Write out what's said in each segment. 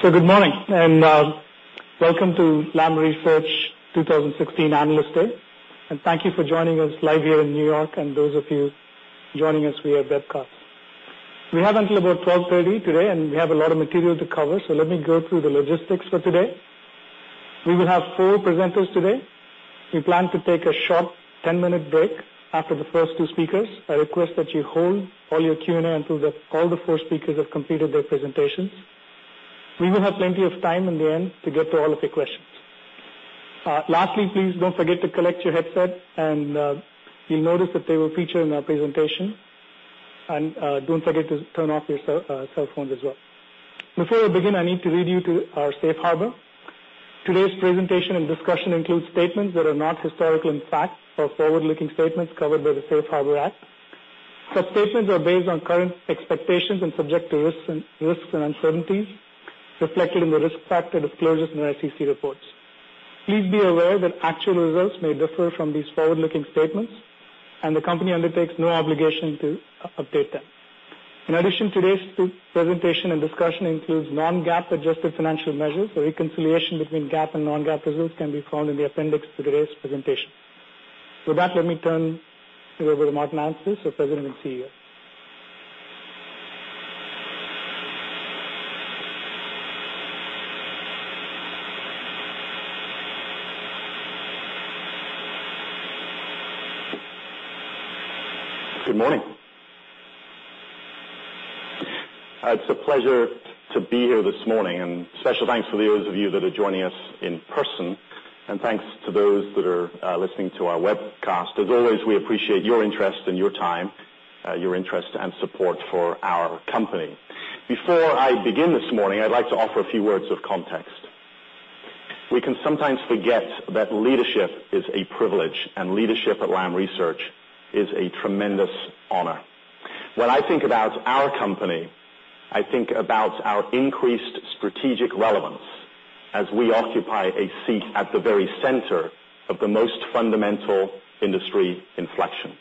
Good morning, and welcome to Lam Research Analyst Day 2016. Thank you for joining us live here in N.Y., and those of you joining us via webcast. We have until about 12:30 P.M. today, and we have a lot of material to cover, so let me go through the logistics for today. We will have four presenters today. We plan to take a short 10-minute break after the first two speakers. I request that you hold all your Q&A until all the four speakers have completed their presentations. We will have plenty of time in the end to get to all of your questions. Lastly, please do not forget to collect your headset, and you will notice that they will feature in our presentation. Do not forget to turn off your cell phones as well. Before we begin, I need to read you our safe harbor. Today's presentation and discussion includes statements that are not historical in fact or forward-looking statements covered by the Safe Harbor Act. Such statements are based on current expectations and subject to risks and uncertainties reflected in the risk factor disclosures in our SEC reports. Please be aware that actual results may differ from these forward-looking statements, and the company undertakes no obligation to update them. In addition, today's presentation and discussion includes non-GAAP adjusted financial measures. A reconciliation between GAAP and non-GAAP results can be found in the appendix to today's presentation. With that, let me turn it over to Martin Anstice, our President and CEO. Good morning. It is a pleasure to be here this morning, Special thanks for those of you that are joining us in person, and thanks to those that are listening to our webcast. As always, we appreciate your interest and your time, your interest and support for our company. Before I begin this morning, I would like to offer a few words of context. We can sometimes forget that leadership is a privilege, and leadership at Lam Research is a tremendous honor. When I think about our company. I think about our increased strategic relevance as we occupy a seat at the very center of the most fundamental industry inflections.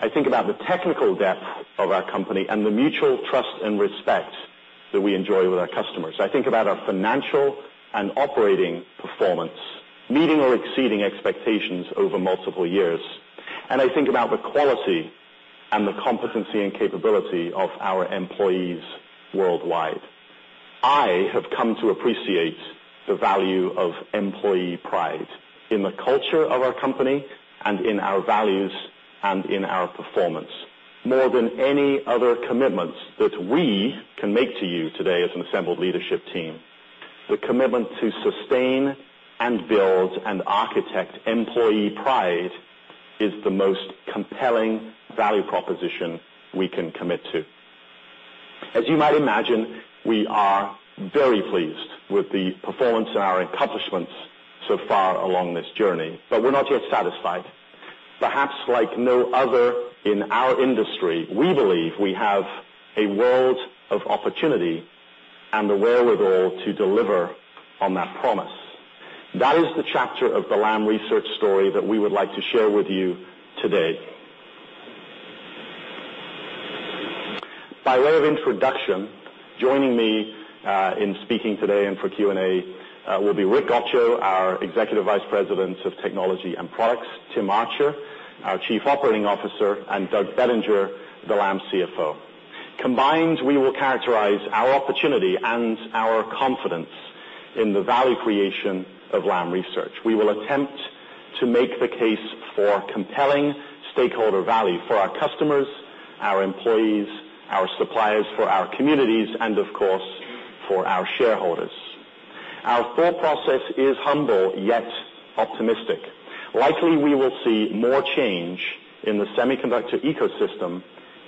I think about the technical depth of our company, and the mutual trust and respect that we enjoy with our customers. I think about our financial and operating performance, meeting or exceeding expectations over multiple years. I think about the quality and the competency and capability of our employees worldwide. I have come to appreciate the value of employee pride in the culture of our company, and in our values, and in our performance. More than any other commitments that we can make to you today as an assembled leadership team, the commitment to sustain and build and architect employee pride is the most compelling value proposition we can commit to. As you might imagine, we are very pleased with the performance and our accomplishments so far along this journey, but we are not yet satisfied. Perhaps like no other in our industry, we believe we have a world of opportunity and the wherewithal to deliver on that promise. That is the chapter of the Lam Research story that we would like to share with you today. By way of introduction, joining me in speaking today and for Q&A, will be Rick Gottscho, our Executive Vice President of Technology and Products, Tim Archer, our Chief Operating Officer, and Doug Bettinger, the Lam CFO. Combined, we will characterize our opportunity and our confidence in the value creation of Lam Research. We will attempt to make the case for compelling stakeholder value for our customers, our employees, our suppliers, for our communities, and of course, for our shareholders. Our thought process is humble, yet optimistic. Likely, we will see more change in the semiconductor ecosystem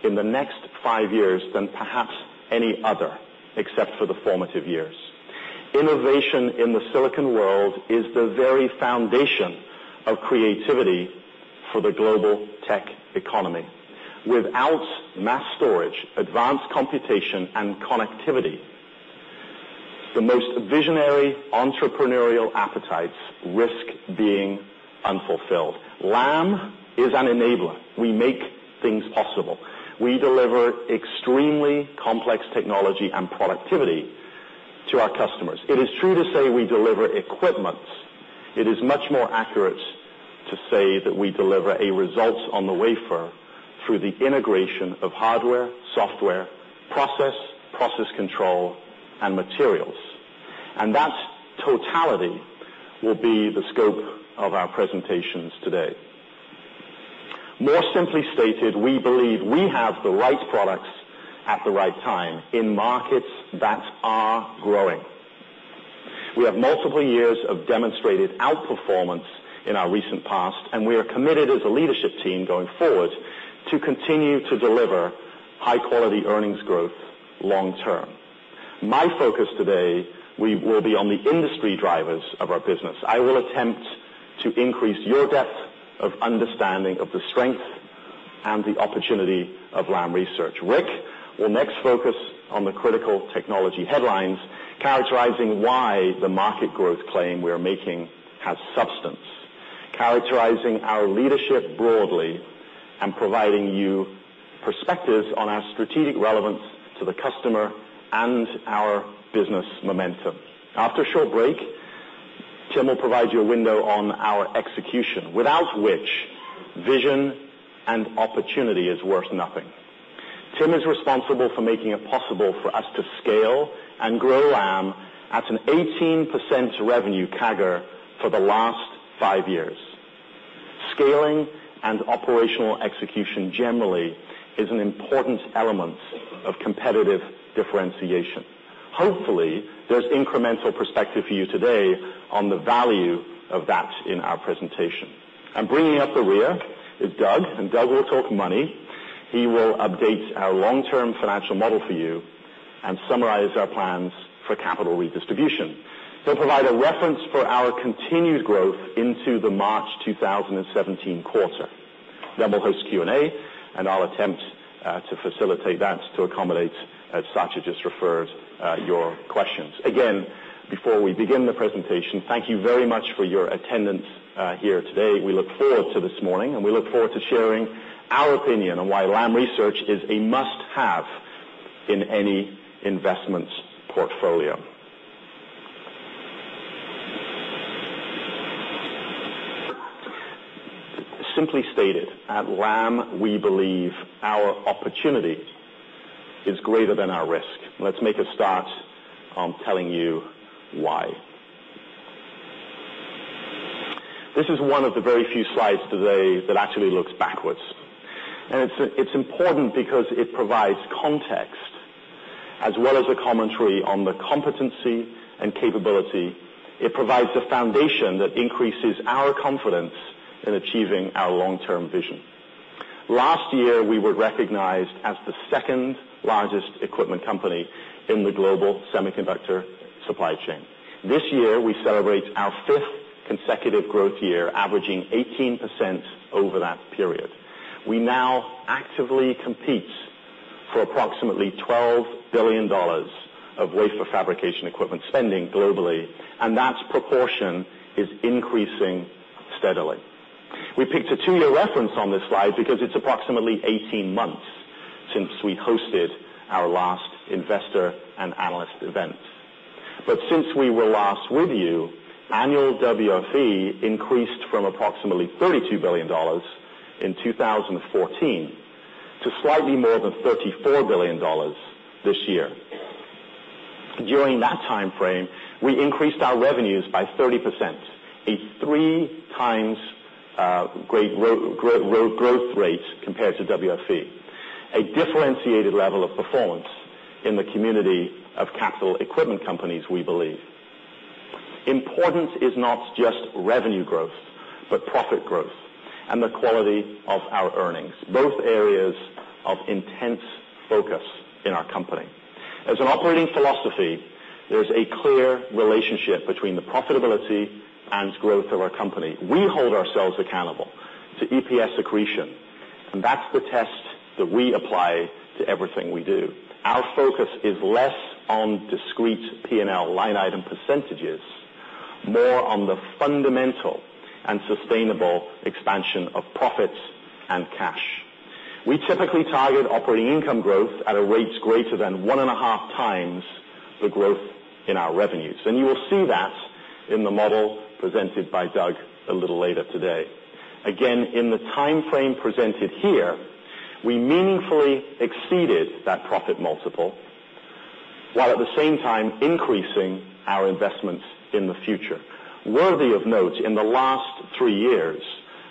in the next five years than perhaps any other, except for the formative years. Innovation in the silicon world is the very foundation of creativity for the global tech economy. Without mass storage, advanced computation, and connectivity, the most visionary entrepreneurial appetites risk being unfulfilled. Lam is an enabler. We make things possible. We deliver extremely complex technology and productivity to our customers. It is true to say we deliver equipment. It is much more accurate to say that we deliver a result on the wafer through the integration of hardware, software, process control, and materials. That totality will be the scope of our presentations today. More simply stated, we believe we have the right products at the right time in markets that are growing. We have multiple years of demonstrated outperformance in our recent past, and we are committed as a leadership team going forward to continue to deliver high-quality earnings growth long-term. My focus today will be on the industry drivers of our business. I will attempt to increase your depth of understanding of the strength and the opportunity of Lam Research. Rick will next focus on the critical technology headlines characterizing why the market growth claim we're making has substance. Characterizing our leadership broadly and providing you perspectives on our strategic relevance to the customer and our business momentum. After a short break, Tim will provide you a window on our execution, without which vision and opportunity is worth nothing. Tim is responsible for making it possible for us to scale and grow Lam at an 18% revenue CAGR for the last five years. Scaling and operational execution generally is an important element of competitive differentiation. Hopefully, there's incremental perspective for you today on the value of that in our presentation. Bringing up the rear is Doug, and Doug will talk money. He will update our long-term financial model for you and summarize our plans for capital redistribution. He'll provide a reference for our continued growth into the March 2017 quarter. Then we'll host Q&A, and I'll attempt to facilitate that to accommodate, as Satya just referred, your questions. Again, before we begin the presentation, thank you very much for your attendance here today. We look forward to this morning, and we look forward to sharing our opinion on why Lam Research is a must-have in any investment portfolio. Simply stated, at Lam, we believe our opportunity is greater than our risk. Let's make a start on telling you why. This is one of the very few slides today that actually looks backwards. It's important because it provides context as well as a commentary on the competency and capability. It provides the foundation that increases our confidence in achieving our long-term vision. Last year, we were recognized as the second-largest equipment company in the global semiconductor supply chain. This year, we celebrate our fifth consecutive growth year, averaging 18% over that period. We now actively compete for approximately $12 billion of wafer fabrication equipment spending globally, and that proportion is increasing steadily. We picked a two-year reference on this slide because it is approximately 18 months since we hosted our last investor and analyst event. Since we were last with you, annual WFE increased from approximately $32 billion in 2014 to slightly more than $34 billion this year. During that timeframe, we increased our revenues by 30%, a three times growth rate compared to WFE. A differentiated level of performance in the community of capital equipment companies, we believe. Important is not just revenue growth, but profit growth and the quality of our earnings, both areas of intense focus in our company. As an operating philosophy, there is a clear relationship between the profitability and growth of our company. We hold ourselves accountable to EPS accretion, that is the test that we apply to everything we do. Our focus is less on discrete P&L line item percentages, more on the fundamental and sustainable expansion of profits and cash. We typically target operating income growth at a rate greater than one and a half times the growth in our revenues, you will see that in the model presented by Doug a little later today. Again, in the timeframe presented here, we meaningfully exceeded that profit multiple, while at the same time increasing our investments in the future. Worthy of note, in the last three years,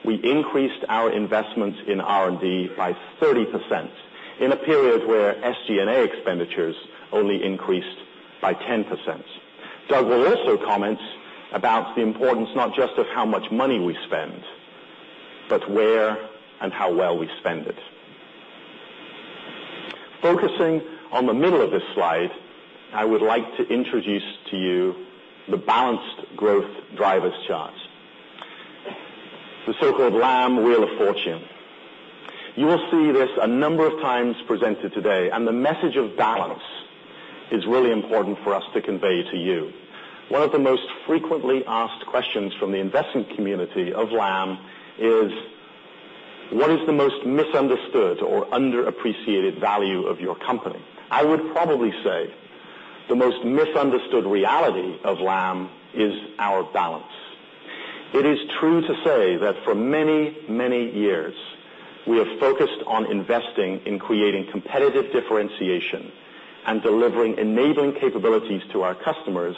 we increased our investments in R&D by 30% in a period where SG&A expenditures only increased by 10%. Doug will also comment about the importance not just of how much money we spend, but where and how well we spend it. Focusing on the middle of this slide, I would like to introduce to you the balanced growth drivers chart. The so-called Lam wheel of fortune. You will see this a number of times presented today, the message of balance is really important for us to convey to you. One of the most frequently asked questions from the investment community of Lam is: What is the most misunderstood or underappreciated value of your company? I would probably say the most misunderstood reality of Lam is our balance. It is true to say that for many, many years, we have focused on investing in creating competitive differentiation and delivering enabling capabilities to our customers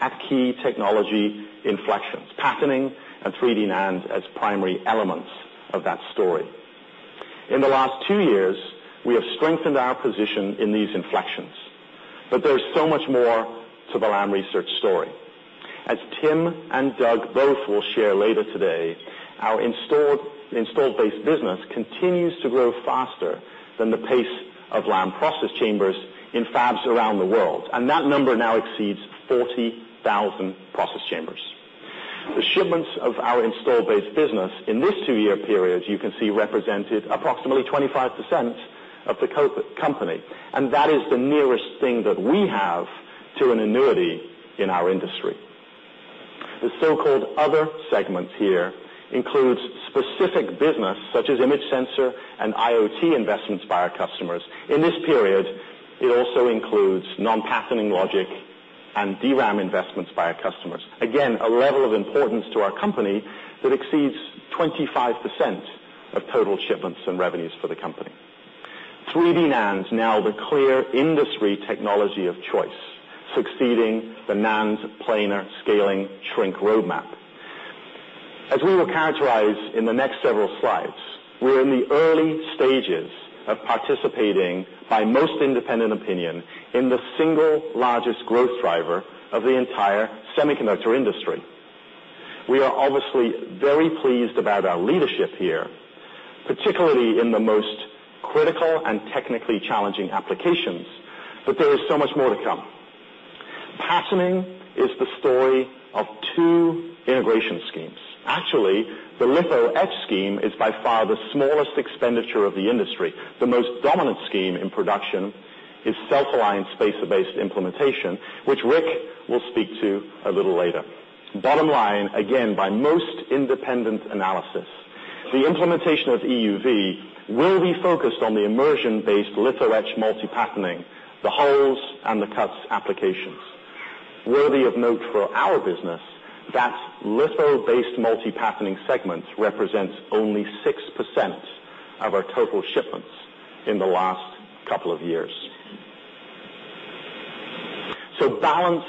at key technology inflections, patterning and 3D NAND as primary elements of that story. In the last two years, we have strengthened our position in these inflections, there is so much more to the Lam Research story. As Tim and Doug both will share later today, our installed base business continues to grow faster than the pace of Lam process chambers in fabs around the world, that number now exceeds 40,000 process chambers. The shipments of our installed base business in this two-year period, you can see, represented approximately 25% of the company, that is the nearest thing that we have to an annuity in our industry. The so-called other segments here includes specific business, such as image sensor and IoT investments by our customers. In this period, it also includes non-patterning logic and DRAM investments by our customers. Again, a level of importance to our company that exceeds 25% of total shipments and revenues for the company. 3D NAND is now the clear industry technology of choice, succeeding the NAND planar scaling shrink roadmap. As we will characterize in the next several slides, we are in the early stages of participating, by most independent opinion, in the single largest growth driver of the entire semiconductor industry. We are obviously very pleased about our leadership here, particularly in the most critical and technically challenging applications, but there is so much more to come. Patterning is the story of two integration schemes. Actually, the litho etch scheme is by far the smallest expenditure of the industry. The most dominant scheme in production is self-aligned spacer-based implementation, which Rick will speak to a little later. Bottom line, again, by most independent analysis, the implementation of EUV will be focused on the immersion-based litho etch multi-patterning, the holes and the cuts applications. Worthy of note for our business, that litho-based multi-patterning segment represents only 6% of our total shipments in the last couple of years. Balance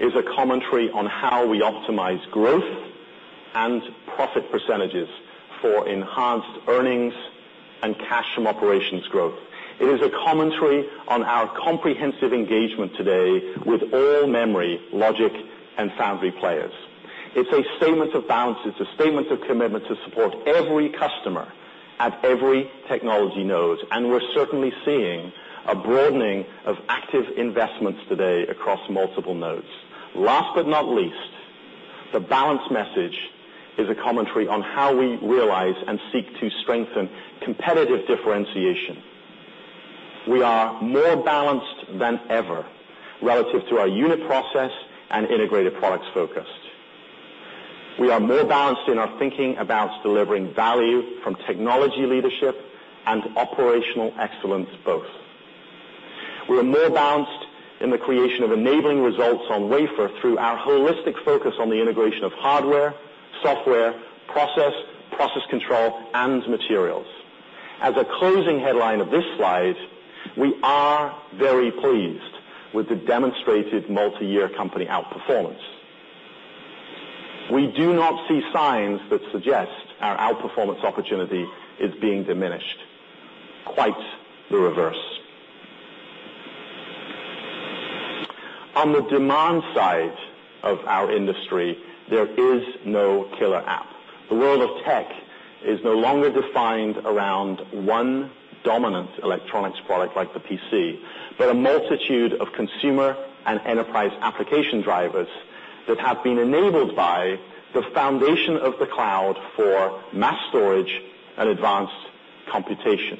is a commentary on how we optimize growth and profit percentages for enhanced earnings and cash from operations growth. It is a commentary on our comprehensive engagement today with all memory, logic, and foundry players. It is a statement of balance. It is a statement of commitment to support every customer at every technology node, and we are certainly seeing a broadening of active investments today across multiple nodes. Last but not least, the balance message is a commentary on how we realize and seek to strengthen competitive differentiation. We are more balanced than ever relative to our unit process and integrated products focus. We are more balanced in our thinking about delivering value from technology leadership and operational excellence both. We are more balanced in the creation of enabling results on wafer through our holistic focus on the integration of hardware, software, process control, and materials. As a closing headline of this slide, we are very pleased with the demonstrated multi-year company outperformance. We do not see signs that suggest our outperformance opportunity is being diminished. Quite the reverse. On the demand side of our industry, there is no killer app. The world of tech is no longer defined around one dominant electronics product like the PC, but a multitude of consumer and enterprise application drivers that have been enabled by the foundation of the cloud for mass storage and advanced computation.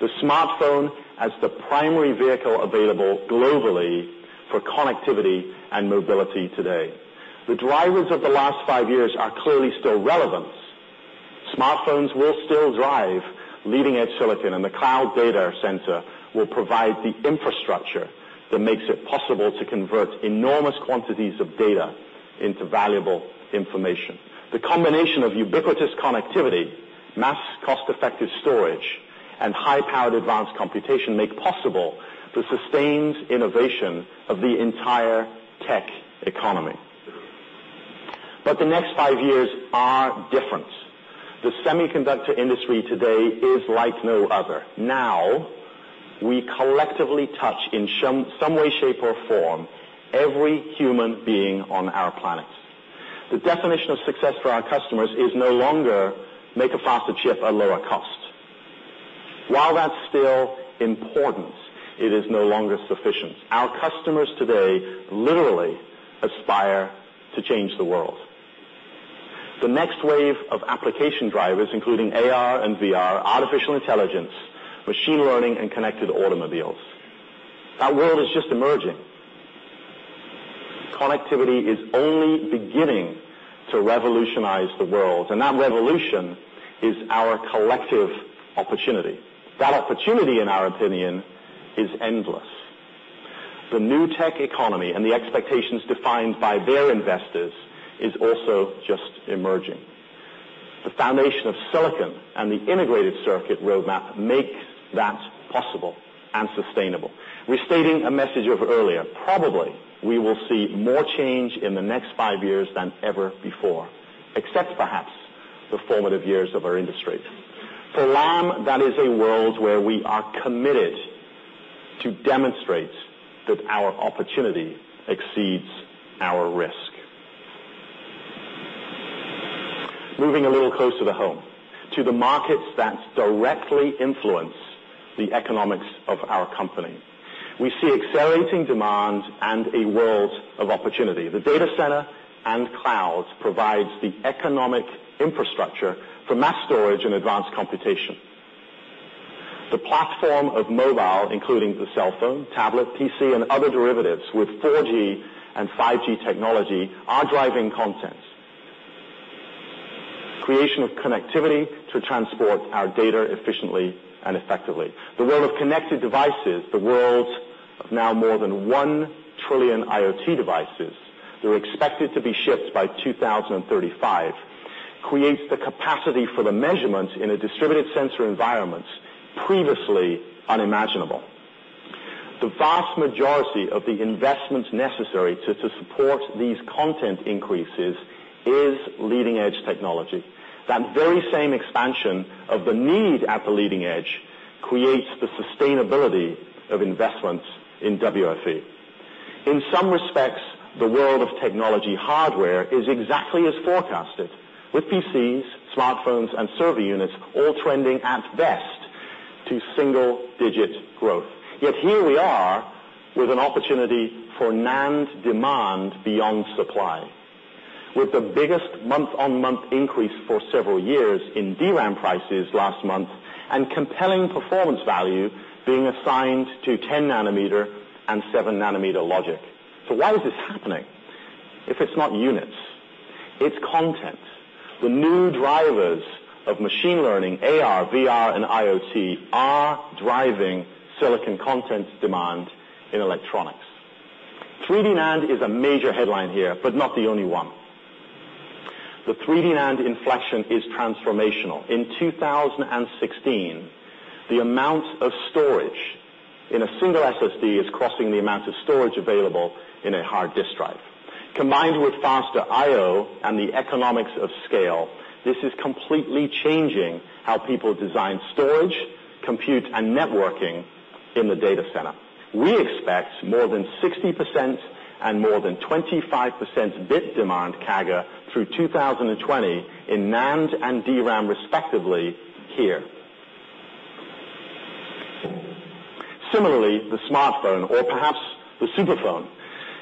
The smartphone as the primary vehicle available globally for connectivity and mobility today. The drivers of the last five years are clearly still relevant. Smartphones will still drive leading-edge silicon, and the cloud data center will provide the infrastructure that makes it possible to convert enormous quantities of data into valuable information. The combination of ubiquitous connectivity, mass cost-effective storage, and high-powered advanced computation make possible the sustained innovation of the entire tech economy. The next five years are different. The semiconductor industry today is like no other. Now, we collectively touch, in some way, shape, or form, every human being on our planet. The definition of success for our customers is no longer make a faster chip at lower cost. While that is still important, it is no longer sufficient. Our customers today literally aspire to change the world. The next wave of application drivers, including AR and VR, artificial intelligence, machine learning, and connected automobiles. That world is just emerging. Connectivity is only beginning to revolutionize the world, and that revolution is our collective opportunity. That opportunity, in our opinion, is endless. The new tech economy and the expectations defined by their investors is also just emerging. The foundation of silicon and the integrated circuit roadmap make that possible and sustainable. Restating a message of earlier, probably we will see more change in the next 5 years than ever before, except perhaps the formative years of our industry. For Lam, that is a world where we are committed to demonstrate that our opportunity exceeds our risk. Moving a little closer to home, to the markets that directly influence the economics of our company. We see accelerating demand and a world of opportunity. The data center and cloud provides the economic infrastructure for mass storage and advanced computation. The platform of mobile, including the cell phone, tablet, PC, and other derivatives with 4G and 5G technology are driving content, creation of connectivity to transport our data efficiently and effectively. The world of connected devices, the world of now more than 1 trillion IoT devices, who are expected to be shipped by 2035, creates the capacity for the measurements in a distributed sensor environment previously unimaginable. The vast majority of the investments necessary to support these content increases is leading-edge technology. That very same expansion of the need at the leading edge creates the sustainability of investments in WFE. In some respects, the world of technology hardware is exactly as forecasted, with PCs, smartphones, and server units all trending at best to single-digit growth. Here we are with an opportunity for NAND demand beyond supply, with the biggest month-over-month increase for several years in DRAM prices last month and compelling performance value being assigned to 10 nanometer and seven nanometer logic. Why is this happening? If it's not units, it's content. The new drivers of machine learning, AR, VR, and IoT are driving silicon content demand in electronics. 3D NAND is a major headline here, but not the only one. The 3D NAND inflection is transformational. In 2016, the amount of storage in a single SSD is crossing the amount of storage available in a hard disk drive. Combined with faster IO and the economics of scale, this is completely changing how people design storage, compute, and networking in the data center. We expect more than 60% and more than 25% bit demand CAGR through 2020 in NAND and DRAM, respectively, here. Similarly, the smartphone or perhaps the super phone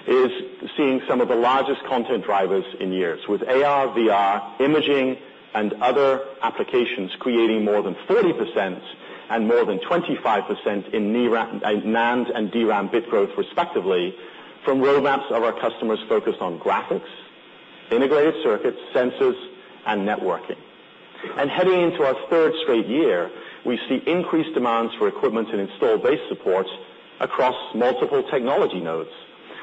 is seeing some of the largest content drivers in years with AR, VR, imaging, and other applications creating more than 40% and more than 25% in NAND and DRAM bit growth, respectively, from roadmaps of our customers focused on graphics, integrated circuits, sensors, and networking. Heading into our third straight year, we see increased demands for equipment and installed base support across multiple technology nodes,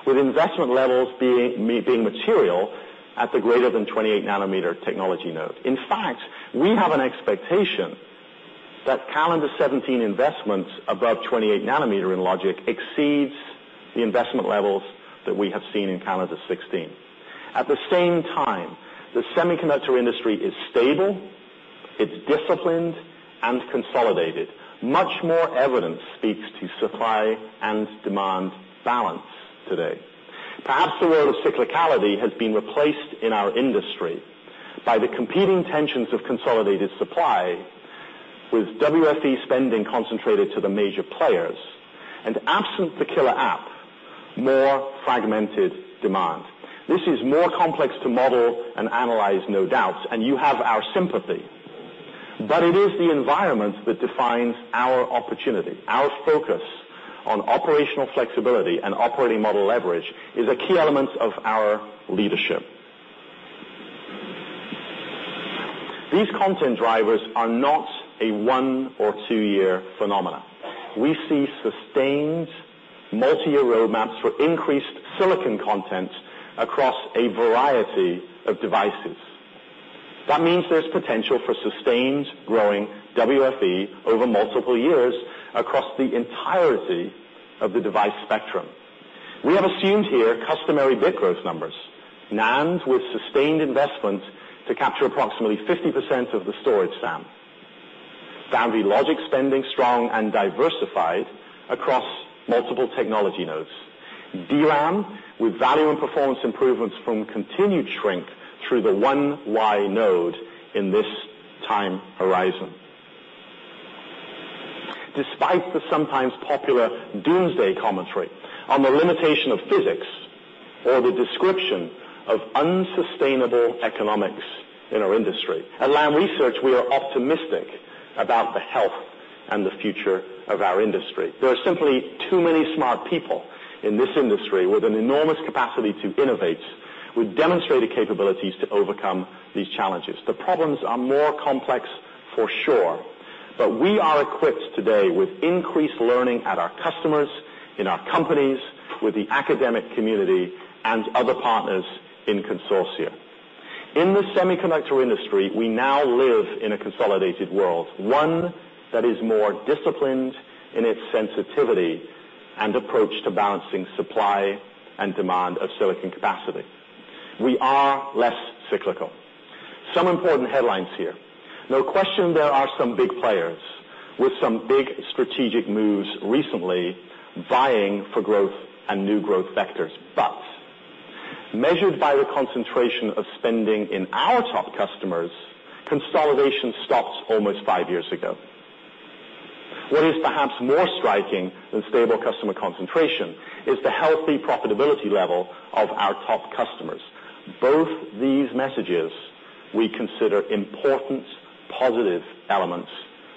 with investment levels being material at the greater than 28 nanometer technology node. In fact, we have an expectation that calendar 2017 investments above 28 nanometer in logic exceeds the investment levels that we have seen in calendar 2016. At the same time, the semiconductor industry is stable, it's disciplined, and consolidated. Much more evidence speaks to supply and demand balance today. Perhaps the world of cyclicality has been replaced in our industry by the competing tensions of consolidated supply, with WFE spending concentrated to the major players, and absent the killer app, more fragmented demand. This is more complex to model and analyze, no doubt, and you have our sympathy. But it is the environment that defines our opportunity. Our focus on operational flexibility and operating model leverage is a key element of our leadership. These content drivers are not a one or two-year phenomena. We see sustained multi-year roadmaps for increased silicon content across a variety of devices. That means there's potential for sustained growing WFE over multiple years across the entirety of the device spectrum. We have assumed here customary bit growth numbers. NAND with sustained investment to capture approximately 50% of the storage SAM. Foundry logic spending strong and diversified across multiple technology nodes. DRAM with value and performance improvements from continued shrink through the 1Y node in this time horizon. Despite the sometimes popular doomsday commentary on the limitation of physics or the description of unsustainable economics in our industry, at Lam Research, we are optimistic about the health and the future of our industry. There are simply too many smart people in this industry with an enormous capacity to innovate, with demonstrated capabilities to overcome these challenges. The problems are more complex for sure, but we are equipped today with increased learning at our customers, in our companies, with the academic community, and other partners in consortia. In the semiconductor industry, we now live in a consolidated world, one that is more disciplined in its sensitivity and approach to balancing supply and demand of silicon capacity. We are less cyclical. Some important headlines here. Measured by the concentration of spending in our top customers, consolidation stopped almost five years ago. What is perhaps more striking than stable customer concentration is the healthy profitability level of our top customers. Both these messages we consider important positive elements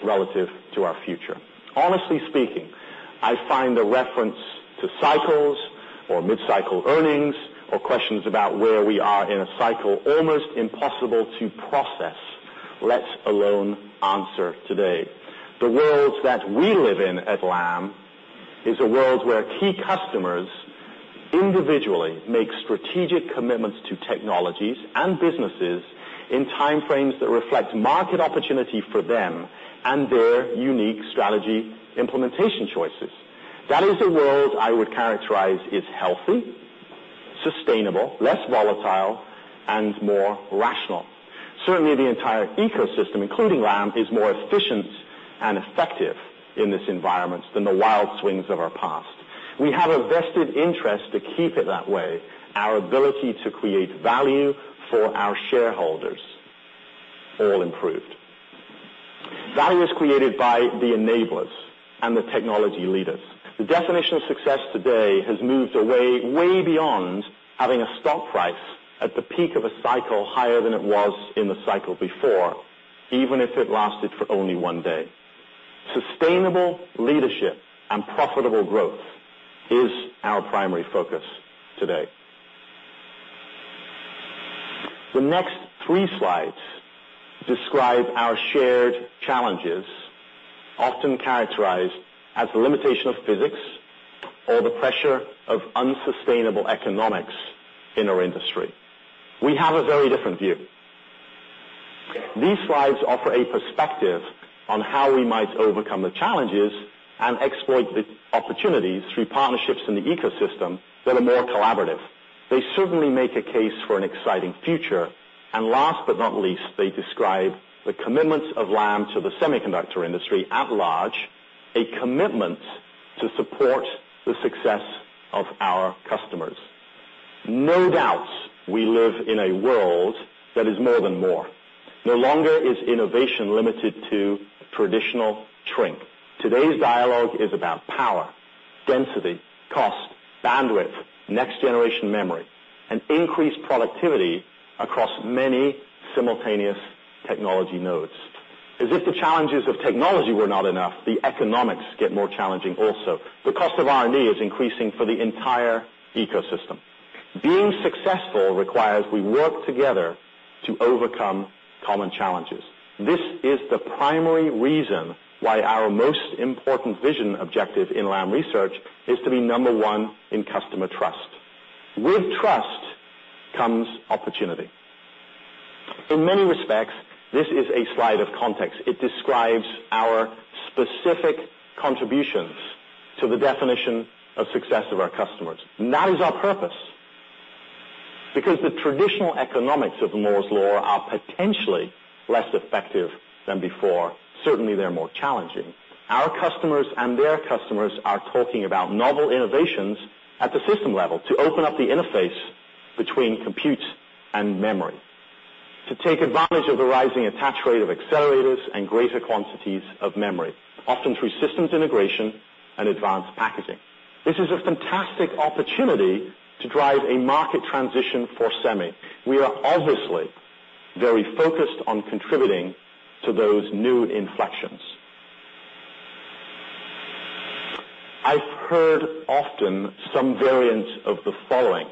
relative to our future. Honestly speaking, I find the reference to cycles or mid-cycle earnings, or questions about where we are in a cycle, almost impossible to process, let alone answer today. The world that we live in at Lam is a world where key customers individually make strategic commitments to technologies and businesses in time frames that reflect market opportunity for them and their unique strategy implementation choices. That is a world I would characterize is healthy, sustainable, less volatile, and more rational. Certainly, the entire ecosystem, including Lam, is more efficient and effective in this environment than the wild swings of our past. We have a vested interest to keep it that way. Our ability to create value for our shareholders all improved. Value is created by the enablers and the technology leaders. The definition of success today has moved away beyond having a stock price at the peak of a cycle higher than it was in the cycle before, even if it lasted for only one day. Sustainable leadership and profitable growth is our primary focus today. The next three slides describe our shared challenges, often characterized as the limitation of physics or the pressure of unsustainable economics in our industry. We have a very different view. These slides offer a perspective on how we might overcome the challenges and exploit the opportunities through partnerships in the ecosystem that are more collaborative. They certainly make a case for an exciting future. Last but not least, they describe the commitments of Lam to the semiconductor industry at large, a commitment to support the success of our customers. No doubt, we live in a world that is more than more. No longer is innovation limited to traditional shrink. Today's dialogue is about power, density, cost, bandwidth, next-generation memory, and increased productivity across many simultaneous technology nodes. As if the challenges of technology were not enough, the economics get more challenging also. The cost of R&D is increasing for the entire ecosystem. Being successful requires we work together to overcome common challenges. This is the primary reason why our most important vision objective in Lam Research is to be number one in customer trust. With trust comes opportunity. In many respects, this is a slide of context. It describes our specific contributions to the definition of success of our customers. That is our purpose. Because the traditional economics of Moore's Law are potentially less effective than before, certainly they're more challenging. Our customers and their customers are talking about novel innovations at the system level to open up the interface between compute and memory, to take advantage of the rising attach rate of accelerators and greater quantities of memory, often through systems integration and advanced packaging. This is a fantastic opportunity to drive a market transition for semi. We are obviously very focused on contributing to those new inflections. I've heard often some variant of the following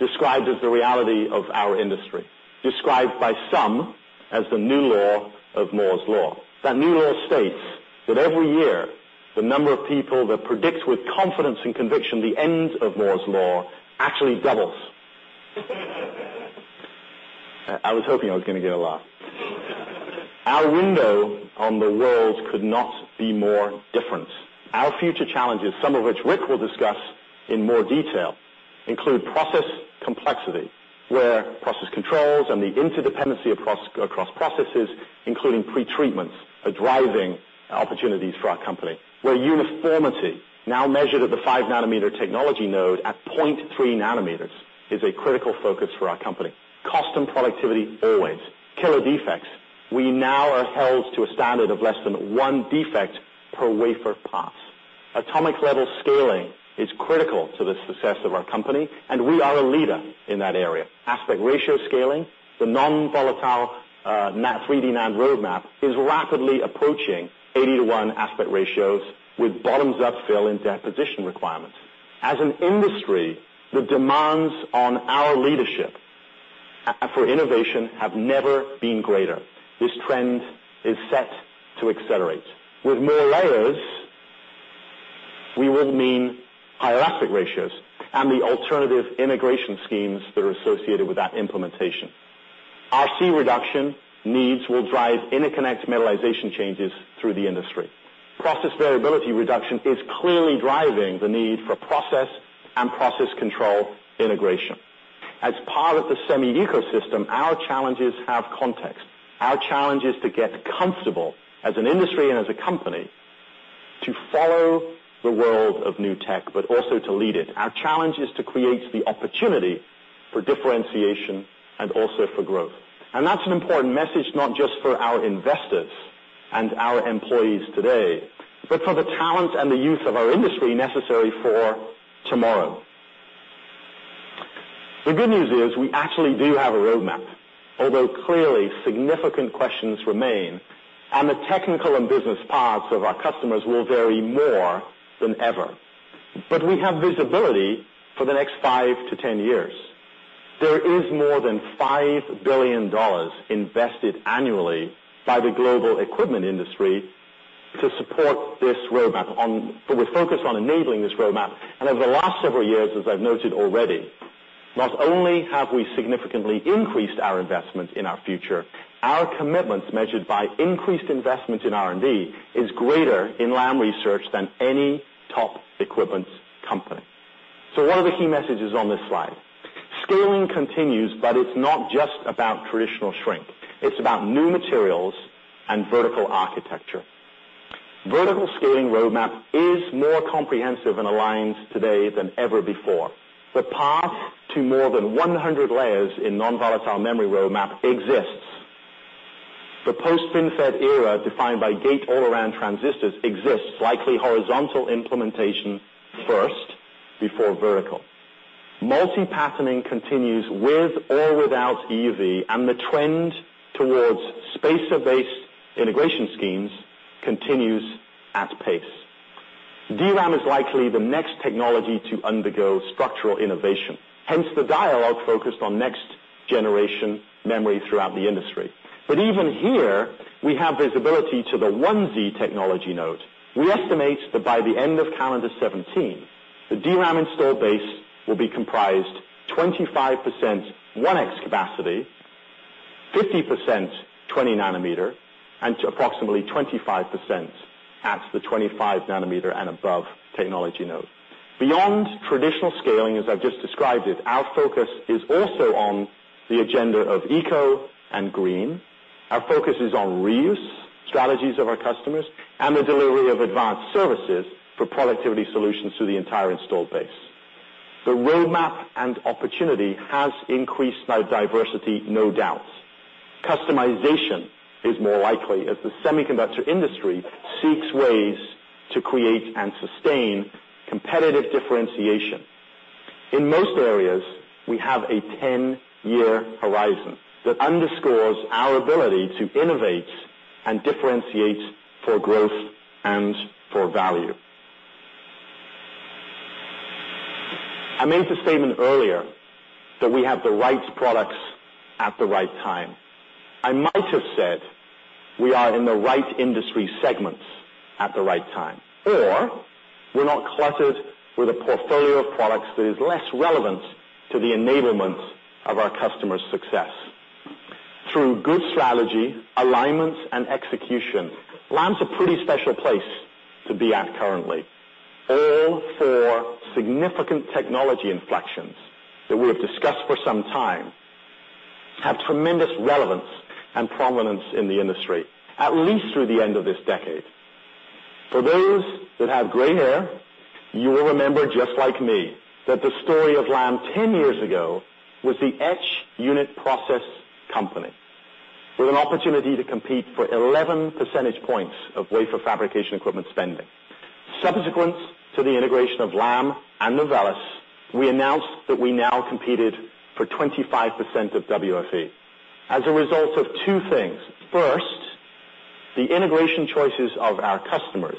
described as the reality of our industry, described by some as the new law of Moore's Law. That new law states that every year, the number of people that predict with confidence and conviction the end of Moore's Law actually doubles. I was hoping I was going to get a laugh. Our window on the world could not be more different. Our future challenges, some of which Rick will discuss in more detail, include process complexity, where process controls and the interdependency across processes, including pretreatments, are driving opportunities for our company. Where uniformity now measured at the five-nanometer technology node at 0.3 nanometers is a critical focus for our company. Cost and productivity always. Killer defects. We now are held to a standard of less than one defect per wafer pass. Atomic level scaling is critical to the success of our company, and we are a leader in that area. Aspect ratio scaling, the non-volatile 3D NAND roadmap is rapidly approaching 80:1 aspect ratios with bottoms-up fill-in deposition requirements. As an industry, the demands on our leadership for innovation have never been greater. This trend is set to accelerate. With more layers, we will mean higher aspect ratios and the alternative integration schemes that are associated with that implementation. RC reduction needs will drive interconnect metallization changes through the industry. Process variability reduction is clearly driving the need for process and process control integration. As part of the semi ecosystem, our challenges have context. Our challenge is to get comfortable as an industry and as a company to follow the world of new tech, but also to lead it. Our challenge is to create the opportunity for differentiation and also for growth. That's an important message, not just for our investors and our employees today, but for the talent and the youth of our industry necessary for tomorrow. The good news is we actually do have a roadmap, although clearly significant questions remain, and the technical and business paths of our customers will vary more than ever. We have visibility for the next five to 10 years. There is more than $5 billion invested annually by the global equipment industry to support this roadmap. We're focused on enabling this roadmap. Over the last several years, as I've noted already, not only have we significantly increased our investment in our future, our commitments measured by increased investment in R&D is greater in Lam Research than any top equipment company. What are the key messages on this slide? Scaling continues, but it's not just about traditional shrink. It's about new materials and vertical architecture. Vertical scaling roadmap is more comprehensive and aligned today than ever before. The path to more than 100 layers in non-volatile memory roadmap exists. The post-FinFET era, defined by gate-all-around transistors exists, likely horizontal implementation first, before vertical. Multi-patterning continues with or without EUV, and the trend towards spacer-based integration schemes continues at pace. DRAM is likely the next technology to undergo structural innovation. Hence, the dialogue focused on next-generation memory throughout the industry. Even here, we have visibility to the 1Z technology node. We estimate that by the end of calendar 2017, the DRAM install base will be comprised 25% 1X capacity, 50% 20 nanometer, and approximately 25% at the 25 nanometer and above technology node. Beyond traditional scaling, as I've just described it, our focus is also on the agenda of eco and green. Our focus is on reuse strategies of our customers and the delivery of advanced services for productivity solutions to the entire install base. The roadmap and opportunity has increased our diversity, no doubt. Customization is more likely as the semiconductor industry seeks ways to create and sustain competitive differentiation. In most areas, we have a 10-year horizon that underscores our ability to innovate and differentiate for growth and for value. I made the statement earlier that we have the right products at the right time. I might have said we are in the right industry segments at the right time, or we're not cluttered with a portfolio of products that is less relevant to the enablement of our customers' success. Through good strategy, alignment, and execution, Lam's a pretty special place to be at currently. All four significant technology inflections that we have discussed for some time have tremendous relevance and prominence in the industry, at least through the end of this decade. For those that have gray hair, you will remember, just like me, that the story of Lam 10 years ago was the etch unit process company with an opportunity to compete for 11 percentage points of wafer fabrication equipment spending. Subsequent to the integration of Lam and Novellus, we announced that we now competed for 25% of WFE. As a result of two things, first, the integration choices of our customers,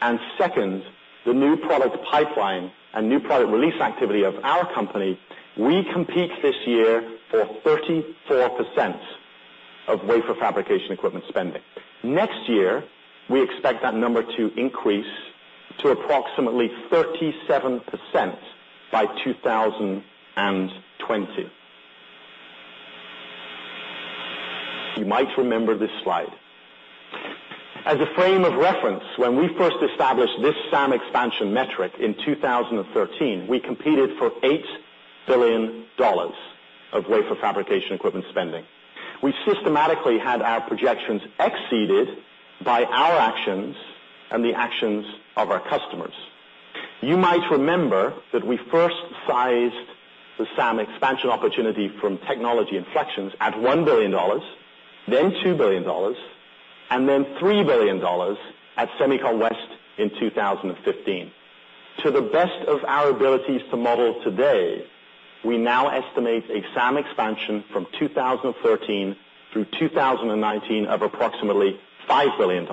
and second, the new product pipeline and new product release activity of our company, we compete this year for 34% of wafer fabrication equipment spending. Next year, we expect that number to increase to approximately 37% by 2020. You might remember this slide. As a frame of reference, when we first established this SAM expansion metric in 2013, we competed for $8 billion of wafer fabrication equipment spending. We systematically had our projections exceeded by our actions and the actions of our customers. You might remember that we first sized the SAM expansion opportunity from technology inflections at $1 billion, then $2 billion, and then $3 billion at SEMICON West in 2015. To the best of our abilities to model today, we now estimate a SAM expansion from 2013 through 2019 of approximately $5 billion.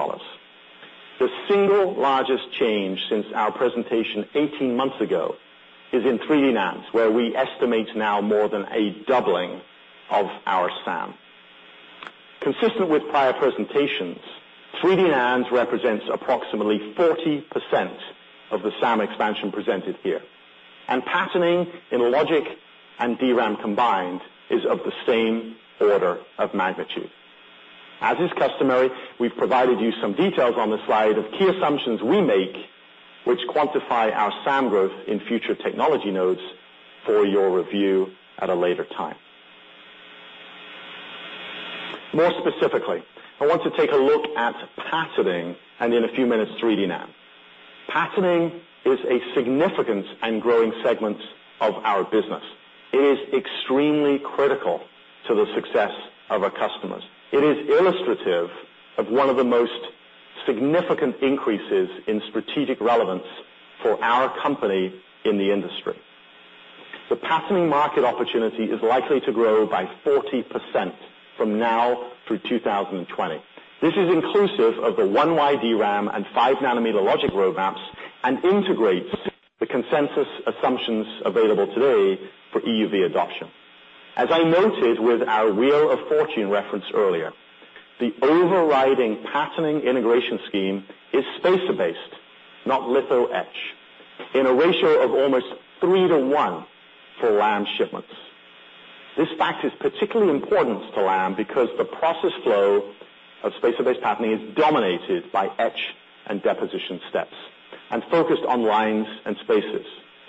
The single largest change since our presentation 18 months ago is in 3D NANDs, where we estimate now more than a doubling of our SAM. Consistent with prior presentations, 3D NANDs represents approximately 40% of the SAM expansion presented here, and patterning in logic and DRAM combined is of the same order of magnitude. As is customary, we've provided you some details on the slide of key assumptions we make which quantify our SAM growth in future technology nodes for your review at a later time. More specifically, I want to take a look at patterning and in a few minutes, 3D NAND. Patterning is a significant and growing segment of our business. It is extremely critical to the success of our customers. It is illustrative of one of the most significant increases in strategic relevance for our company in the industry. The patterning market opportunity is likely to grow by 40% from now through 2020. This is inclusive of the 1Y DRAM and 5 nanometer logic roadmaps, and integrates the consensus assumptions available today for EUV adoption. As I noted with our wheel of fortune reference earlier, the overriding patterning integration scheme is spacer-based, not litho etch, in a ratio of almost 3 to 1 for Lam shipments. This fact is particularly important to Lam because the process flow of spacer-based patterning is dominated by etch and deposition steps, and focused on lines and spaces,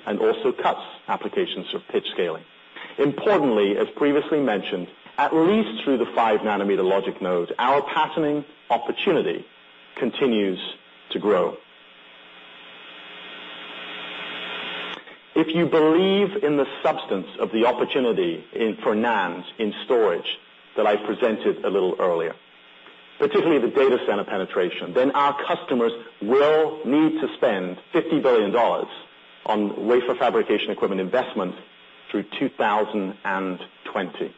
and also cuts applications for pitch scaling. Importantly, as previously mentioned, at least through the 5 nanometer logic node, our patterning opportunity continues to grow. If you believe in the substance of the opportunity for NANDs in storage that I presented a little earlier, particularly the data center penetration, then our customers will need to spend $50 billion on wafer fabrication equipment investment through 2020.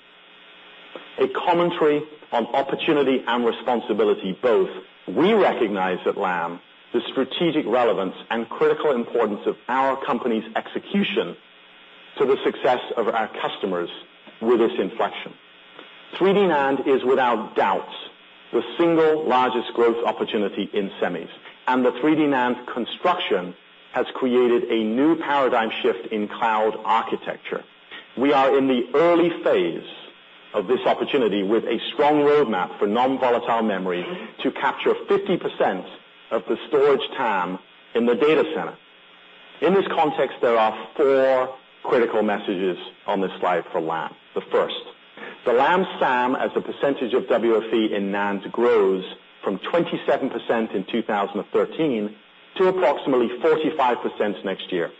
A commentary on opportunity and responsibility both, we recognize at Lam the strategic relevance and critical importance of our company's execution to the success of our customers with this inflection. 3D NAND is without doubt the single largest growth opportunity in semis, and the 3D NAND construction has created a new paradigm shift in cloud architecture. We are in the early phase of this opportunity with a strong roadmap for non-volatile memory to capture 50% of the storage TAM in the data center. In this context, there are four critical messages on this slide for Lam. The first, the Lam SAM as a percentage of WFE in NAND grows from 27% in 2013 to approximately 45% next year.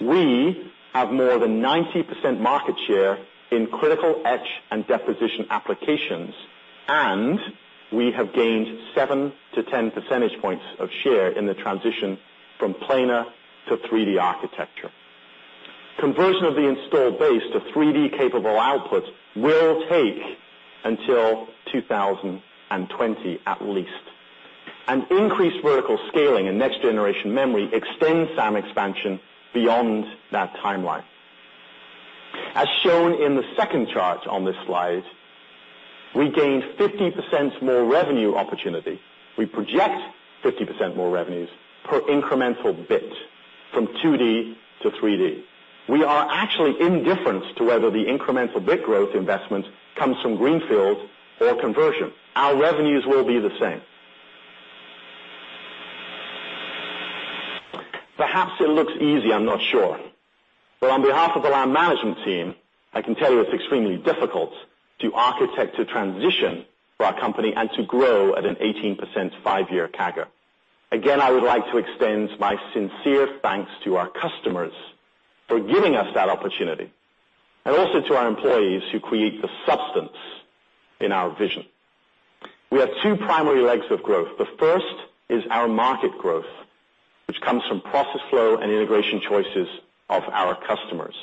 We have more than 90% market share in critical etch and deposition applications, and we have gained 7 to 10 percentage points of share in the transition from planar to 3D architecture. Conversion of the installed base to 3D capable outputs will take until 2020 at least, and increased vertical scaling in next generation memory extends SAM expansion beyond that timeline. As shown in the second chart on this slide, we gain 50% more revenue opportunity. We project 50% more revenues per incremental bit from 2D to 3D. We are actually indifferent to whether the incremental bit growth investment comes from greenfield or conversion. Our revenues will be the same. Perhaps it looks easy, I am not sure. On behalf of the Lam management team, I can tell you it is extremely difficult to architect a transition for our company and to grow at an 18% five-year CAGR. Again, I would like to extend my sincere thanks to our customers for giving us that opportunity, and also to our employees who create the substance in our vision. We have two primary legs of growth. The first is our market growth, which comes from process flow and integration choices of our customers,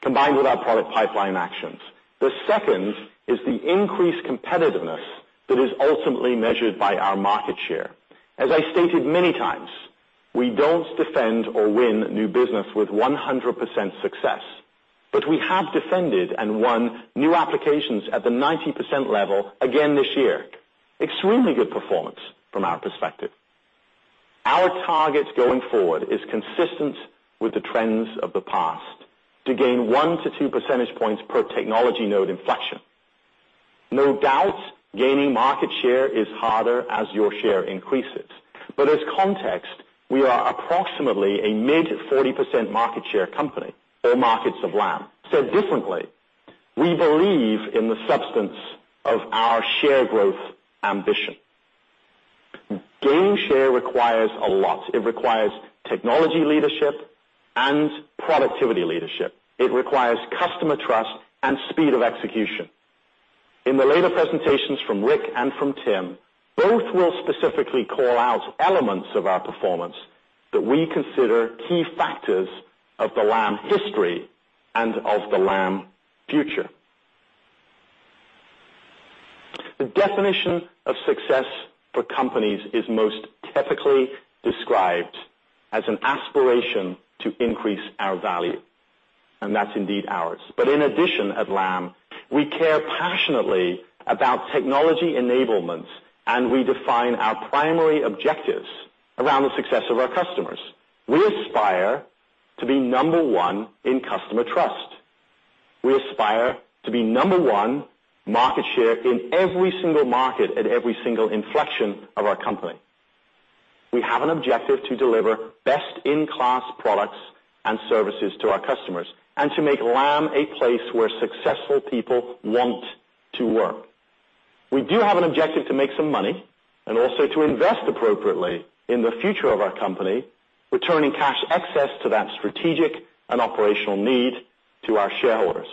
combined with our product pipeline actions. The second is the increased competitiveness that is ultimately measured by our market share. As I stated many times, we do not defend or win new business with 100% success, but we have defended and won new applications at the 90% level again this year. Extremely good performance from our perspective. Our target going forward is consistent with the trends of the past, to gain one to two percentage points per technology node inflection. No doubt, gaining market share is harder as your share increases. As context, we are approximately a mid 40% market share company, all markets of Lam. Said differently, we believe in the substance of our share growth ambition. Gaining share requires a lot. It requires technology leadership and productivity leadership. It requires customer trust and speed of execution. In the later presentations from Rick and from Tim, both will specifically call out elements of our performance that we consider key factors of the Lam history and of the Lam future. The definition of success for companies is most typically described as an aspiration to increase our value, and that is indeed ours. In addition at Lam, we care passionately about technology enablement, and we define our primary objectives around the success of our customers. We aspire to be number 1 in customer trust. We aspire to be number 1 market share in every single market at every single inflection of our company. We have an objective to deliver best-in-class products and services to our customers and to make Lam a place where successful people want to work. We do have an objective to make some money and also to invest appropriately in the future of our company, returning cash excess to that strategic and operational need to our shareholders.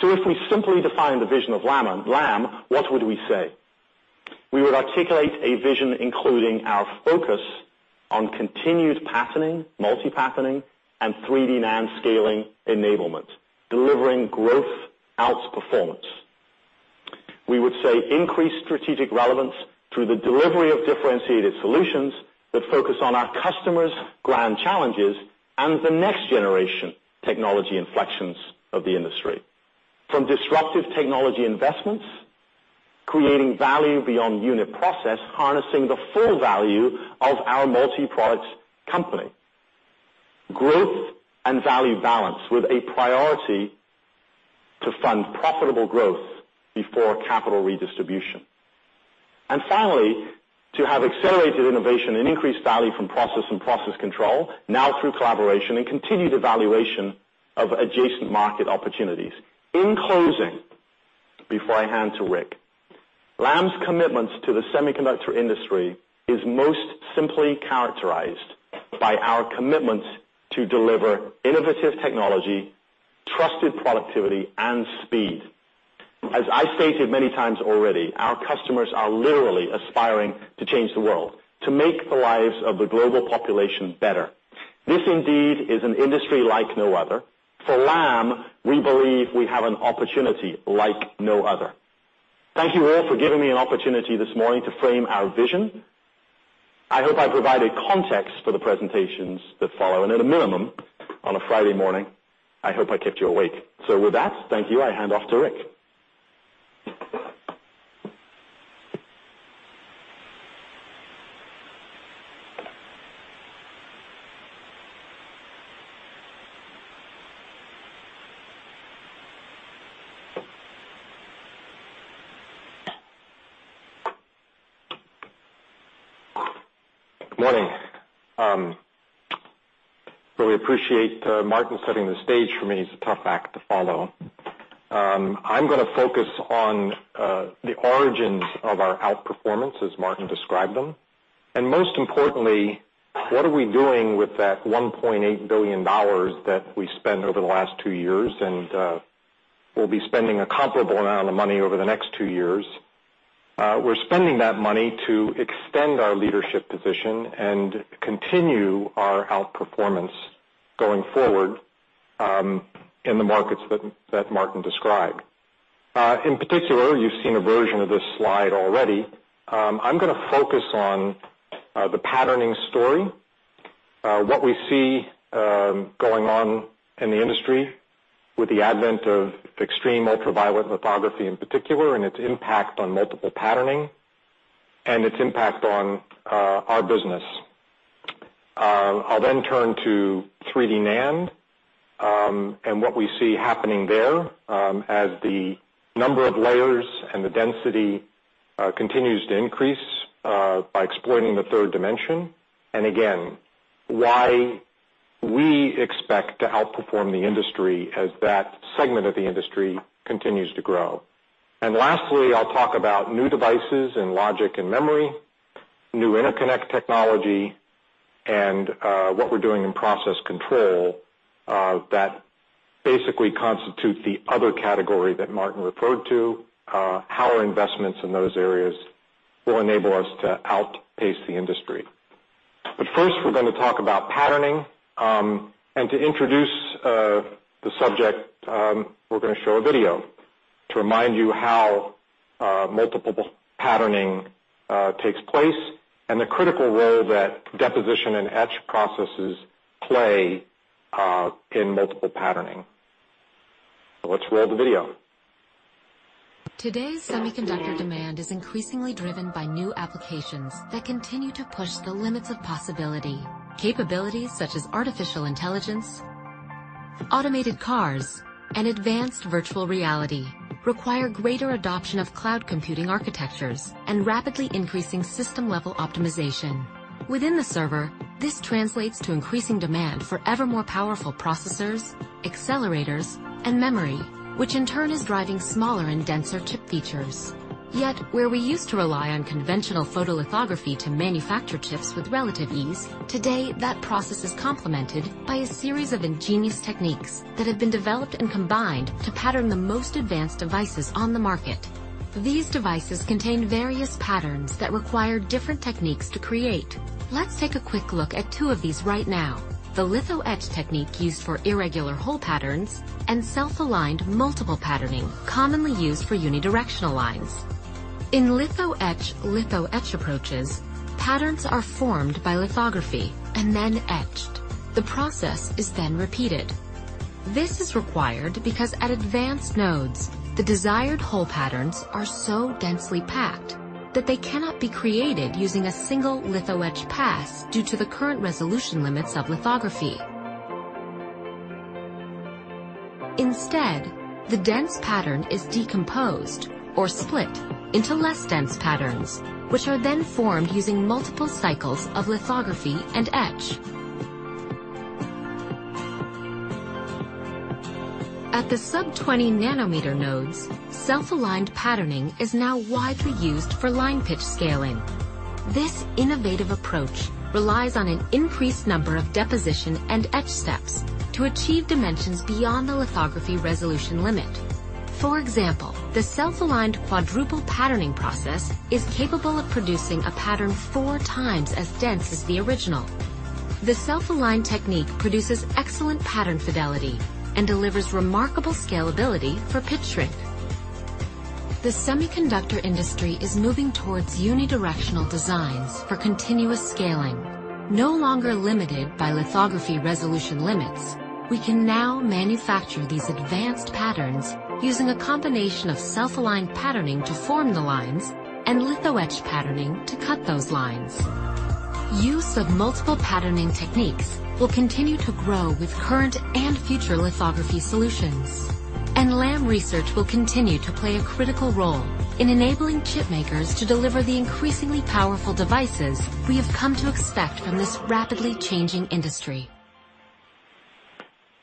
If we simply define the vision of Lam, what would we say? We would articulate a vision including our focus on continued patterning, multi-patterning, and 3D NAND scaling enablement, delivering growth outperformance. We would say increased strategic relevance through the delivery of differentiated solutions that focus on our customers' grand challenges and the next-generation technology inflections of the industry. From disruptive technology investments, creating value beyond unit process, harnessing the full value of our multi-product company. Growth and value balance with a priority to fund profitable growth before capital redistribution. Finally, to have accelerated innovation and increased value from process and process control, now through collaboration, and continued evaluation of adjacent market opportunities. In closing, before I hand to Rick, Lam's commitments to the semiconductor industry is most simply characterized by our commitment to deliver innovative technology, trusted productivity, and speed. As I stated many times already, our customers are literally aspiring to change the world, to make the lives of the global population better. This indeed is an industry like no other. For Lam, we believe we have an opportunity like no other. Thank you all for giving me an opportunity this morning to frame our vision. I hope I provided context for the presentations that follow, and at a minimum, on a Friday morning, I hope I kept you awake. With that, thank you. I hand off to Rick. Good morning. Really appreciate Martin setting the stage for me. He's a tough act to follow. I'm going to focus on the origins of our outperformance as Martin described them, and most importantly, what are we doing with that $1.8 billion that we spent over the last two years, and we'll be spending a comparable amount of money over the next two years. We're spending that money to extend our leadership position and continue our outperformance going forward, in the markets that Martin described. In particular, you've seen a version of this slide already. I'm going to focus on the patterning story, what we see going on in the industry with the advent of extreme ultraviolet lithography in particular, and its impact on multiple patterning and its impact on our business. I'll then turn to 3D NAND, and what we see happening there, as the number of layers and the density continues to increase by exploiting the third dimension, and again, why we expect to outperform the industry as that segment of the industry continues to grow. Lastly, I'll talk about new devices in logic and memory, new interconnect technology, and what we're doing in process control that basically constitute the other category that Martin referred to, how our investments in those areas will enable us to outpace the industry. First, we're going to talk about patterning, and to introduce the subject, we're going to show a video to remind you how multiple patterning takes place and the critical role that deposition and etch processes play in multiple patterning. Let's roll the video. Today's semiconductor demand is increasingly driven by new applications that continue to push the limits of possibility. Capabilities such as artificial intelligence, automated cars, and advanced virtual reality require greater adoption of cloud computing architectures and rapidly increasing system-level optimization. Within the server, this translates to increasing demand for ever more powerful processors, accelerators, and memory, which in turn is driving smaller and denser chip features. Yet where we used to rely on conventional photolithography to manufacture chips with relative ease, today that process is complemented by a series of ingenious techniques that have been developed and combined to pattern the most advanced devices on the market. These devices contain various patterns that require different techniques to create. Let's take a quick look at two of these right now: the litho etch technique used for irregular hole patterns, and self-aligned multiple patterning, commonly used for unidirectional lines. In litho etch, litho etch approaches, patterns are formed by lithography and then etched. The process is then repeated. This is required because at advanced nodes, the desired hole patterns are so densely packed that they cannot be created using a single litho etch pass due to the current resolution limits of lithography. Instead, the dense pattern is decomposed or split into less dense patterns, which are then formed using multiple cycles of lithography and etch. At the sub-20 nanometer nodes, self-aligned patterning is now widely used for line pitch scaling. This innovative approach relies on an increased number of deposition and etch steps to achieve dimensions beyond the lithography resolution limit. For example, the self-aligned quadruple patterning process is capable of producing a pattern four times as dense as the original. The self-aligned technique produces excellent pattern fidelity and delivers remarkable scalability for pitch shrink. The semiconductor industry is moving towards unidirectional designs for continuous scaling. No longer limited by lithography resolution limits, we can now manufacture these advanced patterns using a combination of self-aligned patterning to form the lines and litho etch patterning to cut those lines. Use of multiple patterning techniques will continue to grow with current and future lithography solutions. Lam Research will continue to play a critical role in enabling chip makers to deliver the increasingly powerful devices we have come to expect from this rapidly changing industry.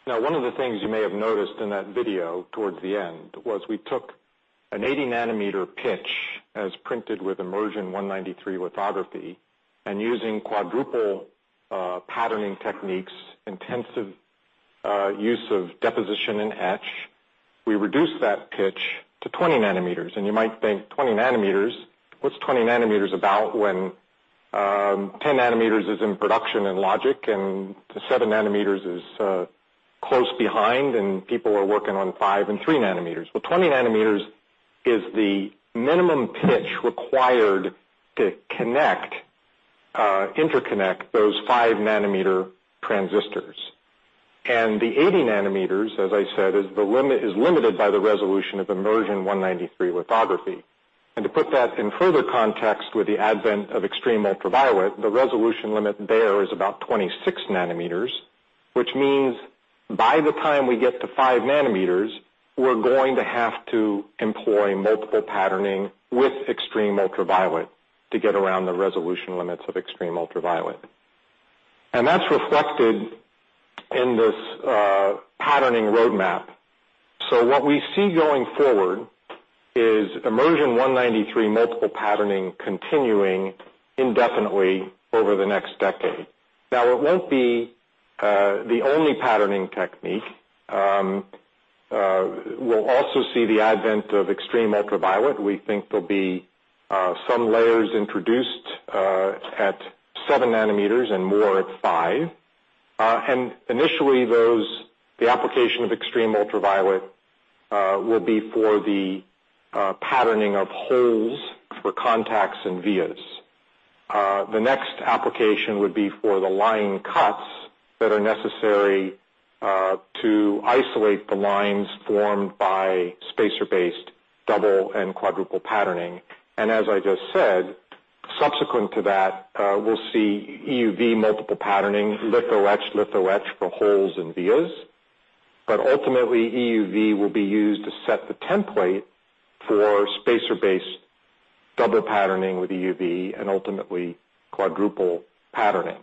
One of the things you may have noticed in that video towards the end was we took an 80 nanometer pitch as printed with immersion 193 lithography. Using quadruple patterning techniques, intensive use of deposition and etch, we reduced that pitch to 20 nanometers. You might think, 20 nanometers, what's 20 nanometers about when 10 nanometers is in production in logic and seven nanometers is close behind, and people are working on five and three nanometers? 20 nanometers is the minimum pitch required to interconnect those five-nanometer transistors. The 80 nanometers, as I said, is limited by the resolution of immersion 193 lithography. To put that in further context, with the advent of extreme ultraviolet, the resolution limit there is about 26 nanometers, which means by the time we get to five nanometers, we're going to have to employ multiple patterning with extreme ultraviolet to get around the resolution limits of extreme ultraviolet. That's reflected in this patterning roadmap. What we see going forward is immersion 193 multiple patterning continuing indefinitely over the next decade. It won't be the only patterning technique. We'll also see the advent of extreme ultraviolet. We think there'll be some layers introduced at seven nanometers and more at five. Initially, the application of extreme ultraviolet will be for the patterning of holes for contacts and vias. The next application would be for the line cuts that are necessary to isolate the lines formed by spacer-based double and quadruple patterning. As I just said, subsequent to that, we'll see EUV multiple patterning, litho etch, litho etch for holes and vias, but ultimately, EUV will be used to set the template for spacer-based double patterning with EUV, and ultimately, quadruple patterning.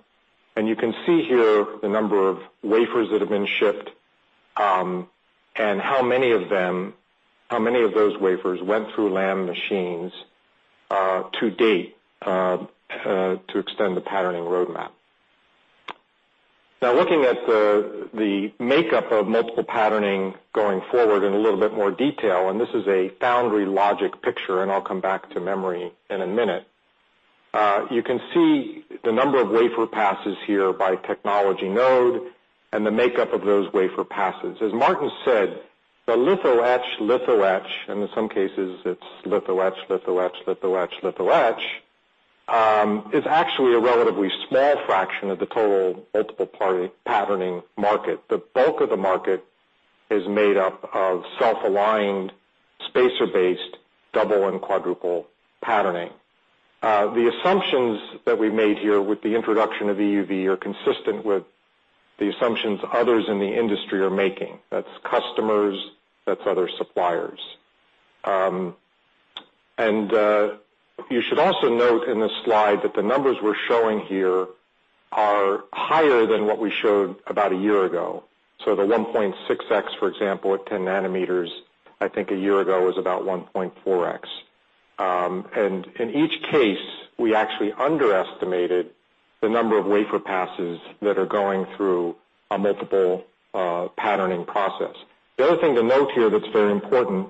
You can see here the number of wafers that have been shipped and how many of those wafers went through Lam machines to date to extend the patterning roadmap. Looking at the makeup of multiple patterning going forward in a little bit more detail, this is a foundry logic picture, and I'll come back to memory in a minute. You can see the number of wafer passes here by technology node and the makeup of those wafer passes. As Martin said, the litho etch, litho etch, and in some cases, it's litho etch, litho etch, litho etch, litho etch, is actually a relatively small fraction of the total multiple patterning market. The bulk of the market is made up of self-aligned spacer-based double and quadruple patterning. The assumptions that we've made here with the introduction of EUV are consistent with the assumptions others in the industry are making. That's customers, that's other suppliers. You should also note in this slide that the numbers we're showing here are higher than what we showed about a year ago. The 1.6x, for example, at 10 nanometers, I think a year ago, was about 1.4x. In each case, we actually underestimated the number of wafer passes that are going through a multiple patterning process. The other thing to note here that's very important,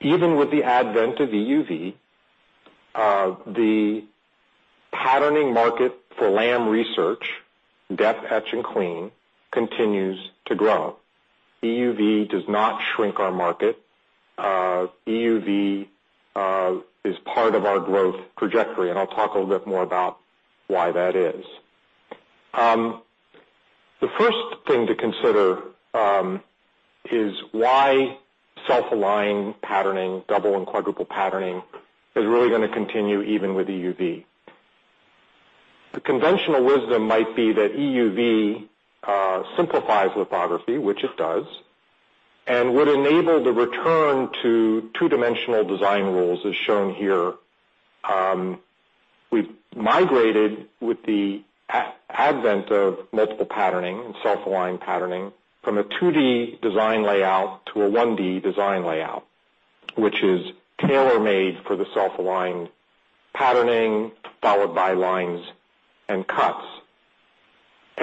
even with the advent of EUV, the patterning market for Lam Research, dep, etch and clean, continues to grow. EUV does not shrink our market. EUV is part of our growth trajectory, and I'll talk a little bit more about why that is. The first thing to consider is why self-align patterning, double, and quadruple patterning is really going to continue even with EUV. The conventional wisdom might be that EUV simplifies lithography, which it does, and would enable the return to two-dimensional design rules, as shown here. We've migrated with the advent of multiple patterning and self-aligned patterning from a 2D design layout to a 1D design layout, which is tailor-made for the self-aligned patterning, followed by lines and cuts.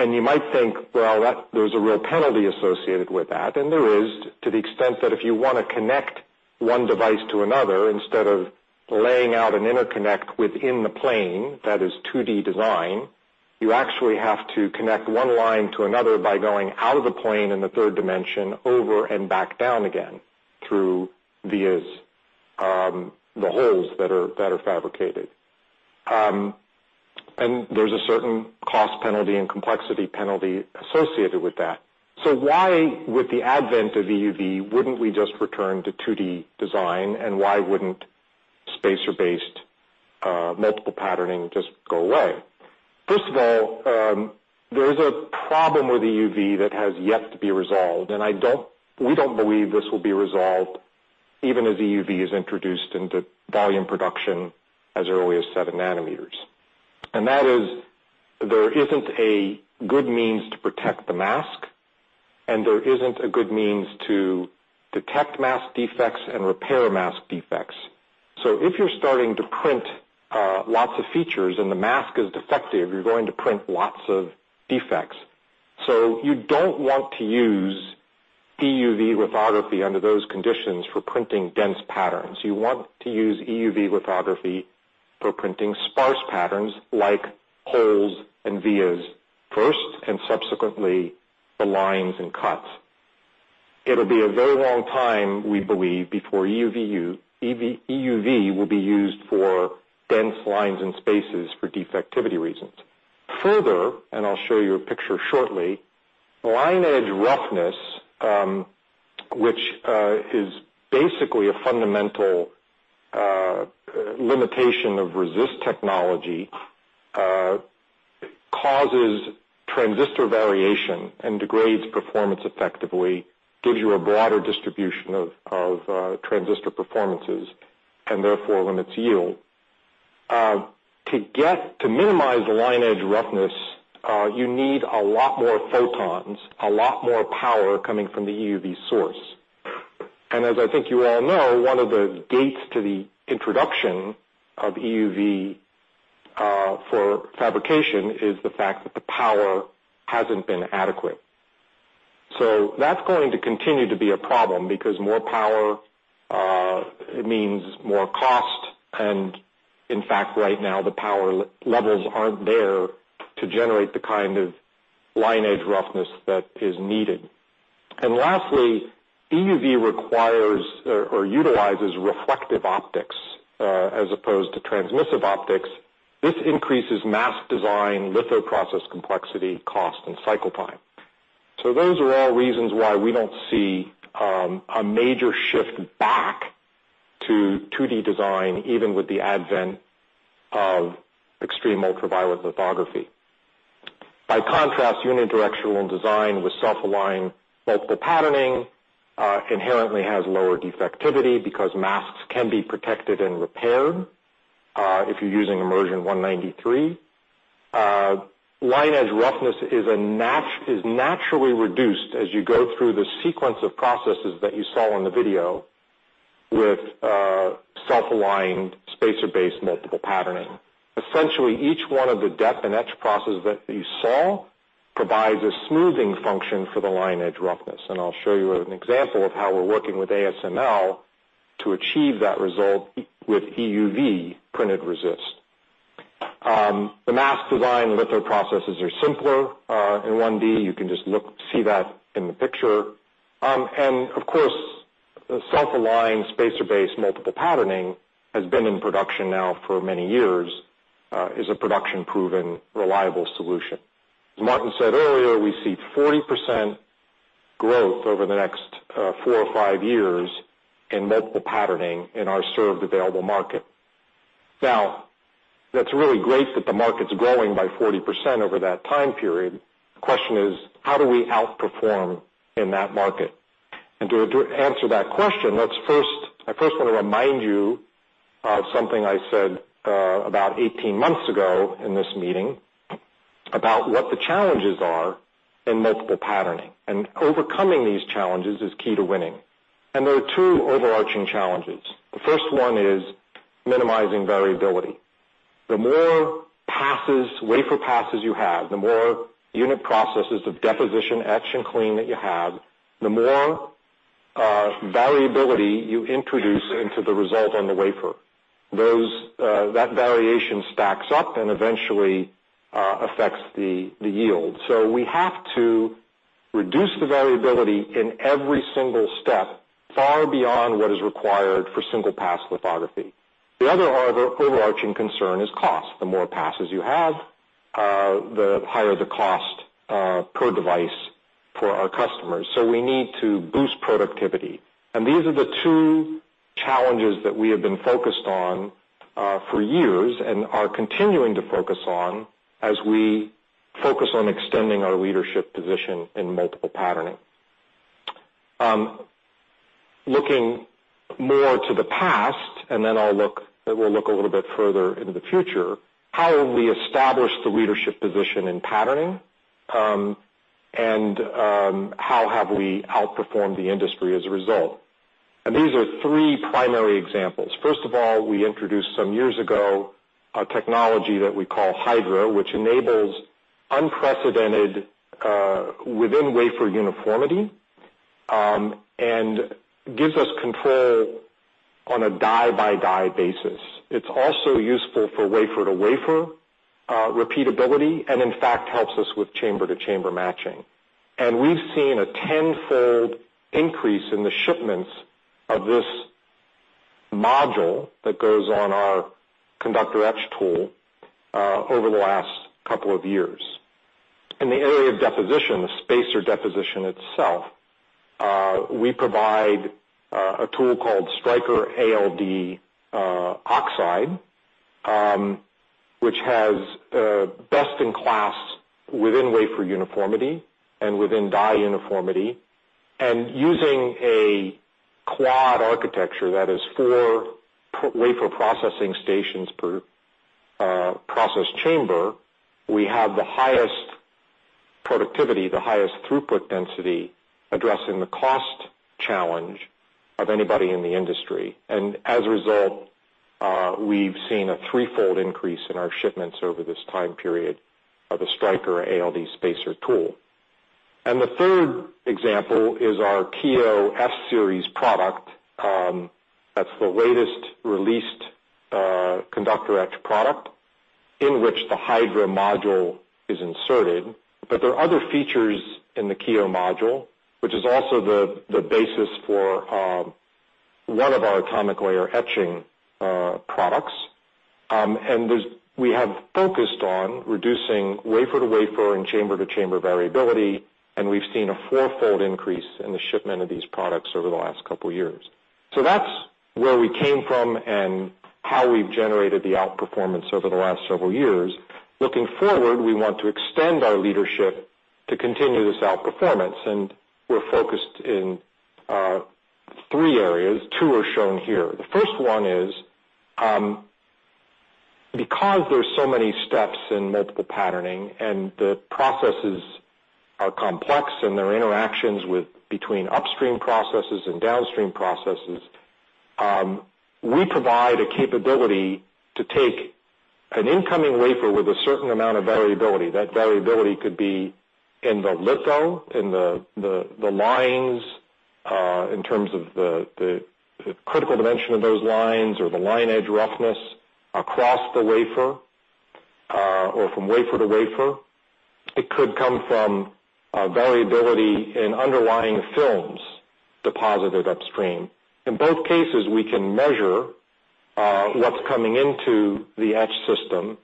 You might think, well, there's a real penalty associated with that, and there is to the extent that if you want to connect one device to another, instead of laying out an interconnect within the plane, that is 2D design, you actually have to connect one line to another by going out of the plane in the third dimension, over and back down again through the holes that are fabricated. There's a certain cost penalty and complexity penalty associated with that. Why, with the advent of EUV, wouldn't we just return to 2D design, and why wouldn't spacer-based multiple patterning just go away? First of all, there is a problem with EUV that has yet to be resolved, and we don't believe this will be resolved even as EUV is introduced into volume production as early as seven nanometers. That is, there isn't a good means to protect the mask. There isn't a good means to detect mask defects and repair mask defects. If you're starting to print lots of features and the mask is defective, you're going to print lots of defects. You don't want to use EUV lithography under those conditions for printing dense patterns. You want to use EUV lithography for printing sparse patterns like holes and vias first. Subsequently, the lines and cuts. It'll be a very long time, we believe, before EUV will be used for dense lines and spaces for defectivity reasons. Further, I'll show you a picture shortly, line edge roughness, which is basically a fundamental limitation of resist technology, causes transistor variation and degrades performance effectively, gives you a broader distribution of transistor performances, and therefore limits yield. To minimize line edge roughness, you need a lot more photons, a lot more power coming from the EUV source. As I think you all know, one of the gates to the introduction of EUV for fabrication is the fact that the power hasn't been adequate. That's going to continue to be a problem because more power means more cost. In fact, right now, the power levels aren't there to generate the kind of line edge roughness that is needed. Lastly, EUV requires or utilizes reflective optics as opposed to transmissive optics. This increases mask design, litho process complexity, cost, and cycle time. Those are all reasons why we don't see a major shift back to 2D design, even with the advent of extreme ultraviolet lithography. By contrast, unidirectional design with self-aligned multiple patterning inherently has lower defectivity because masks can be protected and repaired if you're using immersion 193. Line edge roughness is naturally reduced as you go through the sequence of processes that you saw in the video with self-aligned spacer-based multiple patterning. Essentially, each one of the dep and etch processes that you saw provides a smoothing function for the line edge roughness. I'll show you an example of how we're working with ASML to achieve that result with EUV printed resist. The mask design litho processes are simpler in 1D. You can just see that in the picture. Of course, the self-aligned spacer-based multiple patterning has been in production now for many years, is a production proven, reliable solution. As Martin said earlier, we see 40% growth over the next four or five years in multiple patterning in our served available market. That's really great that the market's growing by 40% over that time period. The question is, how do we outperform in that market? To answer that question, I first want to remind you of something I said about 18 months ago in this meeting about what the challenges are in multiple patterning. Overcoming these challenges is key to winning. There are two overarching challenges. The first one is minimizing variability. The more wafer passes you have, the more unit processes of deposition, etch, and clean that you have, the more variability you introduce into the result on the wafer. That variation stacks up and eventually affects the yield. We have to reduce the variability in every single step, far beyond what is required for single-pass lithography. The other overarching concern is cost. The more passes you have, the higher the cost per device for our customers. We need to boost productivity. These are the two challenges that we have been focused on for years, and are continuing to focus on as we focus on extending our leadership position in multiple patterning. Looking more to the past, then we'll look a little bit further into the future, how have we established the leadership position in patterning, and how have we outperformed the industry as a result? These are three primary examples. First of all, we introduced some years ago, a technology that we call Hydra, which enables unprecedented within-wafer uniformity, and gives us control on a die-by-die basis. It's also useful for wafer-to-wafer repeatability, and in fact, helps us with chamber-to-chamber matching. We've seen a 10-fold increase in the shipments of this module that goes on our conductor etch tool, over the last couple of years. In the area of deposition, the spacer deposition itself, we provide a tool called Striker ALD Oxide, which has best in class within-wafer uniformity and within-die uniformity. Using a quad architecture, that is 4 wafer processing stations per process chamber, we have the highest productivity, the highest throughput density, addressing the cost challenge of anybody in the industry. As a result, we've seen a 3-fold increase in our shipments over this time period of the Striker ALD spacer tool. The third example is our Kiyo F Series product. That's the latest released conductor etch product in which the Hydra module is inserted. There are other features in the Kiyo module, which is also the basis for one of our atomic layer etching products. We have focused on reducing wafer-to-wafer and chamber-to-chamber variability, and we've seen a 4-fold increase in the shipment of these products over the last couple of years. That's where we came from and how we've generated the outperformance over the last several years. Looking forward, we want to extend our leadership to continue this outperformance, and we're focused in three areas. Two are shown here. The first one is, because there's so many steps in multiple patterning, the processes are complex and there are interactions between upstream processes and downstream processes, we provide a capability to take an incoming wafer with a certain amount of variability. That variability could be in the litho, in the lines, in terms of the critical dimension of those lines or the line edge roughness across the wafer, or from wafer to wafer. It could come from variability in underlying films deposited upstream. In both cases, we can measure what's coming into the etch system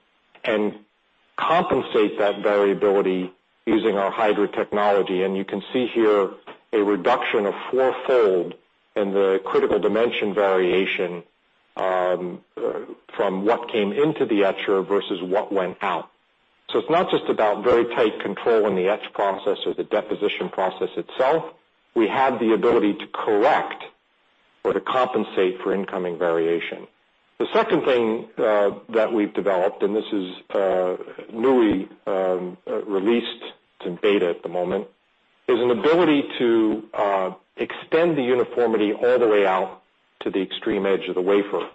and compensate that variability using our Hydra technology. You can see here a reduction of 4-fold in the critical dimension variation, from what came into the etcher versus what went out. It's not just about very tight control in the etch process or the deposition process itself. We have the ability to correct or to compensate for incoming variation. The second thing that we've developed, this is newly released, it's in beta at the moment, is an ability to extend the uniformity all the way out to the extreme edge of the wafer.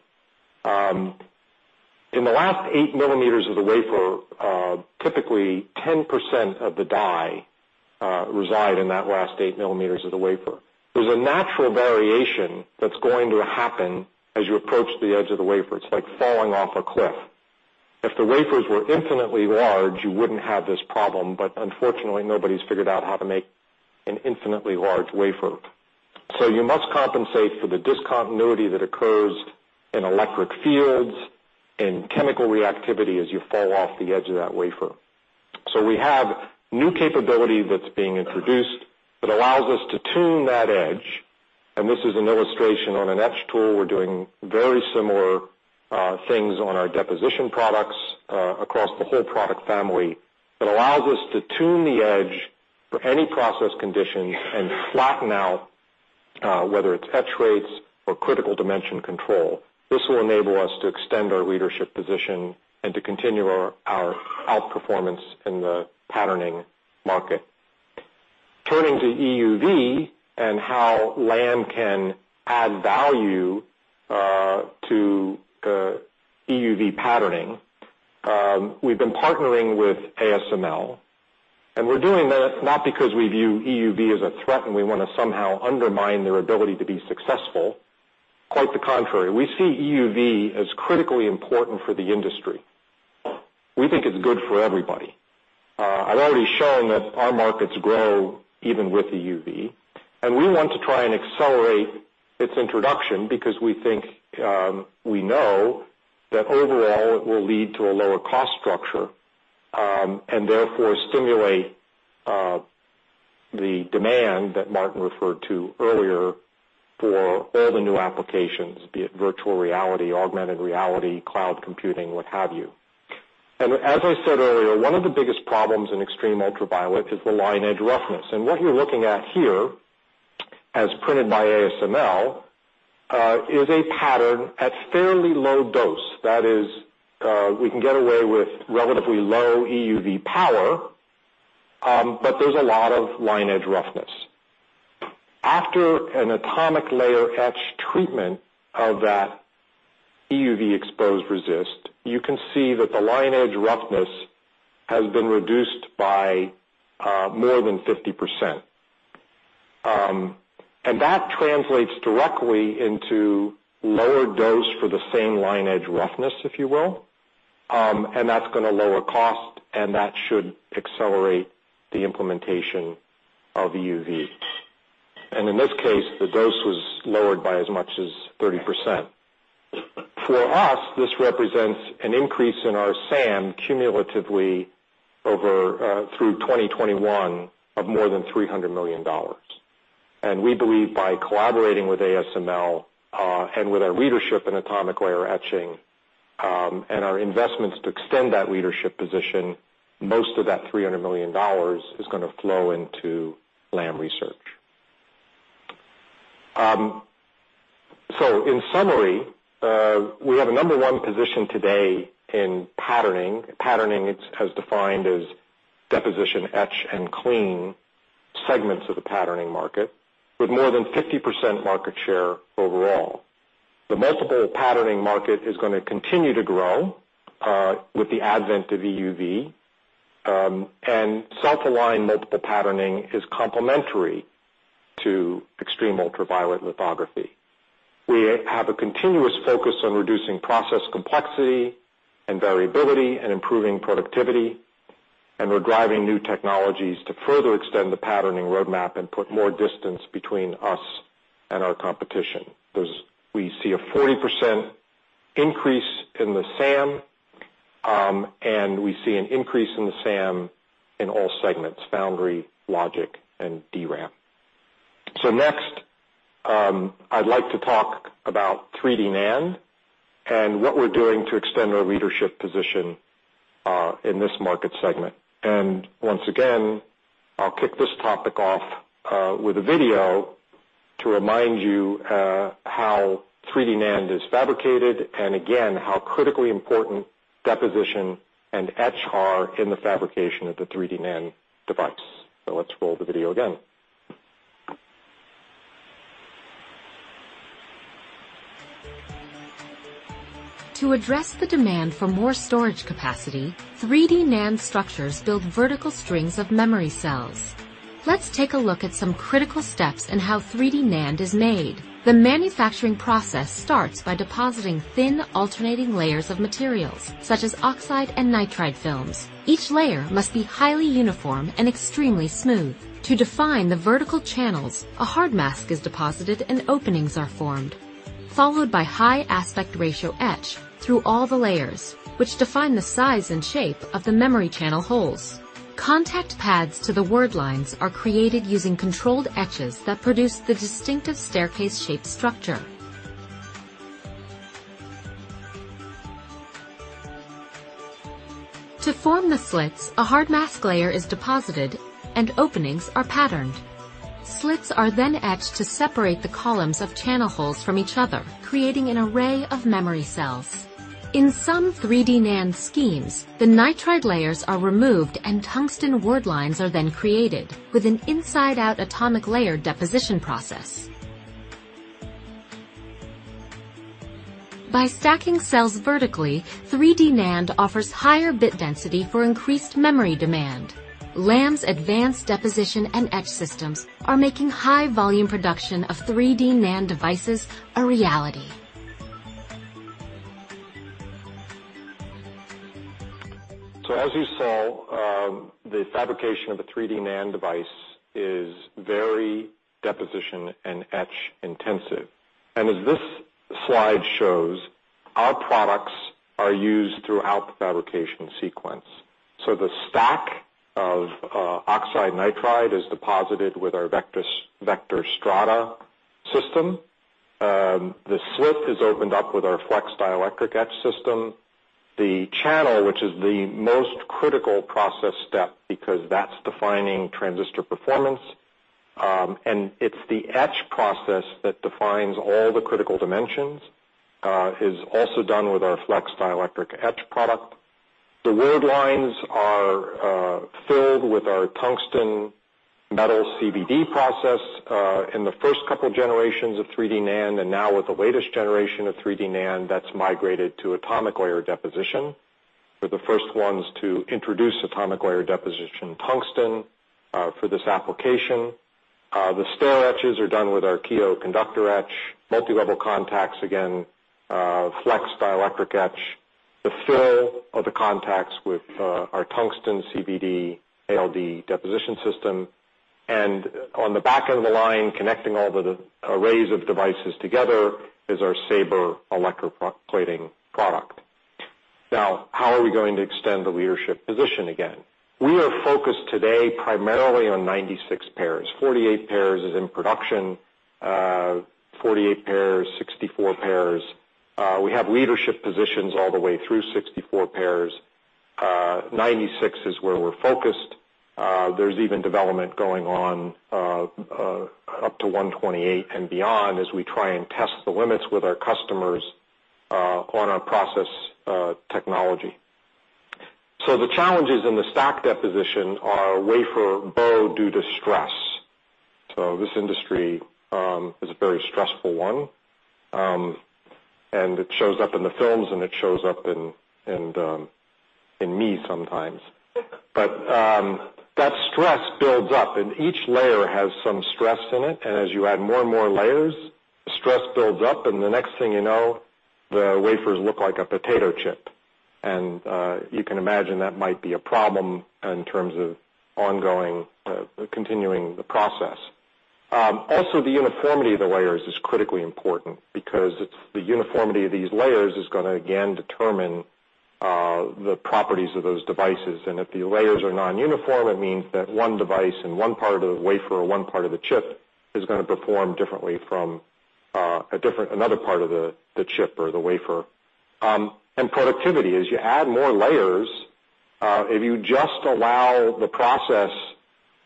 In the last eight millimeters of the wafer, typically 10% of the die reside in that last eight millimeters of the wafer. There's a natural variation that's going to happen as you approach the edge of the wafer. It's like falling off a cliff. If the wafers were infinitely large, you wouldn't have this problem, but unfortunately, nobody's figured out how to make an infinitely large wafer. You must compensate for the discontinuity that occurs in electric fields, in chemical reactivity as you fall off the edge of that wafer. We have new capability that's being introduced that allows us to tune that edge, and this is an illustration on an etch tool. We're doing very similar things on our deposition products across the whole product family, that allows us to tune the edge for any process condition and flatten out, whether it's etch rates or critical dimension control. This will enable us to extend our leadership position and to continue our outperformance in the patterning market. Turning to EUV and how Lam can add value to EUV patterning. We've been partnering with ASML. We're doing that not because we view EUV as a threat and we want to somehow undermine their ability to be successful. Quite the contrary. We see EUV as critically important for the industry. We think it's good for everybody. I've already shown that our markets grow even with EUV. We want to try and accelerate its introduction because we know that overall it will lead to a lower cost structure, and therefore stimulate the demand that Martin referred to earlier for all the new applications, be it virtual reality, augmented reality, cloud computing, what have you. As I said earlier, one of the biggest problems in extreme ultraviolet is the line edge roughness. What you're looking at here, as printed by ASML, is a pattern at fairly low dose. That is, we can get away with relatively low EUV power, but there's a lot of line edge roughness. After an atomic layer etch treatment of that EUV exposed resist, you can see that the line edge roughness has been reduced by more than 50%. That translates directly into lower dose for the same line edge roughness, if you will. That's going to lower cost, and that should accelerate the implementation of EUV. In this case, the dose was lowered by as much as 30%. For us, this represents an increase in our SAM cumulatively through 2021 of more than $300 million. We believe by collaborating with ASML, and with our leadership in atomic layer etching, and our investments to extend that leadership position, most of that $300 million is going to flow into Lam Research. In summary, we have a number one position today in patterning. Patterning, it's as defined as deposition etch and clean segments of the patterning market, with more than 50% market share overall. The multiple patterning market is going to continue to grow, with the advent of EUV, and self-aligned multiple patterning is complementary to extreme ultraviolet lithography. We have a continuous focus on reducing process complexity and variability and improving productivity. We're driving new technologies to further extend the patterning roadmap and put more distance between us and our competition. We see a 40% increase in the SAM, and we see an increase in the SAM in all segments, foundry, logic, and DRAM. Next, I'd like to talk about 3D NAND and what we're doing to extend our leadership position in this market segment. Once again, I'll kick this topic off with a video to remind you how 3D NAND is fabricated, and again, how critically important deposition and etch are in the fabrication of the 3D NAND device. Let's roll the video again. To address the demand for more storage capacity, 3D NAND structures build vertical strings of memory cells. Let's take a look at some critical steps in how 3D NAND is made. The manufacturing process starts by depositing thin alternating layers of materials, such as oxide and nitride films. Each layer must be highly uniform and extremely smooth. To define the vertical channels, a hard mask is deposited, and openings are formed, followed by high aspect ratio etch through all the layers, which define the size and shape of the memory channel holes. Contact pads to the word lines are created using controlled etches that produce the distinctive staircase shape structure. To form the slits, a hard mask layer is deposited, and openings are patterned. Slits are then etched to separate the columns of channel holes from each other, creating an array of memory cells. In some 3D NAND schemes, the nitride layers are removed, and tungsten word lines are then created with an inside out atomic layer deposition process. By stacking cells vertically, 3D NAND offers higher bit density for increased memory demand. Lam's advanced deposition and etch systems are making high volume production of 3D NAND devices a reality. As you saw, the fabrication of a 3D NAND device is very deposition and etch intensive. As this slide shows, our products are used throughout the fabrication sequence. The stack of oxide nitride is deposited with our Vector Strata system. The slit is opened up with our Flex Dielectric Etch system. The channel, which is the most critical process step because that's defining transistor performance, and it's the etch process that defines all the critical dimensions, is also done with our Flex Dielectric Etch product. The word lines are filled with our tungsten metal CVD process in the first couple generations of 3D NAND, and now with the latest generation of 3D NAND, that's migrated to atomic layer deposition. We're the first ones to introduce atomic layer deposition tungsten for this application. The stair etches are done with our Kiyo Conductor Etch. Multi-level contacts, again, Flex Dielectric Etch. The fill of the contacts with our tungsten CVD ALD deposition system. On the back end of the line, connecting all the arrays of devices together is our SABRE electroplating product. How are we going to extend the leadership position again? We are focused today primarily on 96 pairs. 48 pairs is in production, 64 pairs. We have leadership positions all the way through 64 pairs. 96 is where we're focused. There's even development going on up to 128 and beyond as we try and test the limits with our customers on our process technology. The challenges in the stack deposition are wafer bow due to stress. This industry, is a very stressful one, and it shows up in the films and it shows up in me sometimes. That stress builds up, and each layer has some stress in it. As you add more and more layers, the stress builds up, and the next thing you know, the wafers look like a potato chip. You can imagine that might be a problem in terms of ongoing, continuing the process. Also, the uniformity of the layers is critically important because it's the uniformity of these layers is going to, again, determine the properties of those devices. If the layers are non-uniform, it means that one device in one part of the wafer or one part of the chip is going to perform differently from another part of the chip or the wafer. Productivity, as you add more layers, if you just allow the process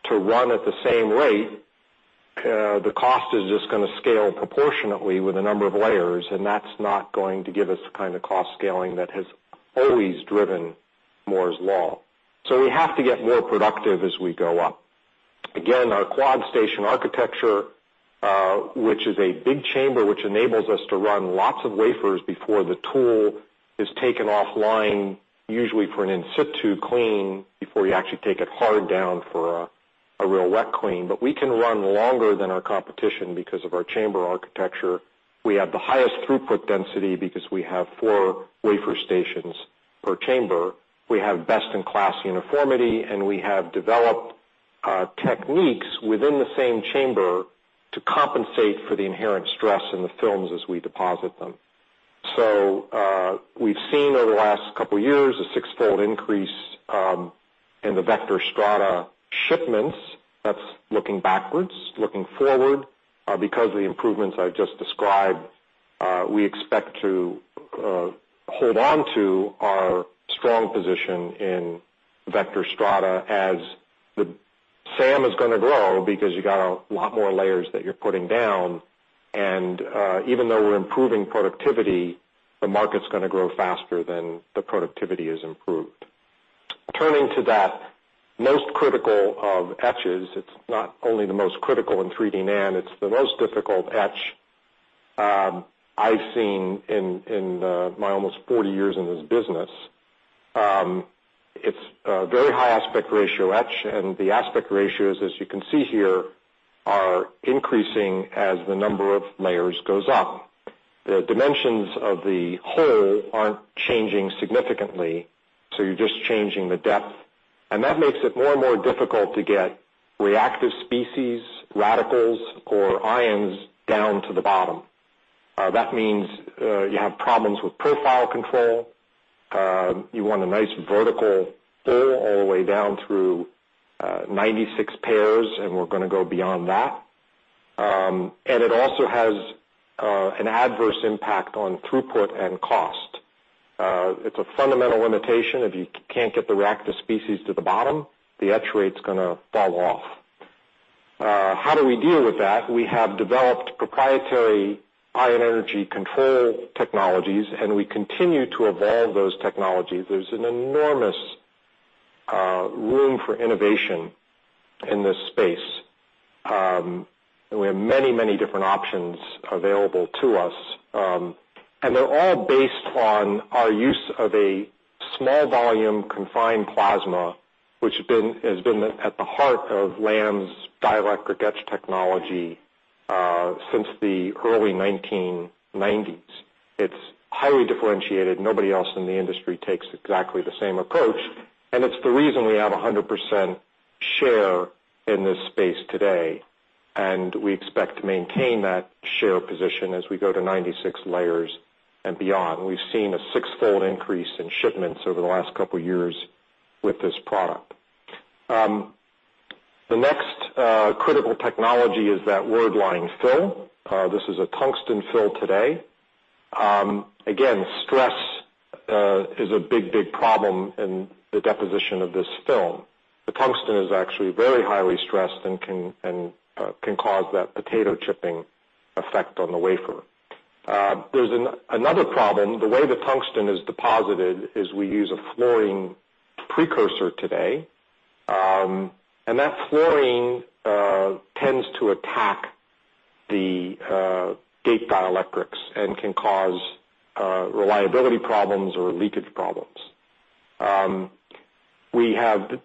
to run at the same rate, the cost is just going to scale proportionately with the number of layers, and that's not going to give us the kind of cost scaling that has always driven Moore's Law. We have to get more productive as we go up. Again, our quad station architecture, which is a big chamber, which enables us to run lots of wafers before the tool is taken offline, usually for an in-situ clean, before you actually take it hard down for a real Wet Clean. We can run longer than our competition because of our chamber architecture. We have the highest throughput density because we have four wafer stations per chamber. We have best-in-class uniformity. We have developed techniques within the same chamber to compensate for the inherent stress in the films as we deposit them. We've seen over the last couple of years a six-fold increase in the Vector Strata shipments. That's looking backwards. Looking forward, because of the improvements I've just described, we expect to hold on to our strong position in Vector Strata as the SAM is going to grow because you got a lot more layers that you're putting down. Even though we're improving productivity, the market's going to grow faster than the productivity is improved. Turning to that most critical of etches, it's not only the most critical in 3D NAND, it's the most difficult etch, I've seen in my almost 40 years in this business. It's a very high aspect ratio etch, the aspect ratios, as you can see here, are increasing as the number of layers goes up. The dimensions of the hole aren't changing significantly, so you're just changing the depth. That makes it more and more difficult to get reactive species, radicals, or ions down to the bottom. That means you have problems with profile control. You want a nice vertical hole all the way down through 96 pairs, and we're going to go beyond that. It also has an adverse impact on throughput and cost. It's a fundamental limitation. If you can't get the reactive species to the bottom, the etch rate's going to fall off. How do we deal with that? We have developed proprietary ion energy control technologies, and we continue to evolve those technologies. There's an enormous room for innovation in this space. We have many different options available to us, they're all based on our use of a small volume confined plasma, which has been at the heart of Lam's dielectric etch technology, since the early 1990s. It's highly differentiated. Nobody else in the industry takes exactly the same approach, it's the reason we have 100% share in this space today, we expect to maintain that share position as we go to 96 layers and beyond. We've seen a six-fold increase in shipments over the last couple of years with this product. The next critical technology is that wordline fill. This is a tungsten fill today. Again, stress is a big problem in the deposition of this film. The tungsten is actually very highly stressed and can cause that potato chipping effect on the wafer. There's another problem. The way the tungsten is deposited is we use a fluorine precursor today. That fluorine tends to attack the gate dielectrics and can cause reliability problems or leakage problems. We have,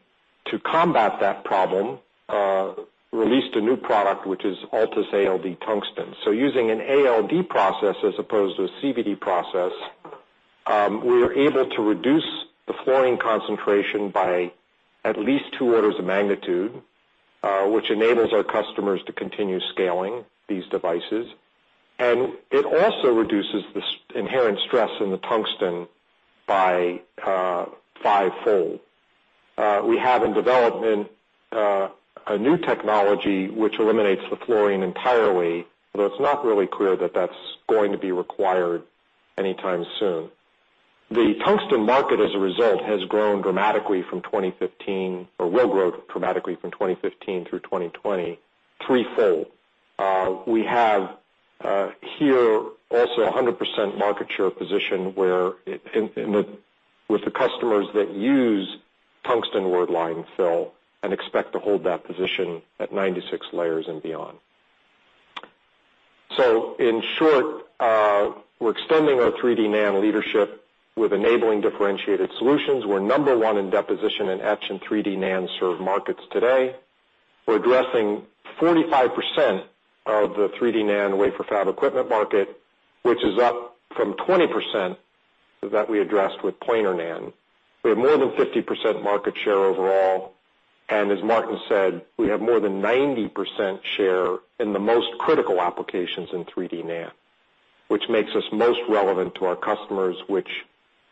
to combat that problem, released a new product, which is ALTUS ALD tungsten. Using an ALD process as opposed to a CVD process, we're able to reduce the fluorine concentration by at least two orders of magnitude, which enables our customers to continue scaling these devices. It also reduces the inherent stress in the tungsten by fivefold. We have in development a new technology which eliminates the fluorine entirely, although it's not really clear that that's going to be required anytime soon. The tungsten market, as a result, has grown dramatically from 2015, or will grow dramatically from 2015 through 2020, threefold. We have here also 100% market share position with the customers that use tungsten wordline fill, expect to hold that position at 96 layers and beyond. In short, we're extending our 3D NAND leadership with enabling differentiated solutions. We're number one in deposition, etch in 3D NAND served markets today. We're addressing 45% of the 3D NAND wafer fab equipment market, which is up from 20% that we addressed with planar NAND. We have more than 50% market share overall, as Martin said, we have more than 90% share in the most critical applications in 3D NAND, which makes us most relevant to our customers, which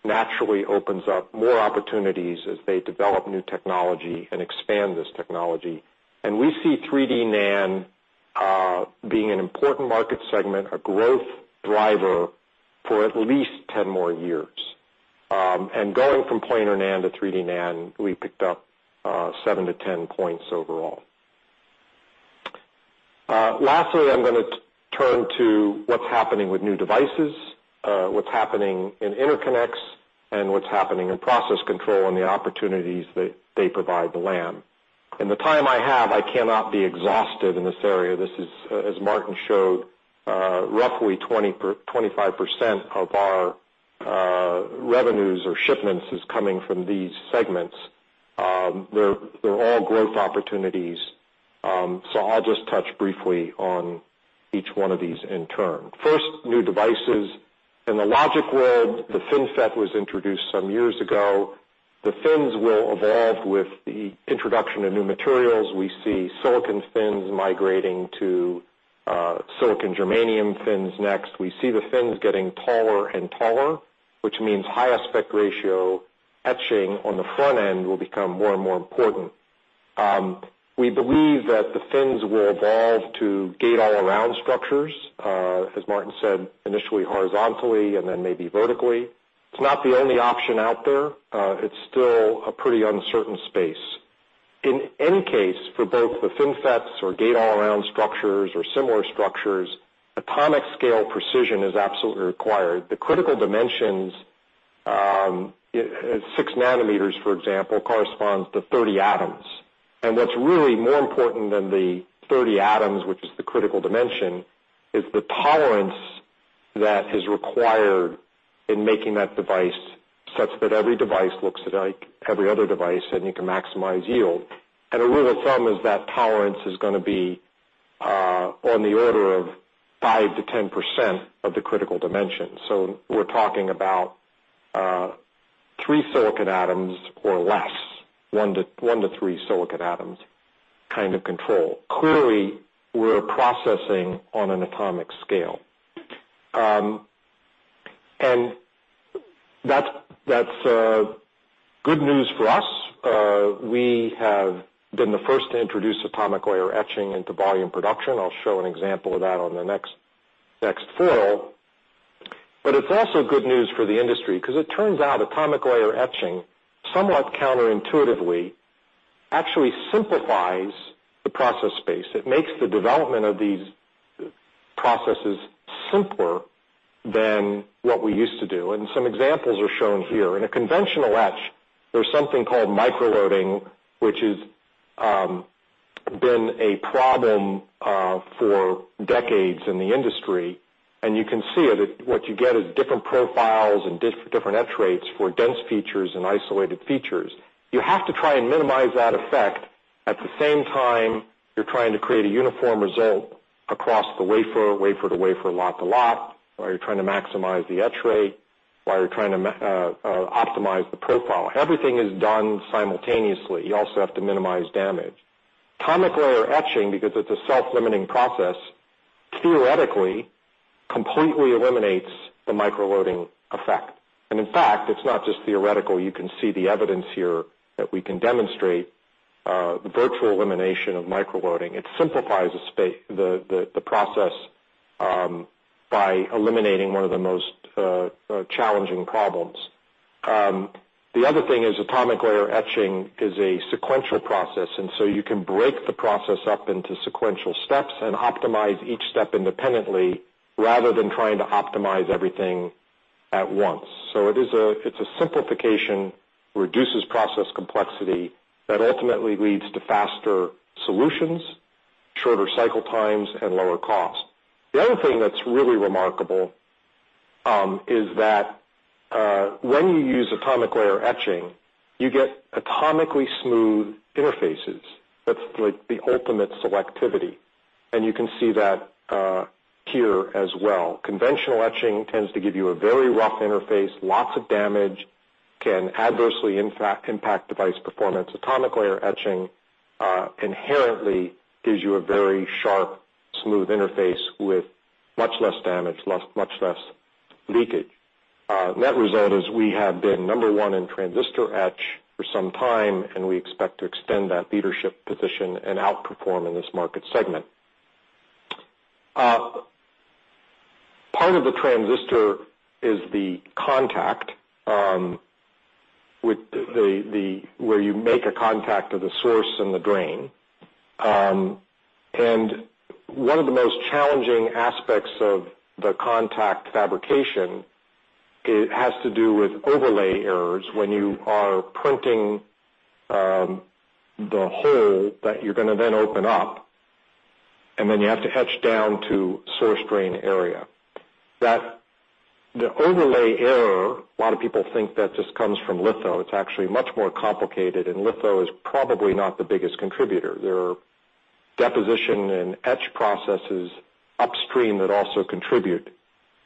naturally opens up more opportunities as they develop new technology and expand this technology. We see 3D NAND being an important market segment, a growth driver, for at least 10 more years. Going from planar NAND to 3D NAND, we picked up 7 to 10 points overall. Lastly, I'm going to turn to what's happening with new devices, what's happening in interconnects, and what's happening in process control, and the opportunities that they provide Lam. In the time I have, I cannot be exhaustive in this area. This is, as Martin showed, roughly 25% of our revenues or shipments is coming from these segments. They're all growth opportunities. I'll just touch briefly on each one of these in turn. First, new devices. In the logic world, the FinFET was introduced some years ago. The fins will evolve with the introduction of new materials. We see silicon fins migrating to silicon germanium fins next. We see the fins getting taller and taller, which means high aspect ratio etching on the front end will become more and more important. We believe that the fins will evolve to gate-all-around structures, as Martin said, initially horizontally, and then maybe vertically. It's not the only option out there. It's still a pretty uncertain space. In any case, for both the FinFETs or gate-all-around structures or similar structures, atomic scale precision is absolutely required. The critical dimensions, six nanometers, for example, corresponds to 30 atoms. What's really more important than the 30 atoms, which is the critical dimension, is the tolerance that is required in making that device, such that every device looks like every other device, and you can maximize yield. A rule of thumb is that tolerance is going to be on the order of 5%-10% of the critical dimension. We're talking about three silicon atoms or less, 1-3 silicon atoms kind of control. Clearly, we're processing on an atomic scale. That's good news for us. We have been the first to introduce atomic layer etching into volume production. I'll show an example of that on the next foil. It's also good news for the industry, because it turns out atomic layer etching, somewhat counterintuitively, actually simplifies the process space. It makes the development of these processes simpler than what we used to do, and some examples are shown here. In a conventional etch, there's something called microloading, which has been a problem for decades in the industry, and you can see it. What you get is different profiles and different etch rates for dense features and isolated features. You have to try and minimize that effect. At the same time, you're trying to create a uniform result across the wafer to wafer, lot to lot, while you're trying to maximize the etch rate, while you're trying to optimize the profile. Everything is done simultaneously. You also have to minimize damage. Atomic layer etching, because it's a self-limiting process, theoretically completely eliminates the microloading effect. In fact, it's not just theoretical. You can see the evidence here that we can demonstrate the virtual elimination of microloading. It simplifies the process by eliminating one of the most challenging problems. The other thing is atomic layer etching is a sequential process, you can break the process up into sequential steps and optimize each step independently, rather than trying to optimize everything at once. It's a simplification, reduces process complexity, that ultimately leads to faster solutions, shorter cycle times, and lower cost. The other thing that's really remarkable is that when you use atomic layer etching, you get atomically smooth interfaces. That's like the ultimate selectivity, and you can see that here as well. Conventional etching tends to give you a very rough interface, lots of damage. Can adversely impact device performance. Atomic layer etching inherently gives you a very sharp, smooth interface with much less damage, much less leakage. Net result is we have been number one in transistor etch for some time, and we expect to extend that leadership position and outperform in this market segment. Part of the transistor is the contact, where you make a contact to the source and the drain. One of the most challenging aspects of the contact fabrication, it has to do with overlay errors when you are printing the hole that you're going to then open up, then you have to etch down to source-drain area. The overlay error, a lot of people think that just comes from litho. It's actually much more complicated, and litho is probably not the biggest contributor. There are deposition and etch processes upstream that also contribute.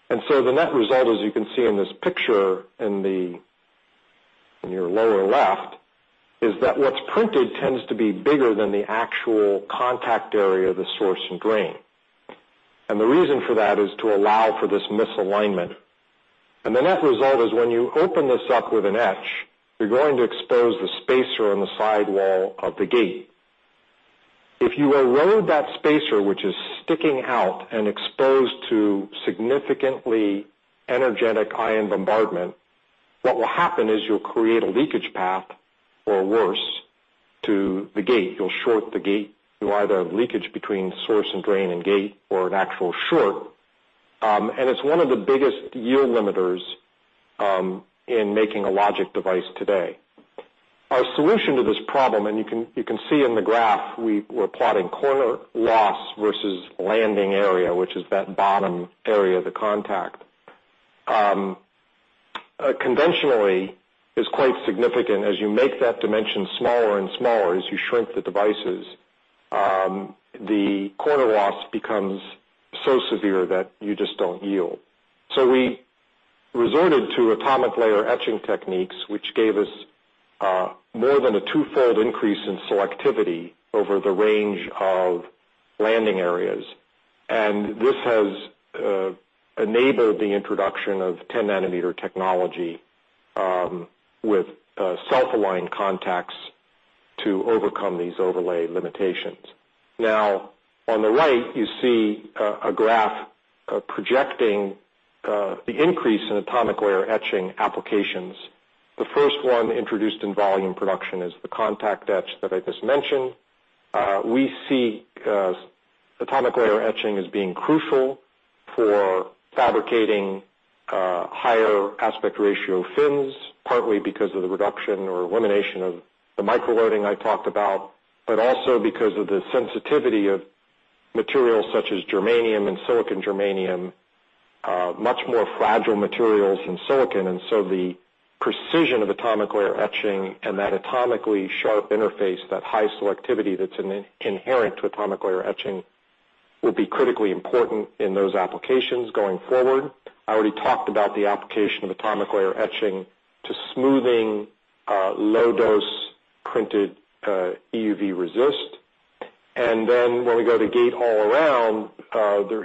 The net result, as you can see in this picture in your lower left, is that what's printed tends to be bigger than the actual contact area of the source and drain. The reason for that is to allow for this misalignment. The net result is when you open this up with an etch, you're going to expose the spacer on the sidewall of the gate. If you erode that spacer, which is sticking out and exposed to significantly energetic ion bombardment, what will happen is you'll create a leakage path or worse to the gate. You'll short the gate. You either have leakage between source and drain and gate or an actual short. It's one of the biggest yield limiters in making a logic device today. Our solution to this problem, and you can see in the graph, we're plotting corner loss versus landing area, which is that bottom area of the contact. Conventionally, is quite significant. As you make that dimension smaller and smaller, as you shrink the devices, the corner loss becomes so severe that you just don't yield. We resorted to atomic layer etching techniques, which gave us more than a twofold increase in selectivity over the range of landing areas. This has enabled the introduction of 10 nanometer technology with self-aligned contacts to overcome these overlay limitations. Now, on the right, you see a graph projecting the increase in atomic layer etching applications. The first one introduced in volume production is the contact etch that I just mentioned. We see atomic layer etching as being crucial for fabricating higher aspect ratio fins, partly because of the reduction or elimination of the microloading I talked about, but also because of the sensitivity of materials such as germanium and silicon germanium, much more fragile materials than silicon. The precision of atomic layer etching and that atomically sharp interface, that high selectivity that's inherent to atomic layer etching, will be critically important in those applications going forward. I already talked about the application of atomic layer etching to smoothing low-dose printed EUV resist. Then when we go to gate-all-around, there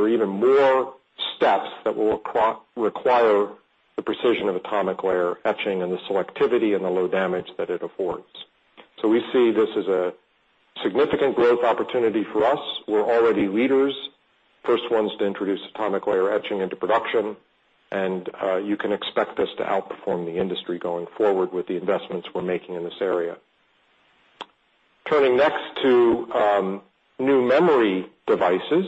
are even more steps that will require the precision of atomic layer etching and the selectivity and the low damage that it affords. We see this as a significant growth opportunity for us. We're already leaders, first ones to introduce atomic layer etching into production, and you can expect us to outperform the industry going forward with the investments we're making in this area. Turning next to new memory devices.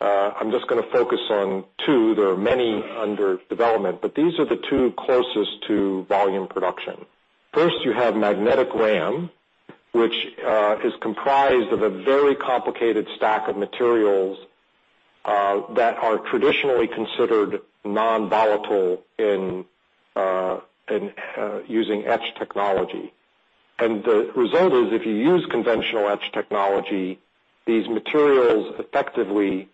I'm just going to focus on two. There are many under development, but these are the two closest to volume production. First, you have Magnetic RAM, which is comprised of a very complicated stack of materials that are traditionally considered non-volatile in using etch technology. The result is, if you use conventional etch technology, these materials effectively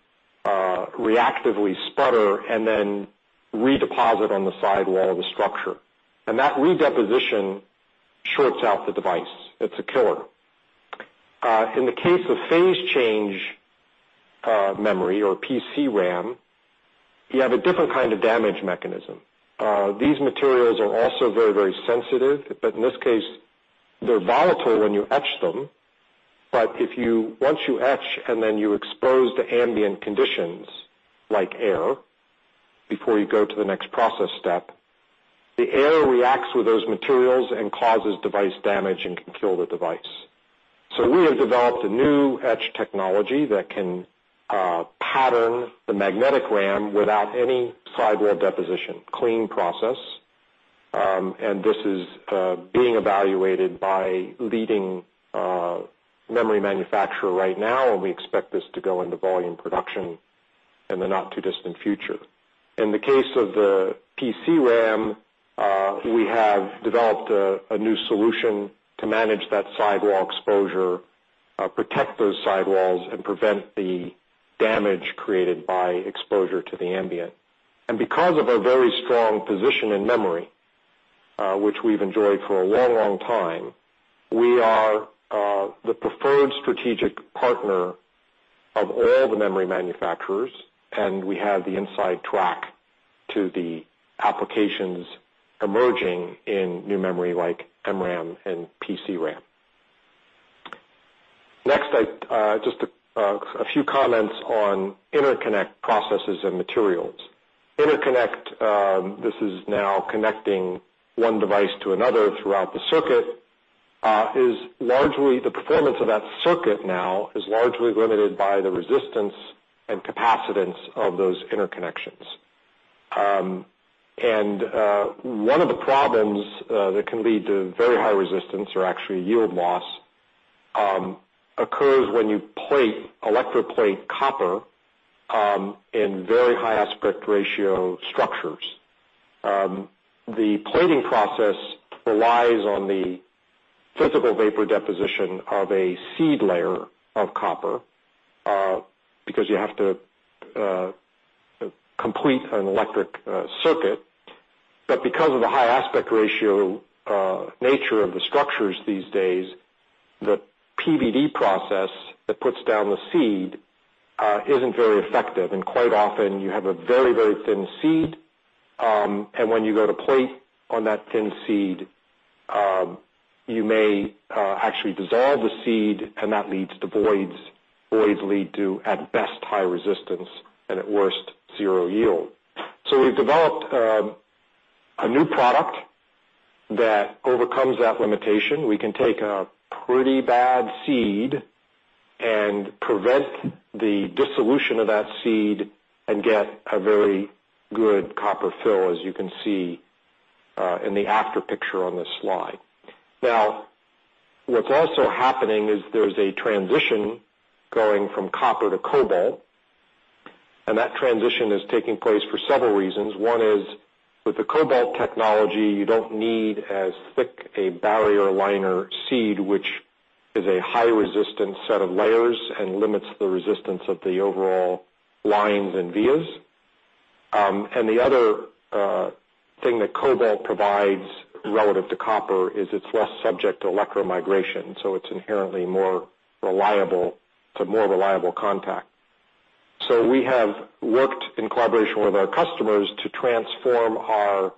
reactively sputter and then redeposit on the sidewall of the structure. That redeposition shorts out the device. It's a killer. In the case of Phase-Change Memory or PCRAM, you have a different kind of damage mechanism. These materials are also very, very sensitive, but in this case, they're volatile when you etch them. Once you etch and then you expose to ambient conditions, like air, before you go to the next process step, the air reacts with those materials and causes device damage and can kill the device. We have developed a new etch technology that can pattern the Magnetic RAM without any sidewall deposition, clean process. This is being evaluated by leading memory manufacturer right now, and we expect this to go into volume production in the not-too-distant future. In the case of the PCRAM, we have developed a new solution to manage that sidewall exposure, protect those sidewalls, and prevent the damage created by exposure to the ambient. Because of our very strong position in memory, which we've enjoyed for a long time, we are the preferred strategic partner of all the memory manufacturers, and we have the inside track to the applications emerging in new memory like MRAM and PCRAM. Next, just a few comments on interconnect processes and materials. Interconnect, this is now connecting one device to another throughout the circuit, the performance of that circuit now is largely limited by the resistance and capacitance of those interconnections. One of the problems that can lead to very high resistance or actually yield loss, occurs when you electroplate copper in very high aspect ratio structures. The plating process relies on the physical vapor deposition of a seed layer of copper, because you have to complete an electric circuit. Because of the high aspect ratio nature of the structures these days, the PVD process that puts down the seed isn't very effective, and quite often you have a very thin seed. When you go to plate on that thin seed, you may actually dissolve the seed, and that leads to voids. Voids lead to, at best, high resistance, and at worst, zero yield. We've developed a new product that overcomes that limitation. We can take a pretty bad seed and prevent the dissolution of that seed and get a very good copper fill, as you can see in the after picture on this slide. What's also happening is there's a transition going from copper to cobalt. That transition is taking place for several reasons. One is, with the cobalt technology, you don't need as thick a barrier liner seed, which is a high resistance set of layers and limits the resistance of the overall lines and vias. The other thing that cobalt provides relative to copper is it's less subject to electromigration, so it's inherently more reliable to more reliable contact. We have worked in collaboration with our customers to transform our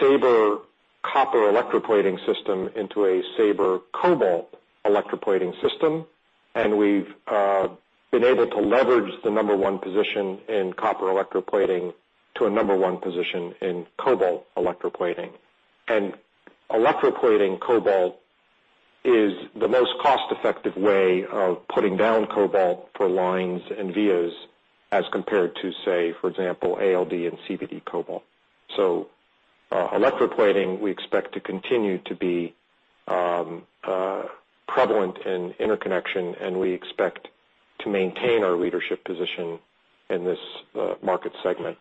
SABRE copper electroplating system into a SABRE cobalt electroplating system. We've been able to leverage the number 1 position in copper electroplating to a number 1 position in cobalt electroplating. Electroplating cobalt is the most cost-effective way of putting down cobalt for lines and vias as compared to, say, for example, ALD and CVD cobalt. Electroplating, we expect to continue to be prevalent in interconnection, and we expect to maintain our leadership position in this market segment.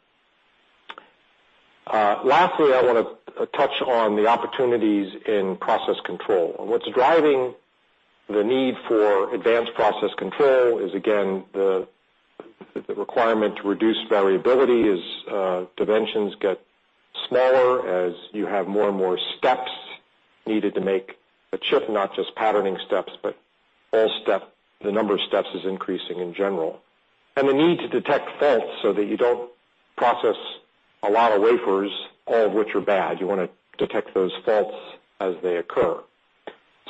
Lastly, I want to touch on the opportunities in process control. What's driving the need for advanced process control is, again, the requirement to reduce variability as dimensions get smaller, as you have more and more steps needed to make a chip, not just patterning steps, but the number of steps is increasing in general. The need to detect faults so that you don't process a lot of wafers, all of which are bad. You want to detect those faults as they occur.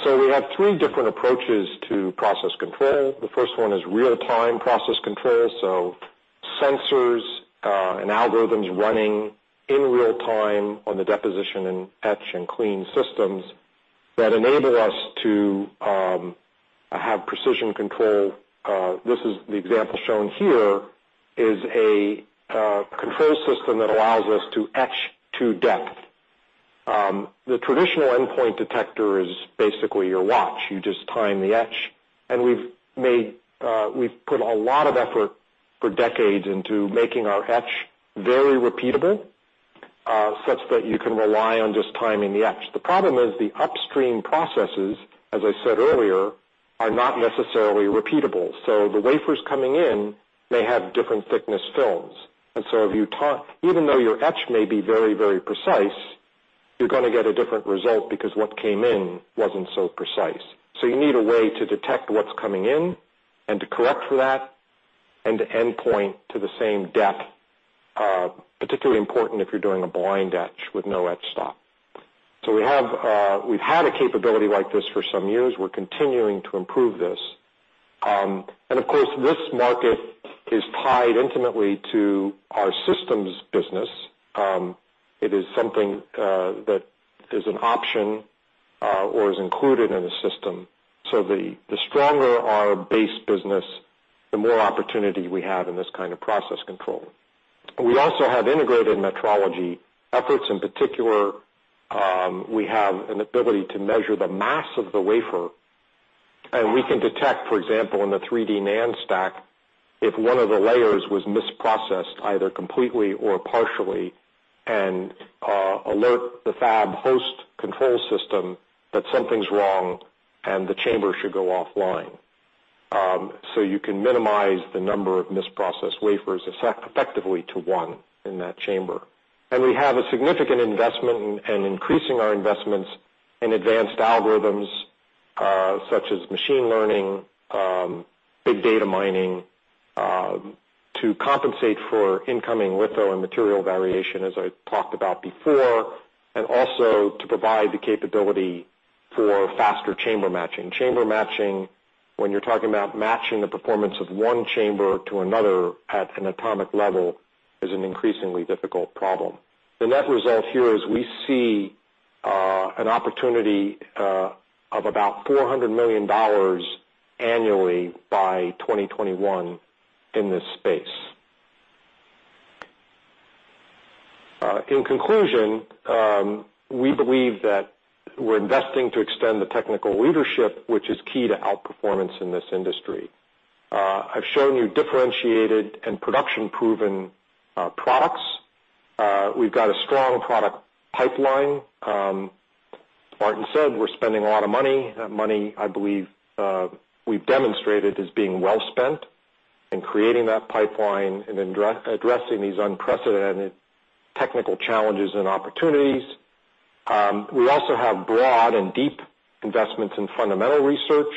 We have three different approaches to process control. The first one is real-time process control, so sensors and algorithms running in real time on the deposition and etch and clean systems that enable us to have precision control. The example shown here is a control system that allows us to etch to depth. The traditional endpoint detector is basically your watch. You just time the etch. We've put a lot of effort for decades into making our etch very repeatable, such that you can rely on just timing the etch. The problem is the upstream processes, as I said earlier, are not necessarily repeatable. The wafers coming in may have different thickness films. Even though your etch may be very precise, you're going to get a different result because what came in wasn't so precise. You need a way to detect what's coming in and to correct for that and to endpoint to the same depth. Particularly important if you're doing a blind etch with no etch stop. We've had a capability like this for some years. We're continuing to improve this. Of course, this market is tied intimately to our systems business. It is something that is an option or is included in a system. The stronger our base business, the more opportunity we have in this kind of process control. We also have integrated metrology efforts. In particular, we have an ability to measure the mass of the wafer. We can detect, for example, in the 3D NAND stack, if one of the layers was misprocessed, either completely or partially, and alert the fab host control system that something's wrong and the chamber should go offline. You can minimize the number of misprocessed wafers effectively to one in that chamber. We have a significant investment, increasing our investments in advanced algorithms, such as machine learning, big data mining, to compensate for incoming litho and material variation, as I talked about before, and also to provide the capability for faster chamber matching. Chamber matching, when you're talking about matching the performance of one chamber to another at an atomic level, is an increasingly difficult problem. The net result here is we see an opportunity of about $400 million annually by 2021 in this space. In conclusion, we believe that we're investing to extend the technical leadership, which is key to outperformance in this industry. I've shown you differentiated and production-proven products. We've got a strong product pipeline. As Martin said, we're spending a lot of money. That money, I believe, we've demonstrated as being well spent in creating that pipeline and addressing these unprecedented technical challenges and opportunities. We also have broad and deep investments in fundamental research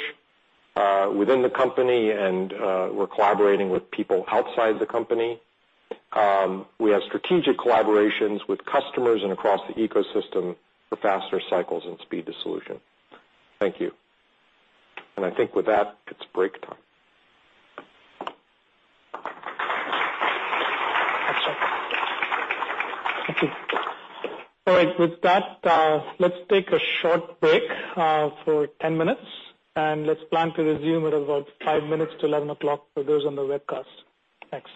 within the company, we're collaborating with people outside the company. We have strategic collaborations with customers and across the ecosystem for faster cycles and speed to solution. Thank you. I think with that, it's break time. Thank you. All right. With that, let's take a short break for 10 minutes, let's plan to resume at about five minutes to 11 o'clock for those on the webcast. Thanks.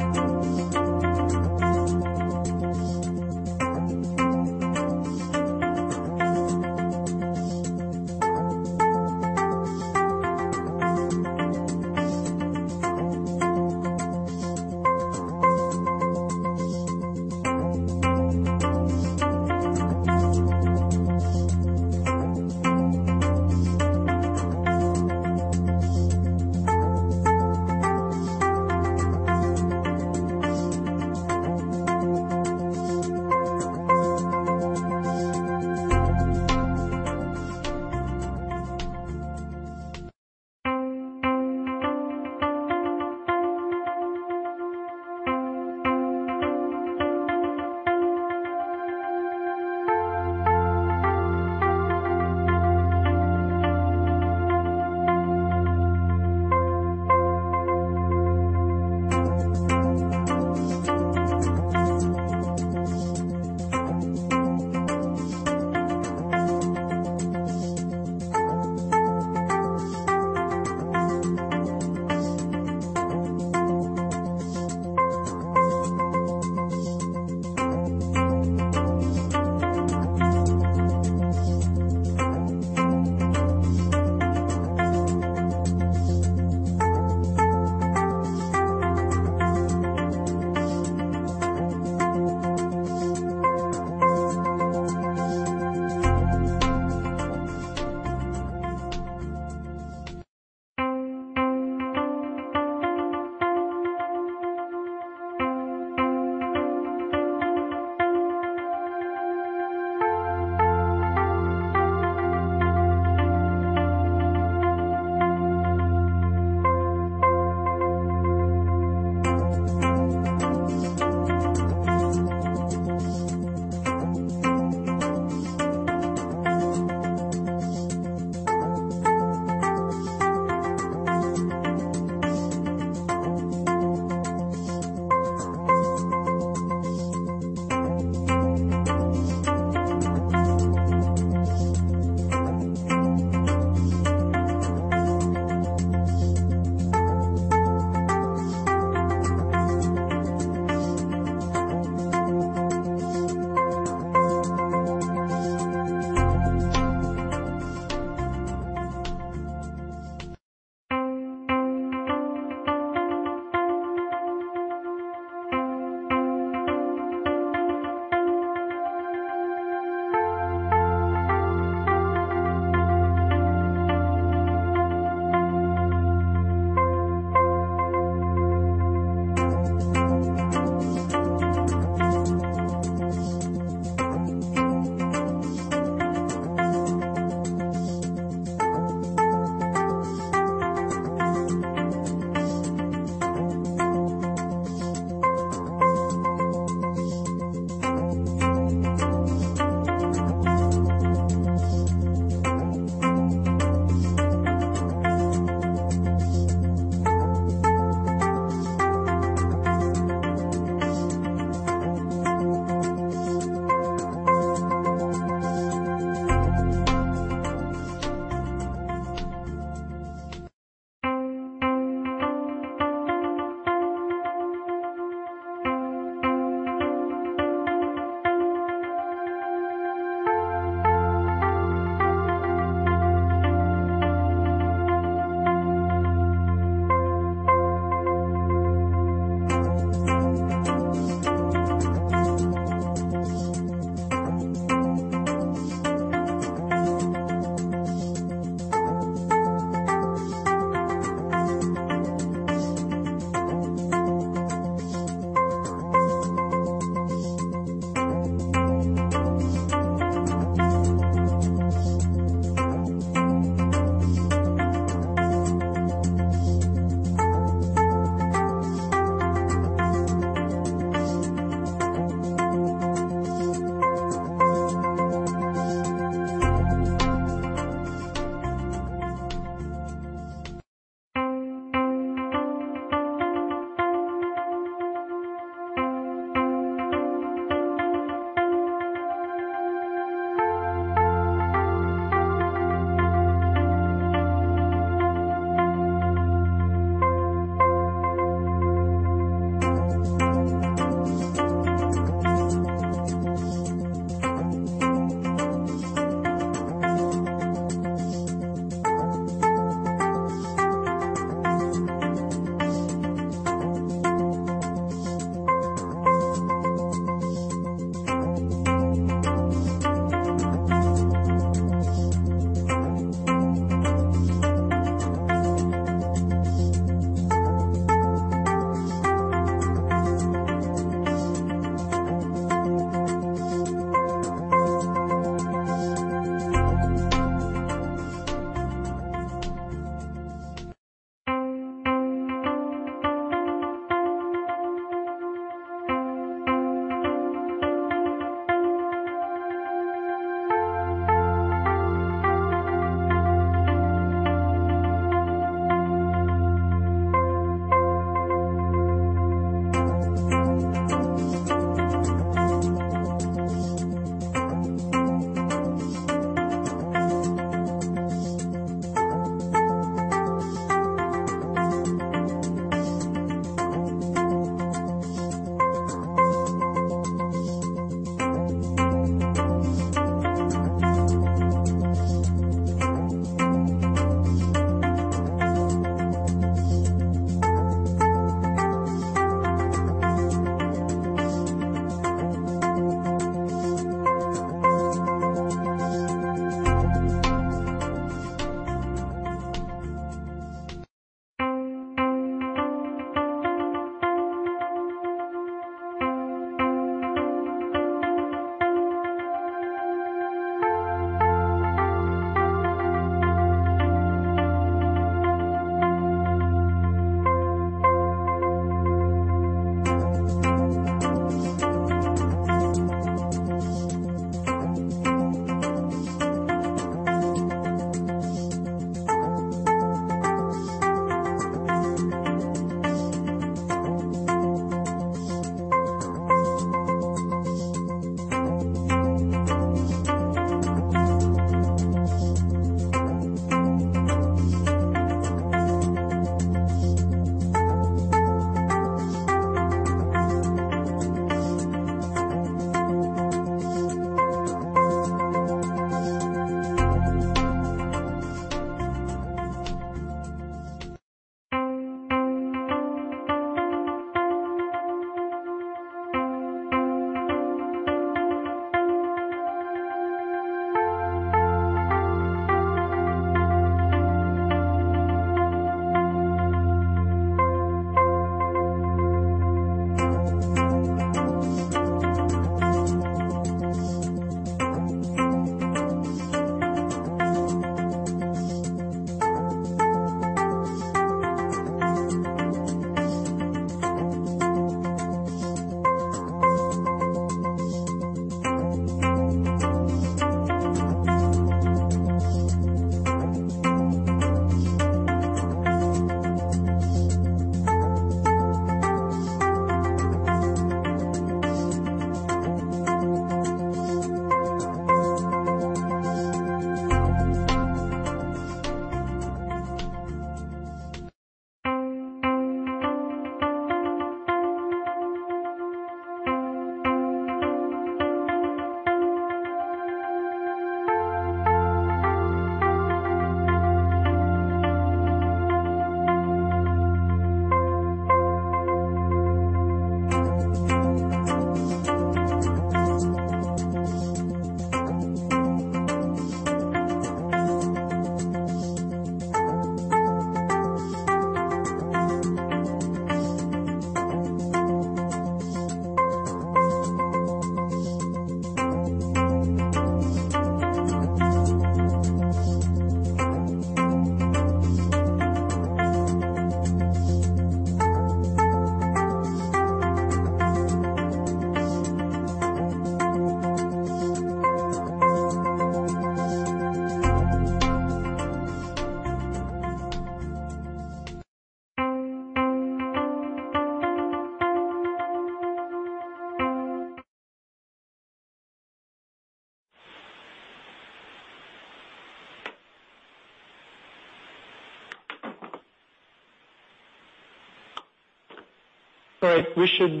All right. We should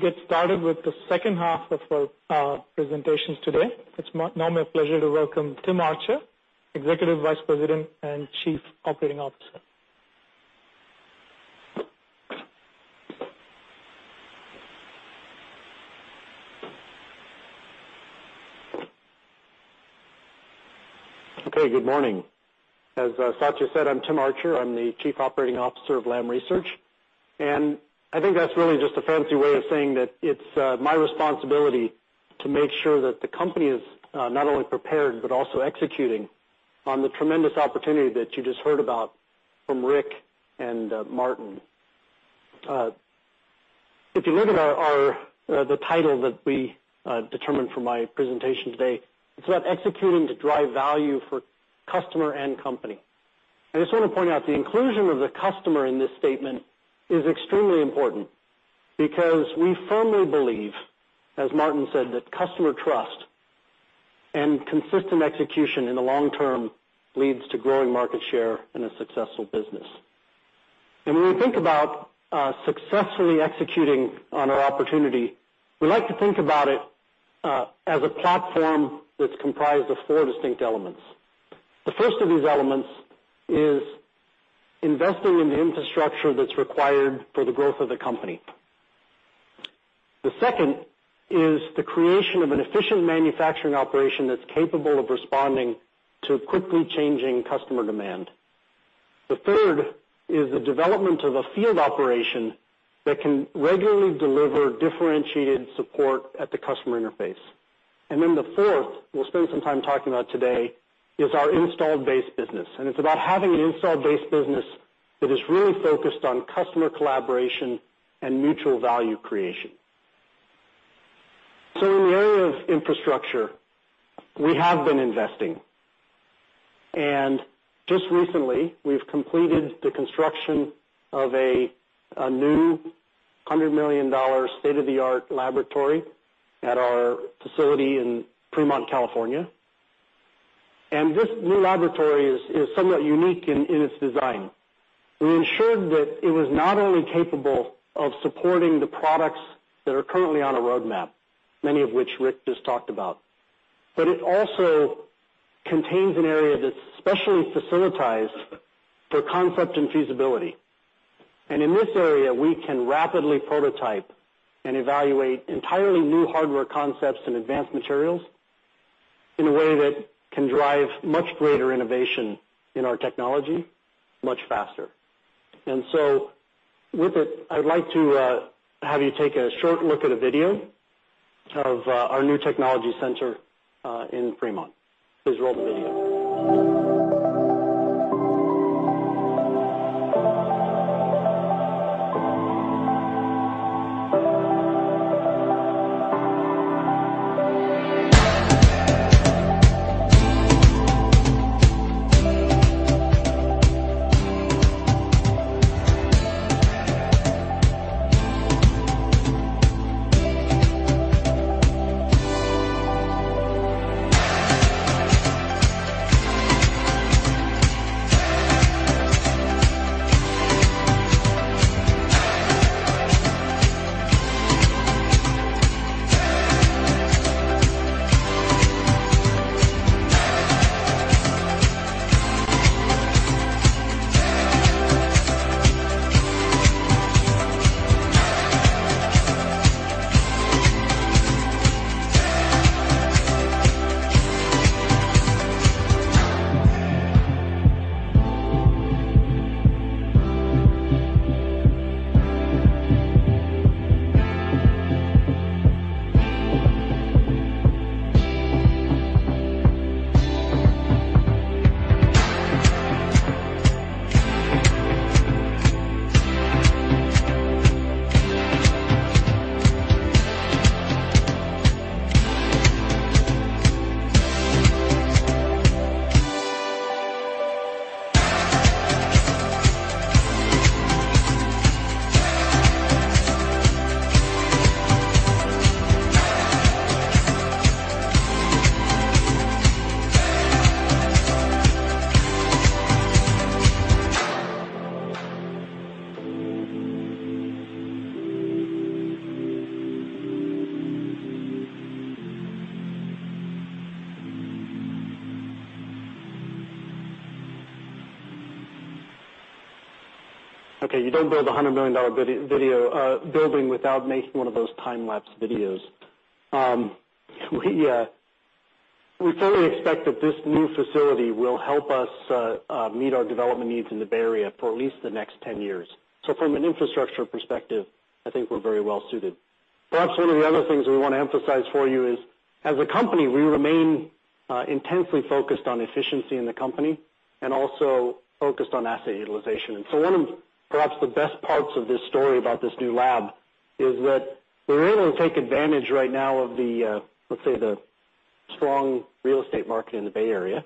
get started with the second half of our presentations today. It's now my pleasure to welcome Tim Archer, Executive Vice President and Chief Operating Officer. Okay, good morning. As Satya said, I'm Tim Archer. I'm the Chief Operating Officer of Lam Research, I think that's really just a fancy way of saying that it's my responsibility to make sure that the company is not only prepared but also executing on the tremendous opportunity that you just heard about from Rick and Martin. If you look at the title that we determined for my presentation today, it's about executing to drive value for customer and company. I just want to point out the inclusion of the customer in this statement is extremely important because we firmly believe, as Martin said, that customer trust and consistent execution in the long term leads to growing market share and a successful business. When we think about successfully executing on our opportunity, we like to think about it as a platform that's comprised of four distinct elements. The first of these elements is investing in the infrastructure that's required for the growth of the company. The second is the creation of an efficient manufacturing operation that's capable of responding to quickly changing customer demand. The third is the development of a field operation that can regularly deliver differentiated support at the customer interface. The fourth, we'll spend some time talking about today, is our installed base business, and it's about having an installed base business that is really focused on customer collaboration and mutual value creation. In the area of infrastructure, we have been investing, and just recently, we've completed the construction of a new $100 million state-of-the-art laboratory at our facility in Fremont, California. This new laboratory is somewhat unique in its design. We ensured that it was not only capable of supporting the products that are currently on a roadmap, many of which Rick just talked about, but it also contains an area that's specially facilitized for concept and feasibility. In this area, we can rapidly prototype and evaluate entirely new hardware concepts and advanced materials in a way that can drive much greater innovation in our technology, much faster. With it, I'd like to have you take a short look at a video of our new technology center in Fremont. Please roll the video. Okay, you don't build a $100 million video building without making one of those time-lapse videos. We fully expect that this new facility will help us meet our development needs in the Bay Area for at least the next 10 years. From an infrastructure perspective, I think we're very well-suited. Perhaps one of the other things we want to emphasize for you is, as a company, we remain intensely focused on efficiency in the company and also focused on asset utilization. One of, perhaps the best parts of this story about this new lab is that we're able to take advantage right now of the, let's say, the strong real estate market in the Bay Area.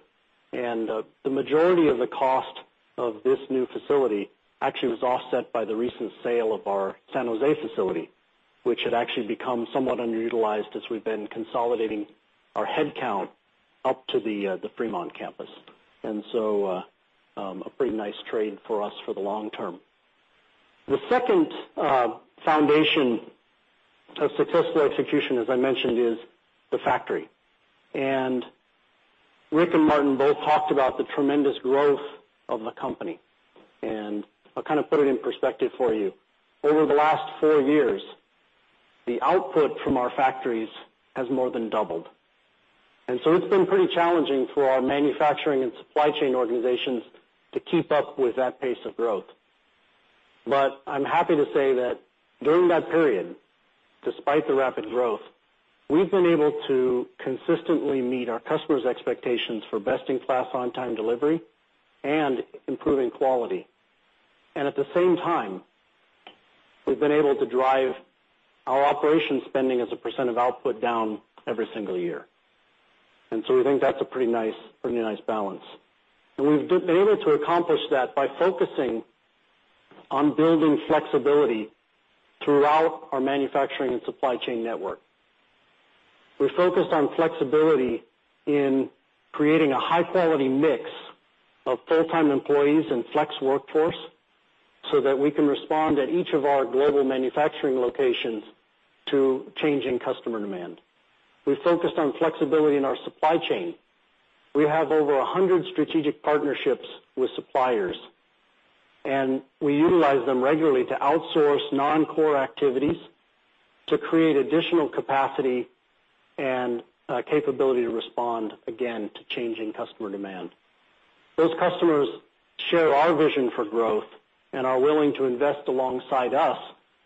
The majority of the cost of this new facility actually was offset by the recent sale of our San Jose facility, which had actually become somewhat underutilized as we've been consolidating our headcount up to the Fremont campus. A pretty nice trade for us for the long term. The second foundation of successful execution, as I mentioned, is the factory. Rick and Martin Anstice both talked about the tremendous growth of the company. I'll kind of put it in perspective for you. Over the last four years, the output from our factories has more than doubled. It's been pretty challenging for our manufacturing and supply chain organizations to keep up with that pace of growth. I'm happy to say that during that period, despite the rapid growth, we've been able to consistently meet our customers' expectations for best-in-class on-time delivery and improving quality. At the same time, we've been able to drive our operation spending as a % of output down every single year. We think that's a pretty nice balance. We've been able to accomplish that by focusing on building flexibility throughout our manufacturing and supply chain network. We focused on flexibility in creating a high-quality mix of full-time employees and flex workforce so that we can respond at each of our global manufacturing locations to changing customer demand. We focused on flexibility in our supply chain. We have over 100 strategic partnerships with suppliers, we utilize them regularly to outsource non-core activities to create additional capacity and capability to respond, again, to changing customer demand. Those customers share our vision for growth and are willing to invest alongside us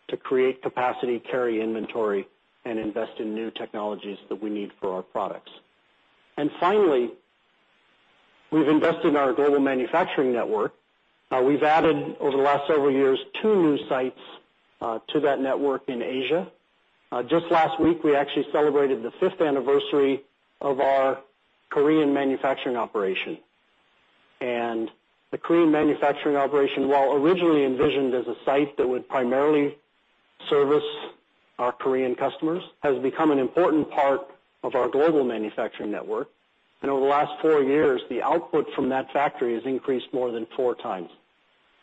to create capacity, carry inventory, and invest in new technologies that we need for our products. Finally, we've invested in our global manufacturing network. We've added, over the last several years, 2 new sites to that network in Asia. Just last week, we actually celebrated the fifth anniversary of our Korean manufacturing operation. The Korean manufacturing operation, while originally envisioned as a site that would primarily service our Korean customers, has become an important part of our global manufacturing network. Over the last 4 years, the output from that factory has increased more than 4 times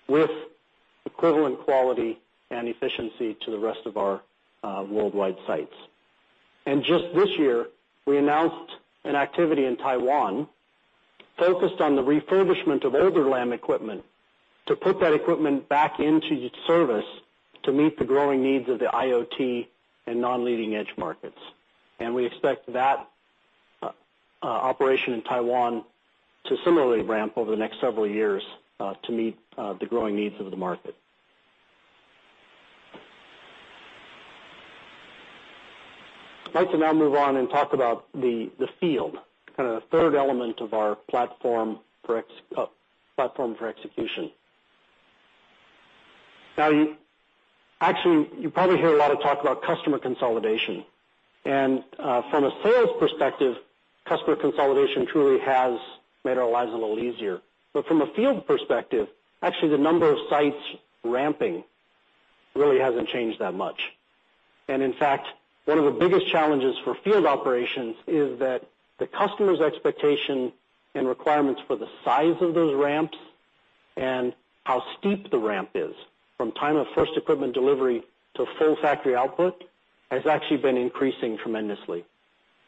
with equivalent quality and efficiency to the rest of our worldwide sites. Just this year, we announced an activity in Taiwan focused on the refurbishment of older Lam equipment to put that equipment back into service to meet the growing needs of the IoT and non-leading-edge markets. We expect that operation in Taiwan to similarly ramp over the next several years, to meet the growing needs of the market. I'd like to now move on and talk about the field, kind of the third element of our platform for execution. Now, actually, you probably hear a lot of talk about customer consolidation. From a sales perspective, customer consolidation truly has made our lives a little easier. From a field perspective, actually, the number of sites ramping really hasn't changed that much. In fact, one of the biggest challenges for field operations is that the customer's expectation and requirements for the size of those ramps and how steep the ramp is from time of first equipment delivery to full factory output, has actually been increasing tremendously.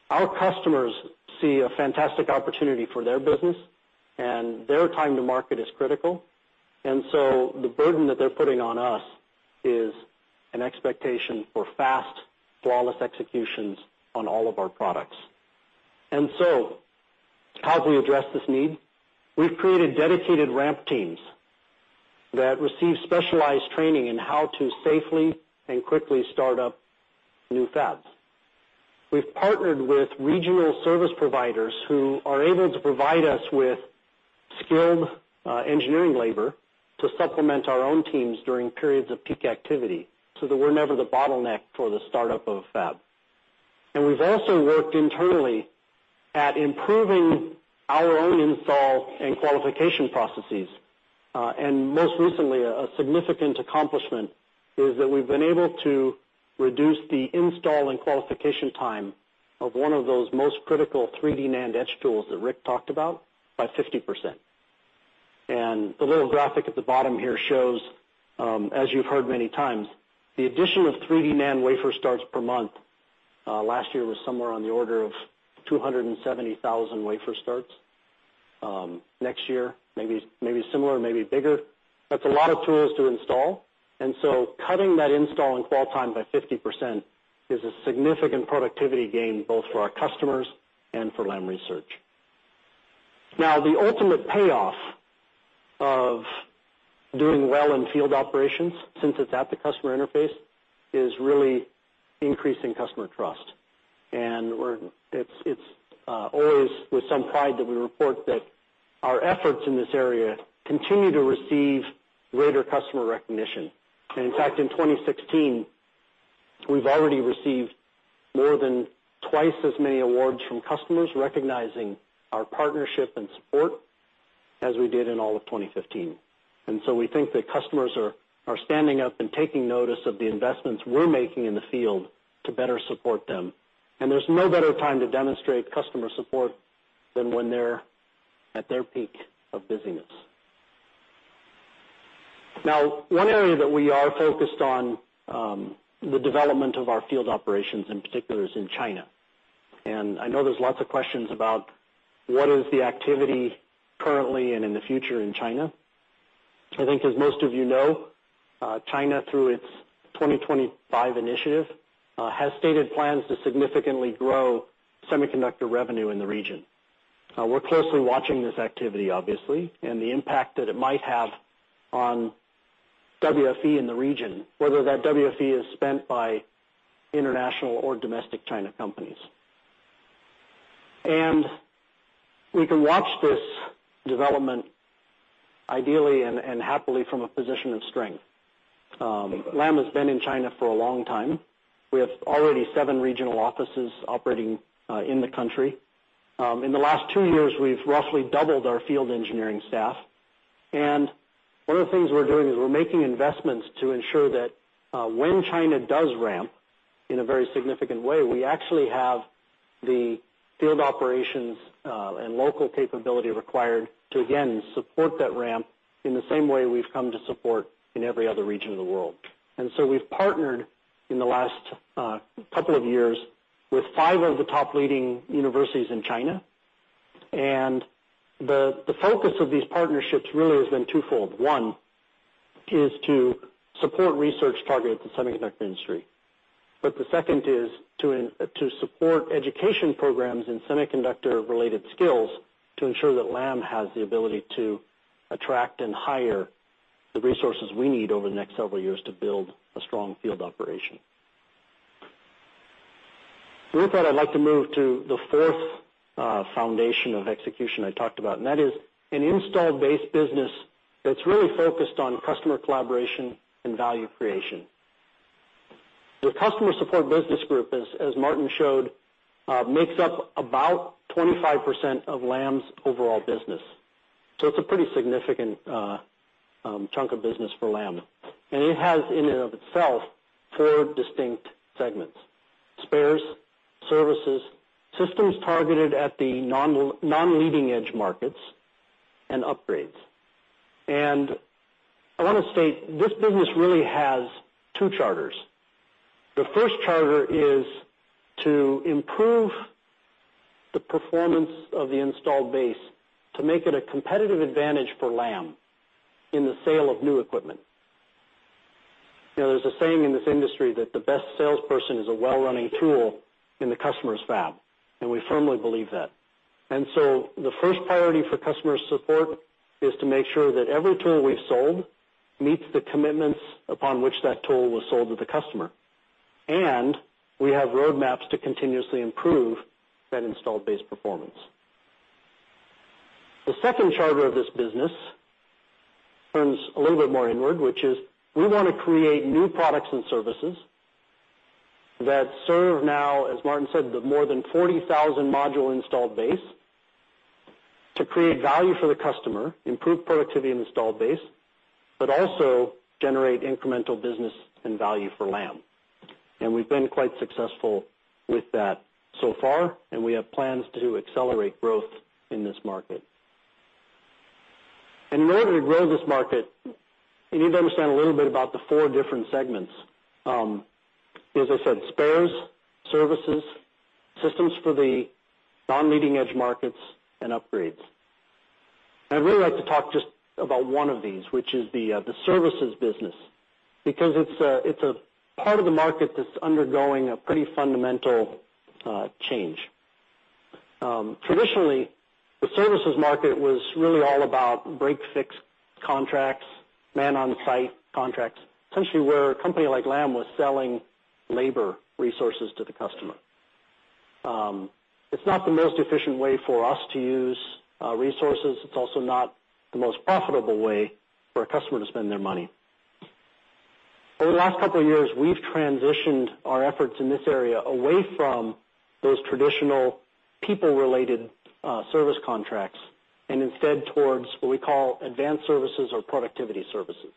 Our customers see a fantastic opportunity for their business, their time to market is critical. The burden that they're putting on us is an expectation for fast, flawless executions on all of our products. How do we address this need? We've created dedicated ramp teams that receive specialized training in how to safely and quickly start up new fabs. We've partnered with regional service providers who are able to provide us with skilled engineering labor to supplement our own teams during periods of peak activity, so that we're never the bottleneck for the startup of a fab. We've also worked internally at improving our own install and qualification processes. Most recently, a significant accomplishment is that we've been able to reduce the install and qualification time of one of those most critical 3D NAND etch tools that Rick talked about, by 50%. The little graphic at the bottom here shows, as you've heard many times, the addition of 3D NAND wafer starts per month, last year was somewhere on the order of 270,000 wafer starts. Next year, maybe similar, maybe bigger. That's a lot of tools to install. Cutting that install and qual time by 50% is a significant productivity gain both for our customers and for Lam Research. Now, the ultimate payoff of doing well in field operations, since it's at the customer interface, is really increasing customer trust. It's always with some pride that we report that our efforts in this area continue to receive greater customer recognition. In fact, in 2016, we've already received more than twice as many awards from customers recognizing our partnership and support as we did in all of 2015. We think that customers are standing up and taking notice of the investments we're making in the field to better support them. There's no better time to demonstrate customer support than when they're at their peak of busyness. Now, one area that we are focused on, the development of our field operations in particular, is in China. I know there's lots of questions about what is the activity currently and in the future in China. I think as most of you know, China, through its 2025 initiative, has stated plans to significantly grow semiconductor revenue in the region. We're closely watching this activity, obviously, and the impact that it might have on WFE in the region, whether that WFE is spent by international or domestic China companies. We can watch this development ideally and happily from a position of strength. Lam has been in China for a long time. We have already seven regional offices operating in the country. In the last two years, we've roughly doubled our field engineering staff. One of the things we're doing is we're making investments to ensure that when China does ramp in a very significant way, we actually have the field operations and local capability required to again support that ramp in the same way we've come to support in every other region of the world. We've partnered in the last couple of years with five of the top leading universities in China. The focus of these partnerships really has been twofold. One is to support research targeted at the semiconductor industry. The second is to support education programs in semiconductor-related skills to ensure that Lam has the ability to attract and hire the resources we need over the next several years to build a strong field operation. With that, I'd like to move to the fourth foundation of execution I talked about, and that is an installed base business that's really focused on customer collaboration and value creation. The customer support business group, as Martin showed, makes up about 25% of Lam's overall business. It's a pretty significant chunk of business for Lam. It has in and of itself four distinct segments, spares, services, systems targeted at the non-leading edge markets, and upgrades. I want to state, this business really has two charters. The first charter is to improve the performance of the installed base to make it a competitive advantage for Lam in the sale of new equipment. There's a saying in this industry that the best salesperson is a well-running tool in the customer's fab, and we firmly believe that. The first priority for customer support is to make sure that every tool we've sold meets the commitments upon which that tool was sold to the customer. We have roadmaps to continuously improve that installed base performance. The second charter of this business turns a little bit more inward, which is we want to create new products and services that serve now, as Martin said, the more than 40,000 module installed base to create value for the customer, improve productivity in the installed base, but also generate incremental business and value for Lam. We've been quite successful with that so far, and we have plans to accelerate growth in this market. In order to grow this market, you need to understand a little bit about the four different segments. As I said, spares, services, systems for the non-leading edge markets, and upgrades. I'd really like to talk just about one of these, which is the services business, because it's a part of the market that's undergoing a pretty fundamental change. Traditionally, the services market was really all about break-fix contracts, man-on-site contracts, essentially where a company like Lam was selling labor resources to the customer. It's not the most efficient way for us to use resources. It's also not the most profitable way for a customer to spend their money. Over the last couple of years, we've transitioned our efforts in this area away from those traditional people-related service contracts, and instead towards what we call advanced services or productivity services.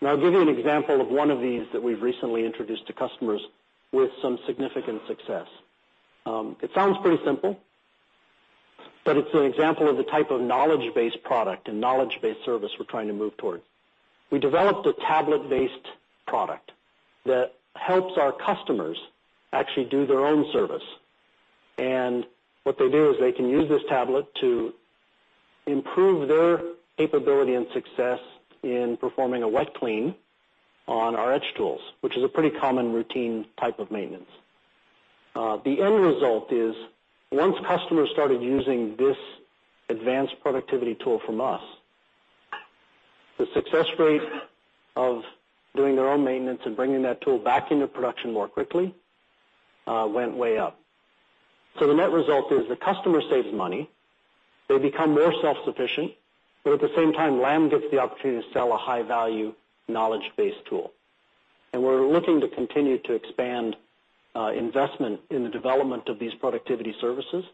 I'll give you an example of one of these that we've recently introduced to customers with some significant success. It sounds pretty simple, but it's an example of the type of knowledge-based product and knowledge-based service we're trying to move towards. We developed a tablet-based product that helps our customers actually do their own service. What they do is they can use this tablet to improve their capability and success in performing a wipe clean on our edge tools, which is a pretty common routine type of maintenance. The end result is, once customers started using this advanced productivity tool from us, the success rate of doing their own maintenance and bringing that tool back into production more quickly went way up. The net result is the customer saves money, they become more self-sufficient, but at the same time, Lam gets the opportunity to sell a high-value knowledge-based tool. We're looking to continue to expand investment in the development of these productivity services.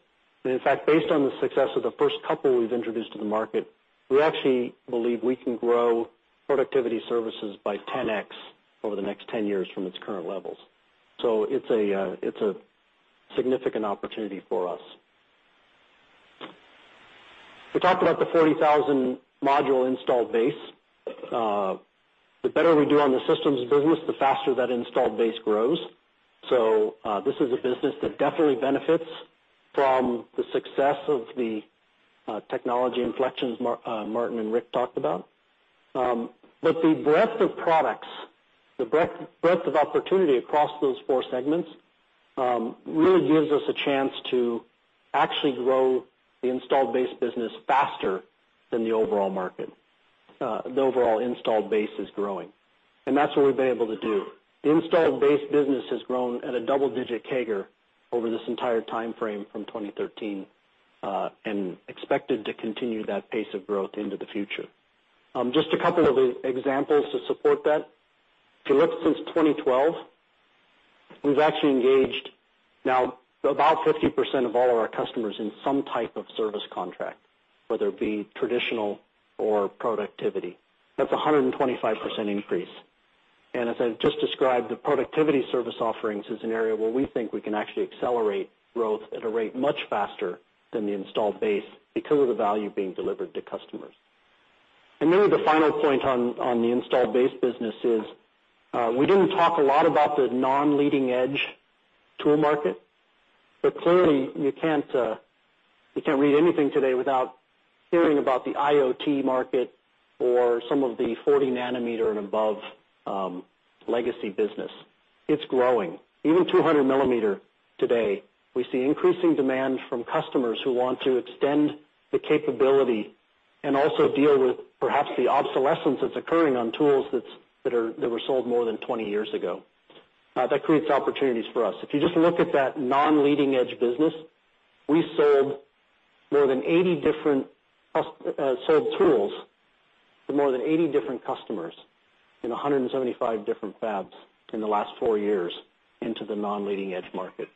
In fact, based on the success of the first couple we've introduced to the market, we actually believe we can grow productivity services by 10X over the next 10 years from its current levels. It's a significant opportunity for us. We talked about the 40,000 module installed base. The better we do on the systems business, the faster that installed base grows. This is a business that definitely benefits from the success of the technology inflections Martin and Rick talked about. The breadth of products, the breadth of opportunity across those four segments, really gives us a chance to actually grow the installed base business faster than the overall market. The overall installed base is growing, and that's what we've been able to do. The installed base business has grown at a double-digit CAGR over this entire timeframe from 2013, and expected to continue that pace of growth into the future. Just a couple of examples to support that. If you look since 2012, we've actually engaged now about 50% of all of our customers in some type of service contract, whether it be traditional or productivity. That's 125% increase. As I just described, the productivity service offerings is an area where we think we can actually accelerate growth at a rate much faster than the installed base because of the value being delivered to customers. Maybe the final point on the installed base business is, we didn't talk a lot about the non-leading edge tool market, but clearly you can't read anything today without hearing about the IoT market or some of the 40 nanometer and above legacy business. It's growing. Even 200 millimeter today, we see increasing demand from customers who want to extend the capability and also deal with perhaps the obsolescence that's occurring on tools that were sold more than 20 years ago. That creates opportunities for us. If you just look at that non-leading edge business, we sold tools to more than 80 different customers in 175 different fabs in the last four years into the non-leading edge market.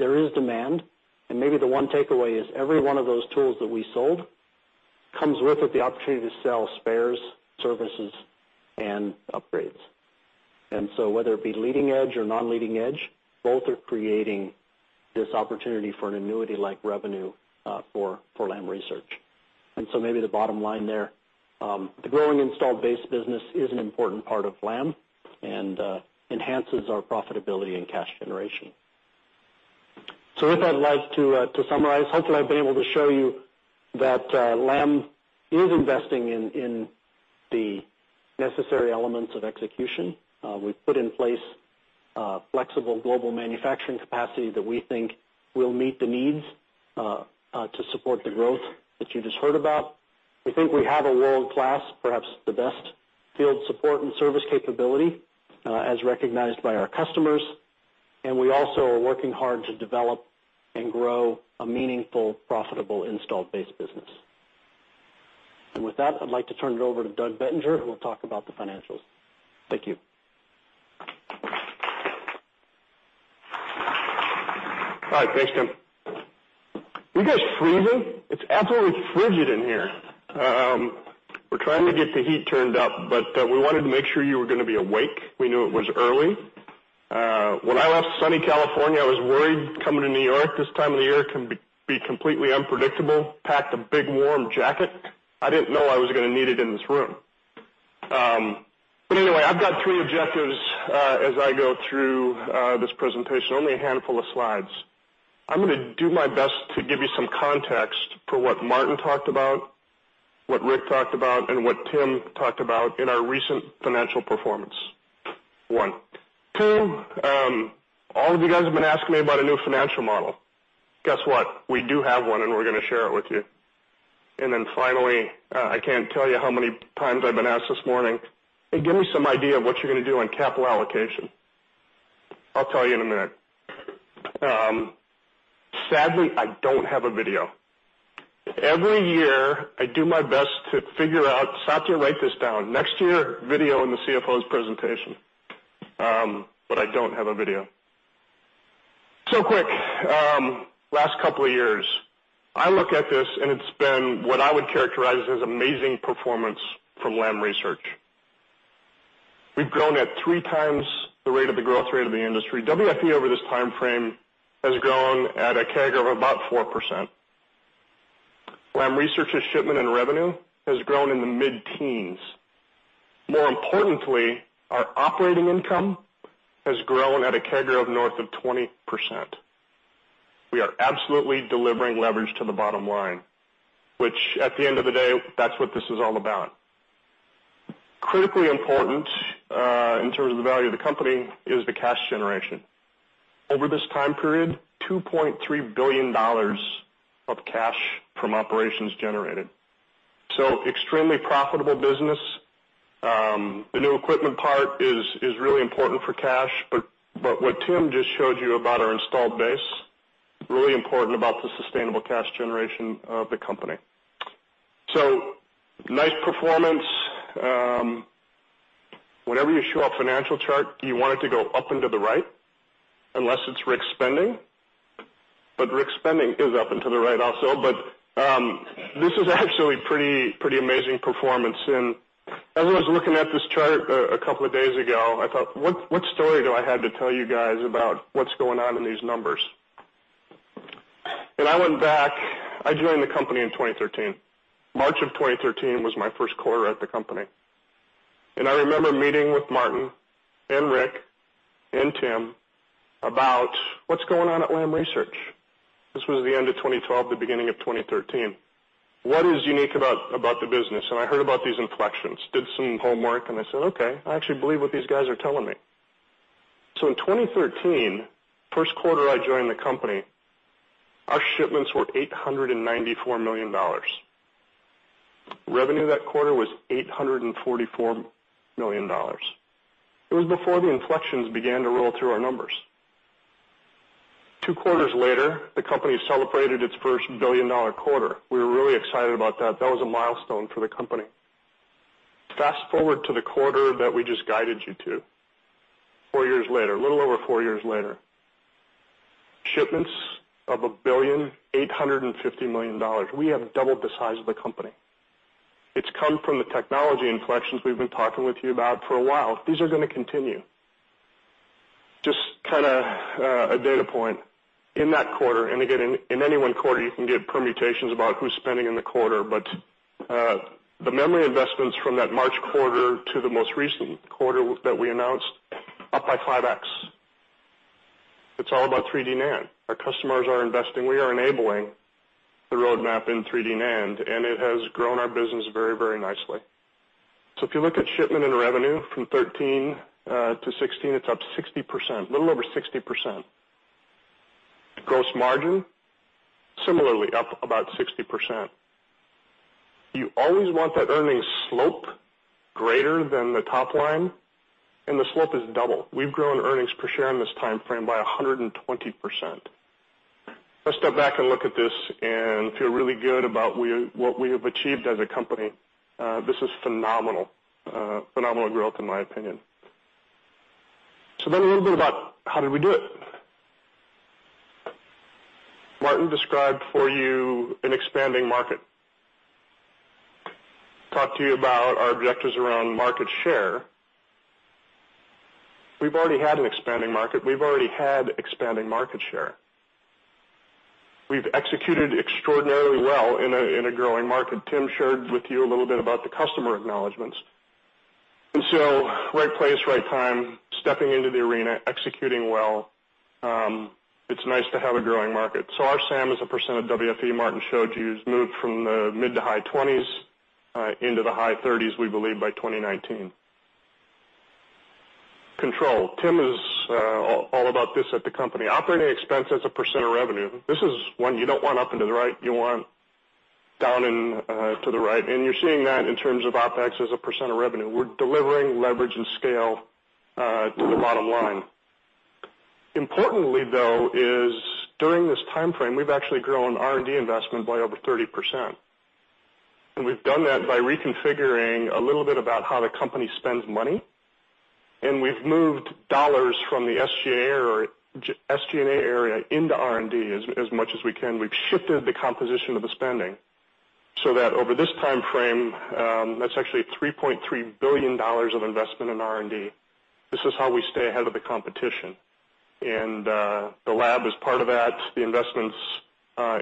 There is demand, and maybe the one takeaway is every one of those tools that we sold comes with it the opportunity to sell spares, services, and upgrades. Whether it be leading edge or non-leading edge, both are creating this opportunity for an annuity-like revenue for Lam Research. Maybe the bottom line there, the growing installed base business is an important part of Lam and enhances our profitability and cash generation. With that, I'd like to summarize. Hopefully, I've been able to show you that Lam is investing in the necessary elements of execution. We've put in place a flexible global manufacturing capacity that we think will meet the needs to support the growth that you just heard about. We think we have a world-class, perhaps the best field support and service capability, as recognized by our customers. We also are working hard to develop and grow a meaningful, profitable installed base business. With that, I'd like to turn it over to Doug Bettinger, who will talk about the financials. Thank you. All right. Thanks, Tim. Are you guys freezing? It's absolutely frigid in here. We're trying to get the heat turned up, but we wanted to make sure you were going to be awake. We knew it was early. When I left sunny California, I was worried coming to New York. This time of the year can be completely unpredictable. Packed a big, warm jacket. I didn't know I was going to need it in this room. Anyway, I've got three objectives as I go through this presentation. Only a handful of slides. I'm going to do my best to give you some context for what Martin talked about, what Rick talked about, and what Tim talked about in our recent financial performance, one. Two, all of you guys have been asking me about a new financial model. Guess what? We do have one, and we're going to share it with you. Finally, I can't tell you how many times I've been asked this morning, "Hey, give me some idea of what you're going to do on capital allocation." I'll tell you in a minute. Sadly, I don't have a video. Every year, I do my best to figure out. Satya, write this down. Next year, video in the CFO's presentation. I don't have a video. Quick, last couple of years. I look at this, and it's been what I would characterize as amazing performance from Lam Research. We've grown at three times the rate of the growth rate of the industry. WFE over this time frame has grown at a CAGR of about 4%. Lam Research's shipment and revenue has grown in the mid-teens. More importantly, our operating income has grown at a CAGR of north of 20%. We are absolutely delivering leverage to the bottom line, which at the end of the day, that's what this is all about. Critically important, in terms of the value of the company, is the cash generation. Over this time period, $2.3 billion of cash from operations generated. Extremely profitable business. The new equipment part is really important for cash, but what Tim just showed you about our installed base, really important about the sustainable cash generation of the company. Nice performance. Whenever you show a financial chart, you want it to go up and to the right, unless it's Rick's spending. Rick's spending is up and to the right also. This is actually pretty amazing performance. As I was looking at this chart a couple of days ago, I thought, "What story do I have to tell you guys about what's going on in these numbers?" I went back. I joined the company in 2013. March of 2013 was my first quarter at the company. I remember meeting with Martin and Rick and Tim about what's going on at Lam Research. This was the end of 2012, the beginning of 2013. What is unique about the business? I heard about these inflections, did some homework, and I said, "Okay, I actually believe what these guys are telling me." In 2013, first quarter I joined the company, our shipments were $894 million. Revenue that quarter was $844 million. It was before the inflections began to roll through our numbers. Two quarters later, the company celebrated its first billion-dollar quarter. We were really excited about that. That was a milestone for the company. Fast-forward to the quarter that we just guided you to, four years later, a little over four years later. Shipments of a billion, $850 million. We have doubled the size of the company. It's come from the technology inflections we've been talking with you about for a while. These are going to continue. Just kind of a data point. In that quarter, and again, in any one quarter, you can get permutations about who's spending in the quarter. The memory investments from that March quarter to the most recent quarter that we announced, up by 5X. It's all about 3D NAND. Our customers are investing. We are enabling the roadmap in 3D NAND, and it has grown our business very nicely. If you look at shipment and revenue from 2013 to 2016, it's up 60%, a little over 60%. Gross margin, similarly up about 60%. You always want that earnings slope greater than the top line, and the slope is double. We've grown earnings per share in this time frame by 120%. Let's step back and look at this and feel really good about what we have achieved as a company. This is phenomenal growth in my opinion. A little bit about how did we do it. Martin described for you an expanding market. Talked to you about our objectives around market share. We've already had an expanding market. We've already had expanding market share. We've executed extraordinarily well in a growing market. Tim shared with you a little bit about the customer acknowledgments. Right place, right time, stepping into the arena, executing well. It's nice to have a growing market. Our SAM as a percent of WFE, Martin showed you, has moved from the mid to high 20s into the high 30s, we believe, by 2019. Control. Tim is all about this at the company. Operating expense as a percent of revenue. This is one you don't want up and to the right. You want down and to the right, and you're seeing that in terms of OpEx as a percent of revenue. We're delivering leverage and scale to the bottom line. Importantly, though, is during this time frame, we've actually grown R&D investment by over 30%. We've done that by reconfiguring a little bit about how the company spends money, and we've moved dollars from the SG&A area into R&D as much as we can. We've shifted the composition of the spending so that over this timeframe, that's actually $3.3 billion of investment in R&D. This is how we stay ahead of the competition. The lab is part of that. The investments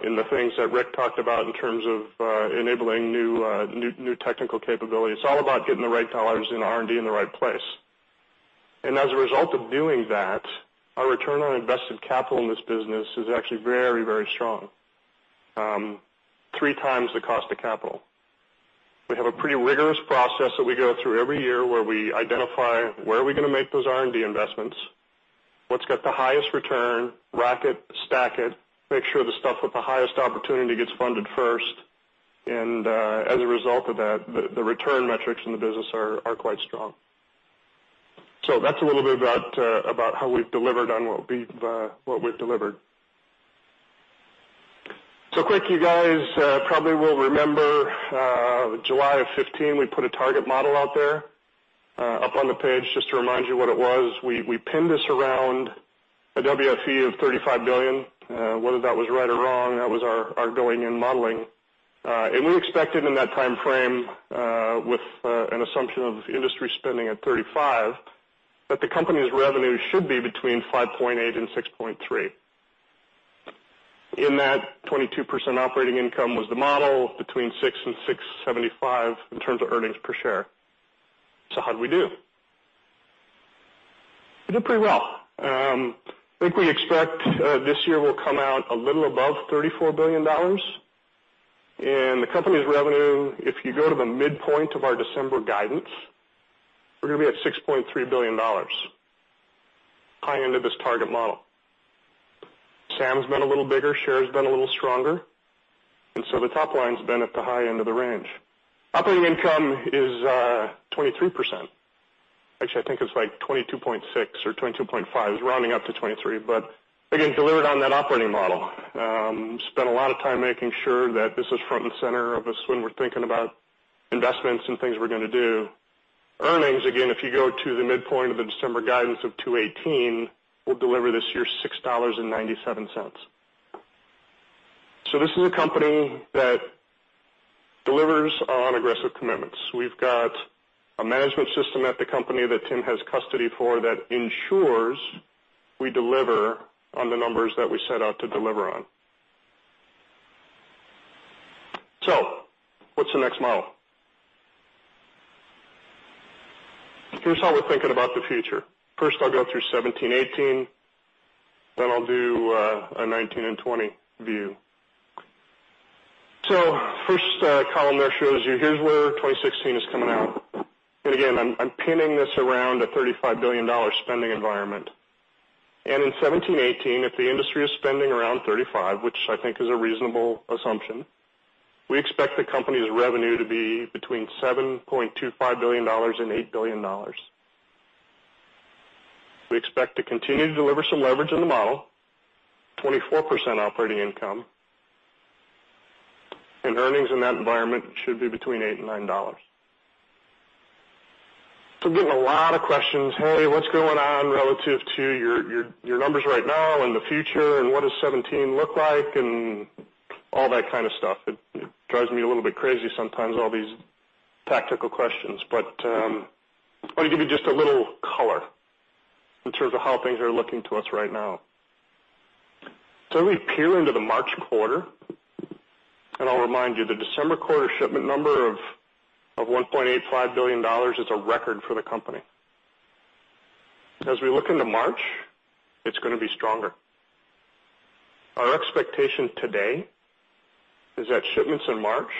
in the things that Rick talked about in terms of enabling new technical capability. It's all about getting the right dollars in R&D in the right place. As a result of doing that, our return on invested capital in this business is actually very strong. Three times the cost of capital. We have a pretty rigorous process that we go through every year where we identify where are we going to make those R&D investments, what's got the highest return, rack it, stack it, make sure the stuff with the highest opportunity gets funded first. As a result of that, the return metrics in the business are quite strong. That's a little bit about how we've delivered on what we've delivered. Quick, you guys probably will remember, July of 2015, we put a target model out there up on the page just to remind you what it was. We pinned this around a WFE of $35 billion. Whether that was right or wrong, that was our going in modeling. We expected in that timeframe, with an assumption of industry spending at $35 billion, that the company's revenue should be between $5.8 billion and $6.3 billion. In that, 22% operating income was the model between $6 and $6.75 in terms of earnings per share. How'd we do? We did pretty well. I think we expect this year we'll come out a little above $34 billion. The company's revenue, if you go to the midpoint of our December guidance, we're going to be at $6.3 billion. High end of this target model. SAM's been a little bigger, share has been a little stronger, the top line's been at the high end of the range. Operating income is 23%. Actually, I think it's like 22.6 or 22.5. It's rounding up to 23. Again, delivered on that operating model. Spent a lot of time making sure that this is front and center of us when we're thinking about investments and things we're going to do. Earnings, again, if you go to the midpoint of the December guidance of $2.18, we'll deliver this year $6.97. This is a company that delivers on aggressive commitments. We've got a management system at the company that Tim has custody for that ensures we deliver on the numbers that we set out to deliver on. What's the next model? Here's how we're thinking about the future. First I'll go through 2017, 2018, then I'll do a 2019 and 2020 view. First column there shows you, here's where 2016 is coming out. Again, I'm pinning this around a $35 billion spending environment. In 2017, 2018, if the industry is spending around $35 billion, which I think is a reasonable assumption, we expect the company's revenue to be between $7.25 billion and $8 billion. We expect to continue to deliver some leverage in the model, 24% operating income, and earnings in that environment should be between $8 and $9. Getting a lot of questions, "Hey, what's going on relative to your numbers right now and the future, and what does 2017 look like?" All that kind of stuff. It drives me a little bit crazy sometimes, all these tactical questions. I'll give you just a little color in terms of how things are looking to us right now. We peer into the March quarter, I'll remind you, the December quarter shipment number of $1.85 billion is a record for the company. As we look into March, it's going to be stronger. Our expectation today is that shipments in March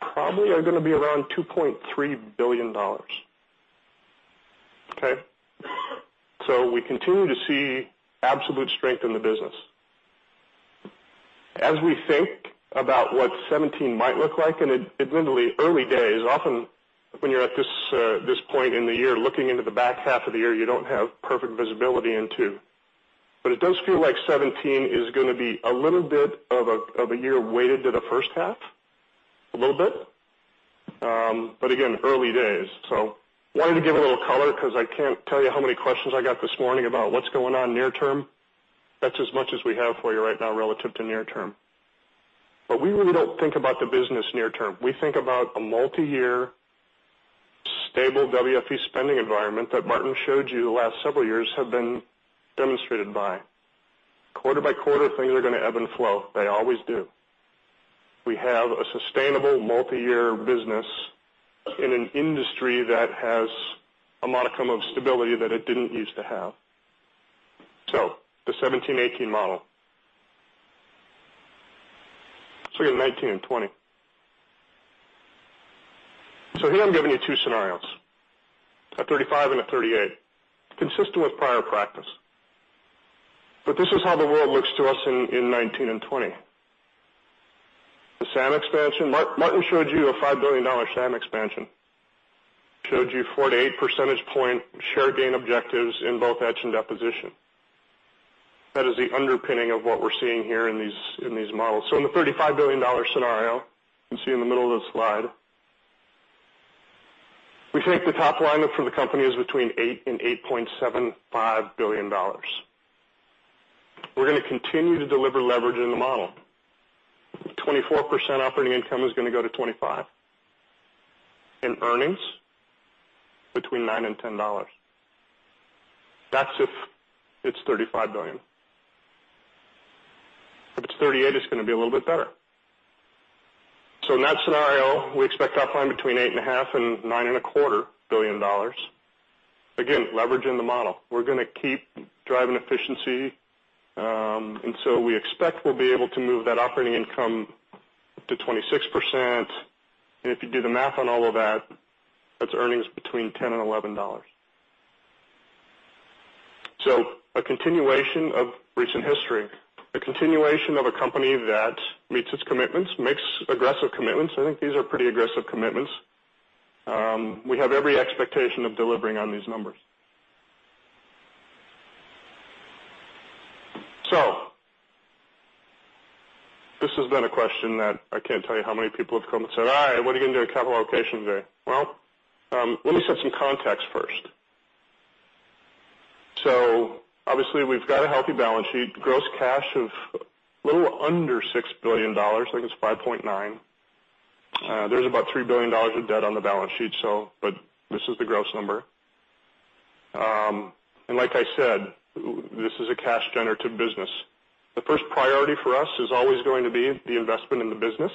probably are going to be around $2.3 billion. Okay. We continue to see absolute strength in the business. As we think about what 2017 might look like, admittedly, early days, often when you're at this point in the year, looking into the back half of the year, you don't have perfect visibility into. It does feel like 2017 is going to be a little bit of a year weighted to the first half, a little bit. Again, early days. Wanted to give a little color because I can't tell you how many questions I got this morning about what's going on near term. That's as much as we have for you right now relative to near term. We really don't think about the business near term. We think about a multi-year, stable WFE spending environment that Martin showed you the last several years have been demonstrated by. Quarter by quarter, things are going to ebb and flow. They always do. We have a sustainable multi-year business in an industry that has a modicum of stability that it didn't use to have. The 2017, 2018 model. Let's look at 2019 and 2020. Here I'm giving you two scenarios, a $35 billion and a $38 billion, consistent with prior practice. This is how the world looks to us in 2019 and 2020. The SAM expansion. Martin showed you a $5 billion SAM expansion. Showed you 48 percentage point share gain objectives in both etch and deposition. That is the underpinning of what we're seeing here in these models. In the $35 billion scenario, you can see in the middle of the slide. We think the top line for the company is between $8 and $8.75 billion. We're going to continue to deliver leverage in the model. 24% operating income is going to go to 25. Earnings, between $9 and $10. That's if it's $35 billion. If it's $38, it's going to be a little bit better. In that scenario, we expect top line between eight and a half and nine and a quarter billion dollars. Again, leverage in the model. We're going to keep driving efficiency. We expect we'll be able to move that operating income to 26%. If you do the math on all of that's earnings between $10 and $11. A continuation of recent history. A continuation of a company that meets its commitments, makes aggressive commitments. I think these are pretty aggressive commitments. We have every expectation of delivering on these numbers. This has been a question that I can't tell you how many people have come and said, "All right, what are you going to do with capital allocation today?" Well, let me set some context first. Obviously we've got a healthy balance sheet. Gross cash of a little under $6 billion. I think it's 5.9. There's about $3 billion of debt on the balance sheet, but this is the gross number. Like I said, this is a cash generative business. The first priority for us is always going to be the investment in the business.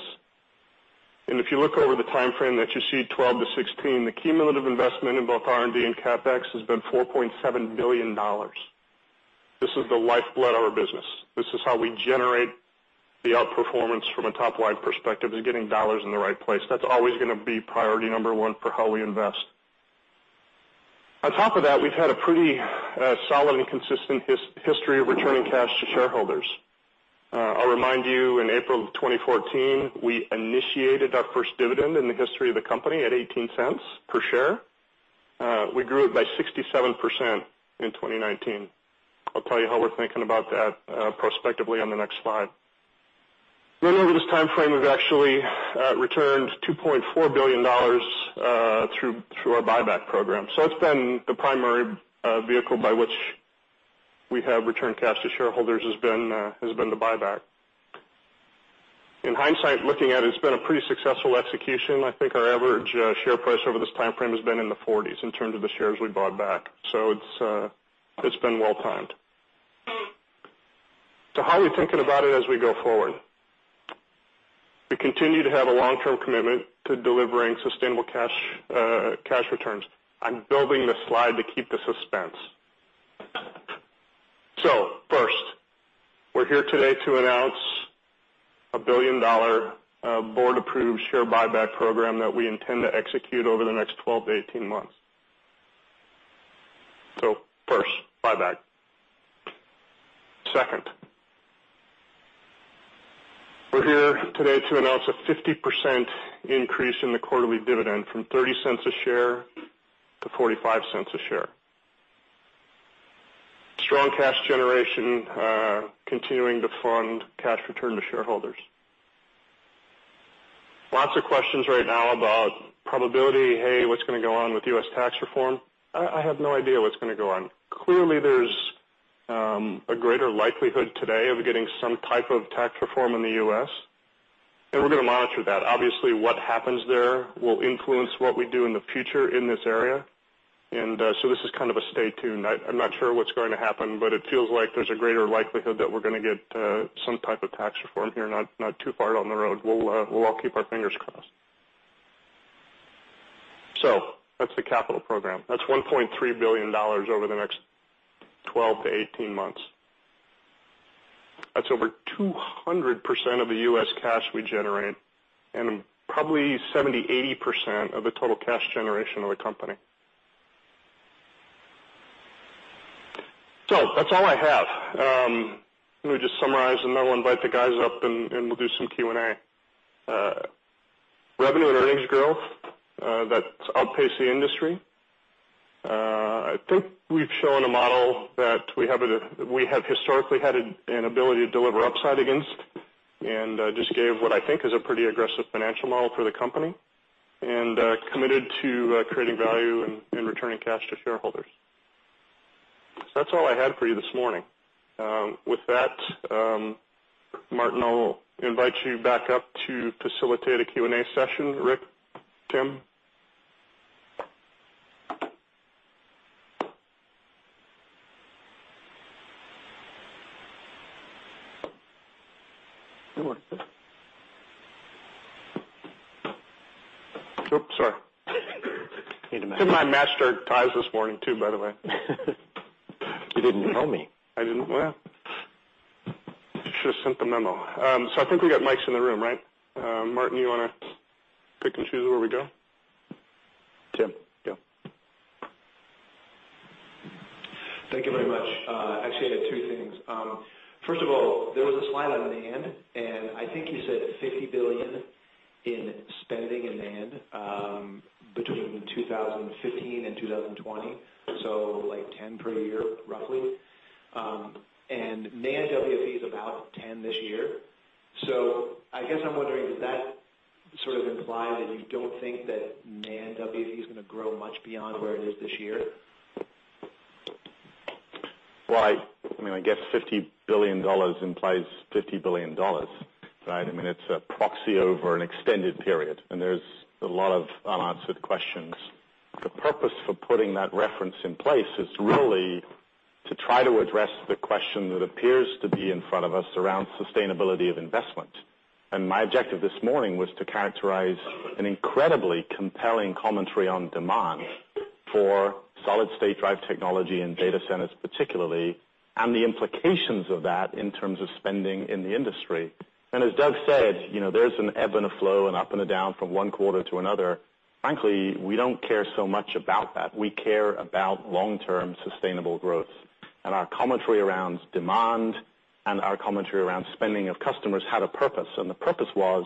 If you look over the timeframe that you see, 2012 to 2016, the cumulative investment in both R&D and CapEx has been $4.7 billion. This is the lifeblood of our business. This is how we generate the outperformance from a top-line perspective is getting dollars in the right place. That's always going to be priority number 1 for how we invest. On top of that, we've had a pretty solid and consistent history of returning cash to shareholders. I'll remind you, in April of 2014, we initiated our first dividend in the history of the company at $0.18 per share. We grew it by 67% in 2019. I'll tell you how we're thinking about that prospectively on the next slide. Over this timeframe, we've actually returned $2.4 billion through our buyback program. It's been the primary vehicle by which we have returned cash to shareholders, has been the buyback. In hindsight, looking at it's been a pretty successful execution. I think our average share price over this timeframe has been in the 40s in terms of the shares we bought back. It's been well-timed. How are we thinking about it as we go forward? We continue to have a long-term commitment to delivering sustainable cash returns. I'm building this slide to keep the suspense. First, we're here today to announce a billion-dollar board-approved share buyback program that we intend to execute over the next 12 to 18 months. First, buyback. Second, we're here today to announce a 50% increase in the quarterly dividend from $0.30 a share to $0.45 a share. Strong cash generation continuing to fund cash return to shareholders. Lots of questions right now about probability. Hey, what's going to go on with U.S. tax reform? I have no idea what's going to go on. Clearly, there's a greater likelihood today of getting some type of tax reform in the U.S., and we're going to monitor that. Obviously, what happens there will influence what we do in the future in this area. This is kind of a stay tuned. I'm not sure what's going to happen, but it feels like there's a greater likelihood that we're going to get some type of tax reform here, not too far down the road. We'll all keep our fingers crossed. That's the capital program. That's $1.3 billion over the next 12 to 18 months. That's over 200% of the U.S. cash we generate, and probably 70%-80% of the total cash generation of the company. That's all I have. Let me just summarize and then we'll invite the guys up, and we'll do some Q&A. Revenue and earnings growth that outpace the industry. I think we've shown a model that we have historically had an ability to deliver upside against, and just gave what I think is a pretty aggressive financial model for the company, and committed to creating value and returning cash to shareholders. That's all I had for you this morning. With that, Martin, I'll invite you back up to facilitate a Q&A session. Rick, Tim. Oops, sorry. Need to match. Me and Matt matched our ties this morning too, by the way. You didn't tell me. I didn't? Well. I think we got mics in the room, right? Martin, you want to pick and choose where we go? Tim, go. Thank you very much. Actually, I had two things. First of all, there was a slide on the end, and I think you said $50 billion in spending in NAND between 2015 and 2020, so 10 per year roughly. NAND WFE is about 10 this year. I guess I'm wondering, does that sort of imply that you don't think that NAND WFE is going to grow much beyond where it is this year? Well, I guess $50 billion implies $50 billion, right? It's a proxy over an extended period. There's a lot of unanswered questions. The purpose for putting that reference in place is really to try to address the question that appears to be in front of us around sustainability of investment. My objective this morning was to characterize an incredibly compelling commentary on demand for solid-state drive technology in data centers particularly, and the implications of that in terms of spending in the industry. As Doug said, there's an ebb and a flow, an up and a down from one quarter to another. Frankly, we don't care so much about that. We care about long-term sustainable growth. Our commentary around demand and our commentary around spending of customers had a purpose, and the purpose was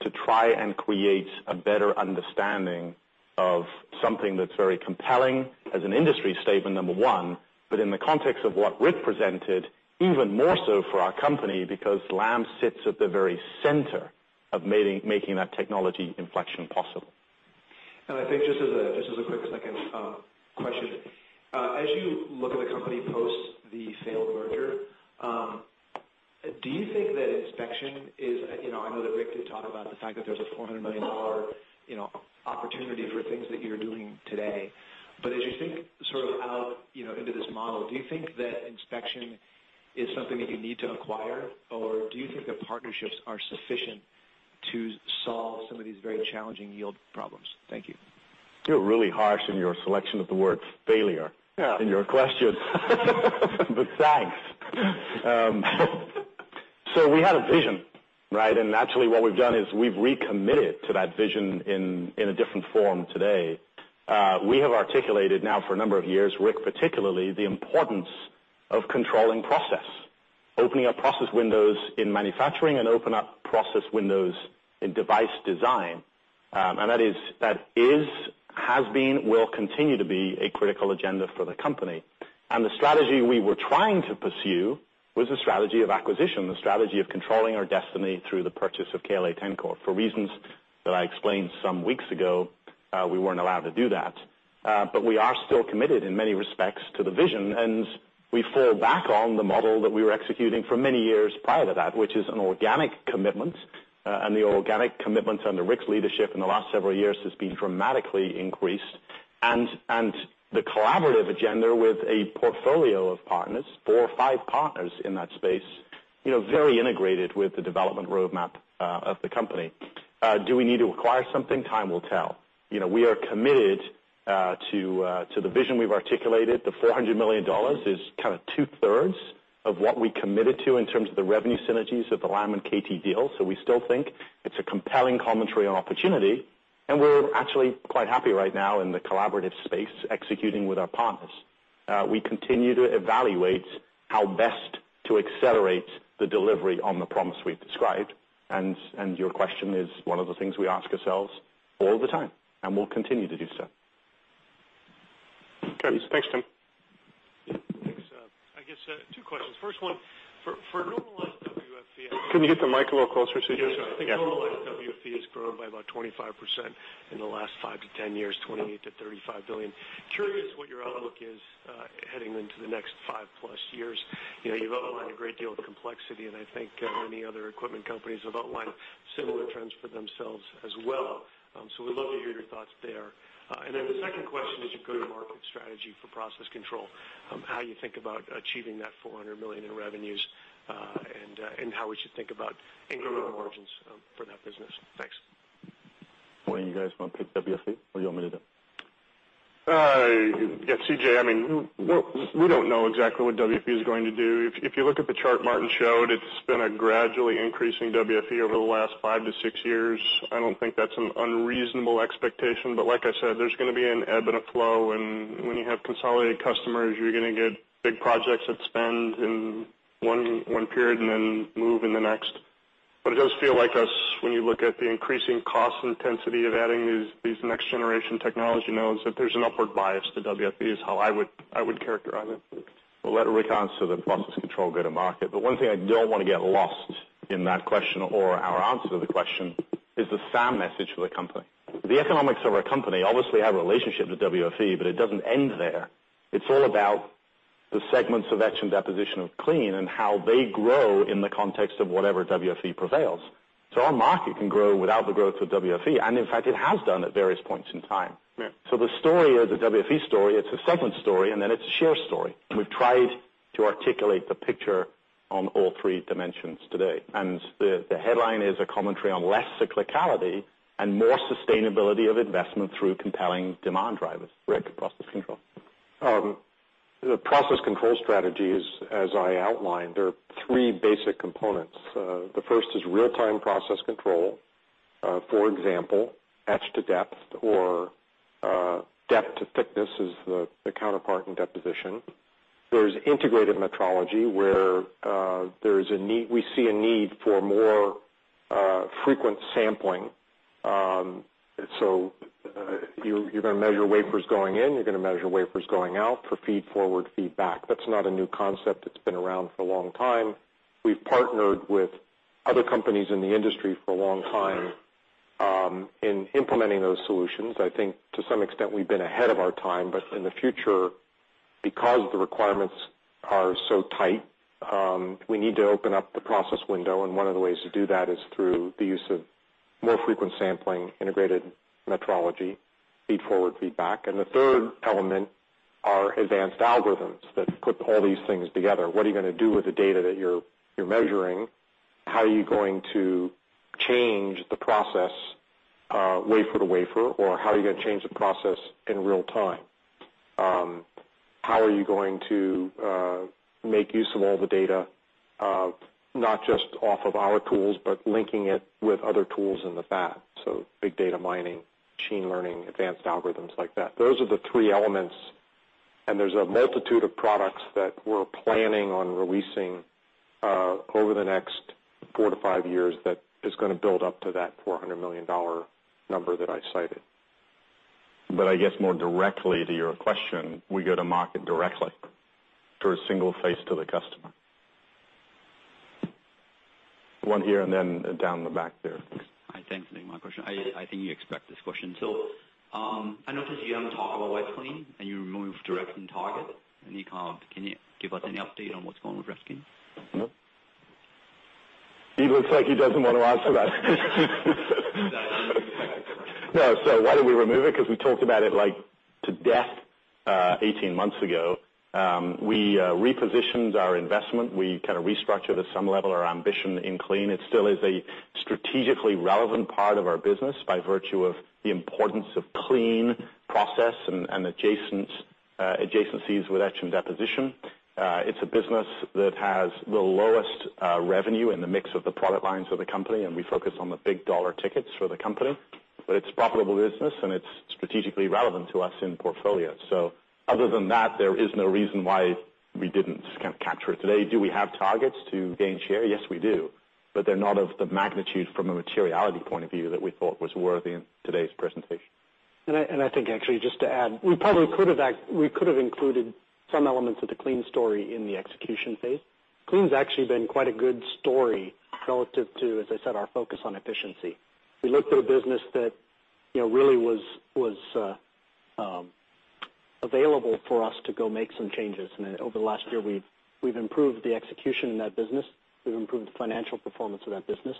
to try and create a better understanding of something that's very compelling as an industry statement, number one, but in the context of what Rick presented, even more so for our company, because Lam sits at the very center of making that technology inflection possible. I think just as a quick second question. As you look at the company post the failed merger, do you think that inspection is, I know that Rick did talk about the fact that there's a $400 million opportunity for things that you're doing today. As you think sort of out into this model, do you think that inspection is something that you need to acquire, or do you think that partnerships are sufficient to solve some of these very challenging yield problems? Thank you. You're really harsh in your selection of the word failure. Yeah in your question. Thanks. We had a vision, right. Naturally what we've done is we've recommitted to that vision in a different form today. We have articulated now for a number of years, Rick particularly, the importance of controlling process, opening up process windows in manufacturing and open up process windows in device design. That is, has been, will continue to be a critical agenda for the company. The strategy we were trying to pursue was a strategy of acquisition, the strategy of controlling our destiny through the purchase of KLA-Tencor. For reasons that I explained some weeks ago, we weren't allowed to do that. We are still committed in many respects to the vision, and we fall back on the model that we were executing for many years prior to that, which is an organic commitment. The organic commitment under Rick's leadership in the last several years has been dramatically increased, the collaborative agenda with a portfolio of partners, four or five partners in that space, very integrated with the development roadmap of the company. Do we need to acquire something? Time will tell. We are committed to the vision we've articulated. The $400 million is kind of two-thirds of what we committed to in terms of the revenue synergies of the Lam and K.T. deal. We still think it's a compelling commentary on opportunity, and we're actually quite happy right now in the collaborative space executing with our partners. We continue to evaluate how best to accelerate the delivery on the promise we've described, your question is one of the things we ask ourselves all the time, and we'll continue to do so. Okay. Thanks, Tim. Thanks. I guess two questions. First one, for normalized WFE- Can you get the mic a little closer, C.J.? Yeah, sorry. I think normalized WFE has grown by about 25% in the last five to 10 years, $28 billion-$35 billion. Curious what your outlook is heading into the next five-plus years. You've outlined a great deal of complexity, and I think many other equipment companies have outlined similar trends for themselves as well. Would love to hear your thoughts there. The second question is your go-to-market strategy for process control, how you think about achieving that $400 million in revenues, and how we should think about anchoring margins for that business. Thanks. One of you guys want to take WFE, or you want me to do it? Yeah, CJ, we don't know exactly what WFE is going to do. If you look at the chart Martin showed, it's been a gradually increasing WFE over the last five to six years. I don't think that's an unreasonable expectation, but like I said, there's going to be an ebb and a flow, and when you have consolidated customers, you're going to get big projects that spend in one period and then move in the next. It does feel like when you look at the increasing cost intensity of adding these next-generation technology nodes, that there's an upward bias to WFE is how I would characterize it. I'll let Rick answer the process control go to market, but one thing I don't want to get lost in that question or our answer to the question is the SAM message for the company. The economics of our company obviously have a relationship to WFE, but it doesn't end there. It's all about the segments of etch and deposition of clean and how they grow in the context of whatever WFE prevails. Our market can grow without the growth of WFE, and in fact, it has done at various points in time. Yeah. The story is a WFE story, it's a segment story, it's a share story. We've tried to articulate the picture on all three dimensions today. The headline is a commentary on less cyclicality and more sustainability of investment through compelling demand drivers. Rick, process control. The process control strategies, as I outlined, there are three basic components. The first is real-time process control. For example, etch to depth or depth to thickness is the counterpart in deposition. There's integrated metrology, where we see a need for more frequent sampling. You're going to measure wafers going in, you're going to measure wafers going out for feed forward feedback. That's not a new concept. It's been around for a long time. We've partnered with other companies in the industry for a long time in implementing those solutions. I think to some extent, we've been ahead of our time, but in the future, because the requirements are so tight, we need to open up the process window, one of the ways to do that is through the use of more frequent sampling, integrated metrology, feed forward feedback. The third element are advanced algorithms that put all these things together. What are you going to do with the data that you're measuring? How are you going to change the process wafer to wafer? How are you going to change the process in real time? How are you going to make use of all the data, not just off of our tools, but linking it with other tools in the back? Big data mining, machine learning, advanced algorithms like that. Those are the three elements, there's a multitude of products that we're planning on releasing over the next four to five years that is going to build up to that $400 million number that I cited. I guess more directly to your question, we go to market directly through a single face to the customer. One here, then down the back there. Thanks for taking my question. I think you expect this question. I noticed you haven't talked about Wet Clean and you removed Direct and Target. Any comment, can you give us any update on what's going with Wet Clean? He looks like he doesn't want to answer that. No. Why did we remove it? Because we talked about it like to death 18 months ago. We repositioned our investment. We restructured at some level our ambition in Clean. It still is a strategically relevant part of our business by virtue of the importance of clean process and adjacencies with etch and deposition. It's a business that has the lowest revenue in the mix of the product lines of the company, we focus on the big dollar tickets for the company. It's profitable business and it's strategically relevant to us in portfolio. Other than that, there is no reason why we didn't kind of capture it today. Do we have targets to gain share? Yes, we do, they're not of the magnitude from a materiality point of view that we thought was worthy in today's presentation. I think actually, just to add, we probably could have included some elements of the Clean story in the execution phase. Clean's actually been quite a good story relative to, as I said, our focus on efficiency. We looked at a business that really was available for us to go make some changes. Over the last year, we've improved the execution in that business, we've improved the financial performance of that business,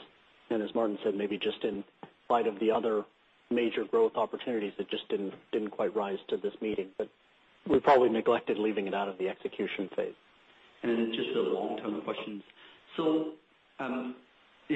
and as Martin said, maybe just in light of the other major growth opportunities, that just didn't quite rise to this meeting. We probably neglected leaving it out of the execution phase. Just a long-term question. A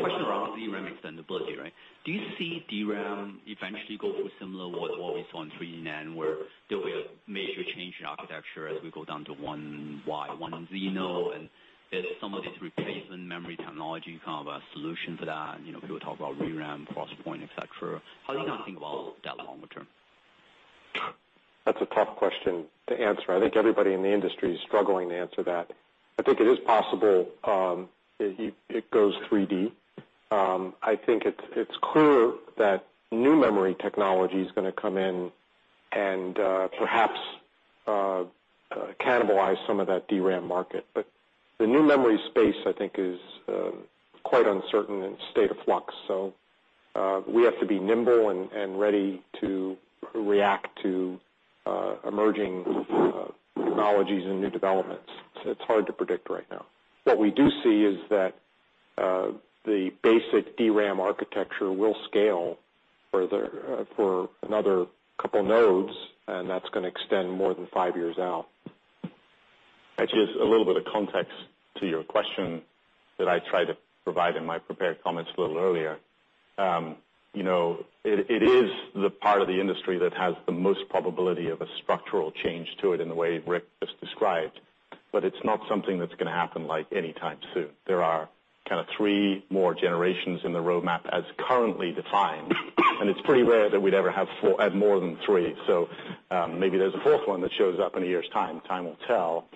question around DRAM extendibility. Do you see DRAM eventually go through similar what we saw in 3D NAND, where there'll be a major change in architecture as we go down to 1Y, 1Z node, and there's some of this replacement memory technology kind of a solution to that, and people talk about ReRAM, XPoint, et cetera. How are you now thinking about that longer term? That's a tough question to answer. I think everybody in the industry is struggling to answer that. I think it is possible it goes 3D. I think it's clear that new memory technology is going to come in and perhaps cannibalize some of that DRAM market. The new memory space, I think is quite uncertain and in a state of flux. We have to be nimble and ready to react to emerging technologies and new developments. It's hard to predict right now. What we do see is that the basic DRAM architecture will scale further for another couple nodes, and that's going to extend more than five years out. Actually, just a little bit of context to your question that I tried to provide in my prepared comments a little earlier. It is the part of the industry that has the most probability of a structural change to it in the way Rick just described, it's not something that's going to happen anytime soon. There are kind of three more generations in the roadmap as currently defined, and it's pretty rare that we'd ever have more than three. Maybe there's a fourth one that shows up in a year's time. Time will tell.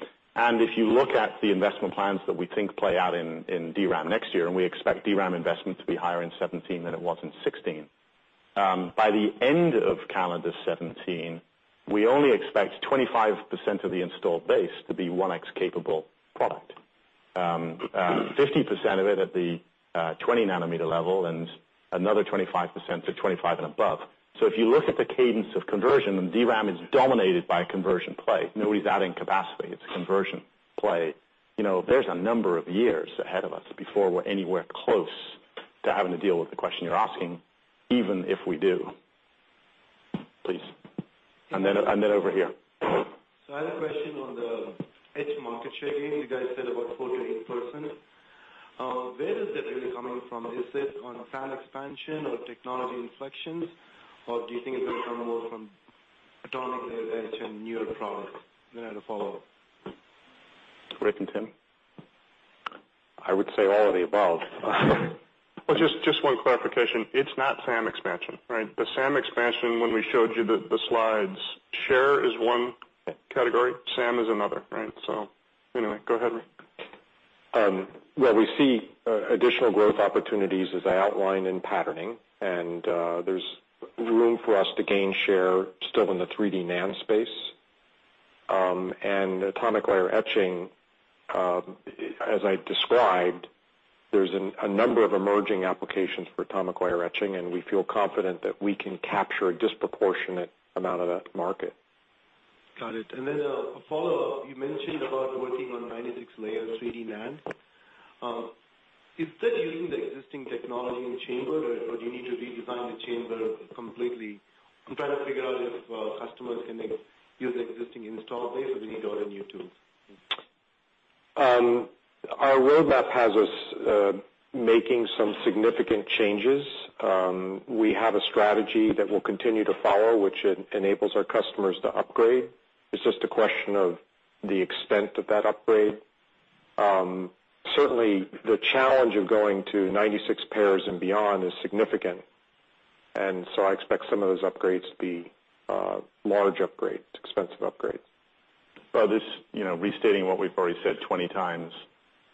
If you look at the investment plans that we think play out in DRAM next year, and we expect DRAM investment to be higher in 2017 than it was in 2016. By the end of calendar 2017, we only expect 25% of the installed base to be 1X capable product. 50% of it at the 20 nanometer level and another 25% to 25 and above. If you look at the cadence of conversion, and DRAM is dominated by conversion play, nobody's adding capacity, it's a conversion play. There's a number of years ahead of us before we're anywhere close to having to deal with the question you're asking, even if we do. Please. Then over here. I had a question on the etch market share gain. You guys said about 48%. Where is that really coming from? Is it on fan expansion or technology inflections, or do you think it will come more from atomic layer etch and newer products? I had a follow-up. Rick and Tim? I would say all of the above. Well, just one clarification. It's not SAM expansion, right? The SAM expansion, when we showed you the slides, share is one category, SAM is another, right? Anyway, go ahead, Rick. Where we see additional growth opportunities, as I outlined, in patterning, there's room for us to gain share still in the 3D NAND space. Atomic layer etching, as I described, there's a number of emerging applications for atomic layer etching, and we feel confident that we can capture a disproportionate amount of that market. Got it. A follow-up. You mentioned about working on 96-layer 3D NAND. Is that using the existing technology and chamber, or do you need to redesign the chamber completely? I'm trying to figure out if customers can use the existing install base, or do they need all new tools? Our roadmap has us making some significant changes. We have a strategy that we'll continue to follow, which enables our customers to upgrade. It's just a question of the extent of that upgrade. Certainly, the challenge of going to 96 pairs and beyond is significant, I expect some of those upgrades to be large upgrades, expensive upgrades. Well, this, restating what we've already said 20 times,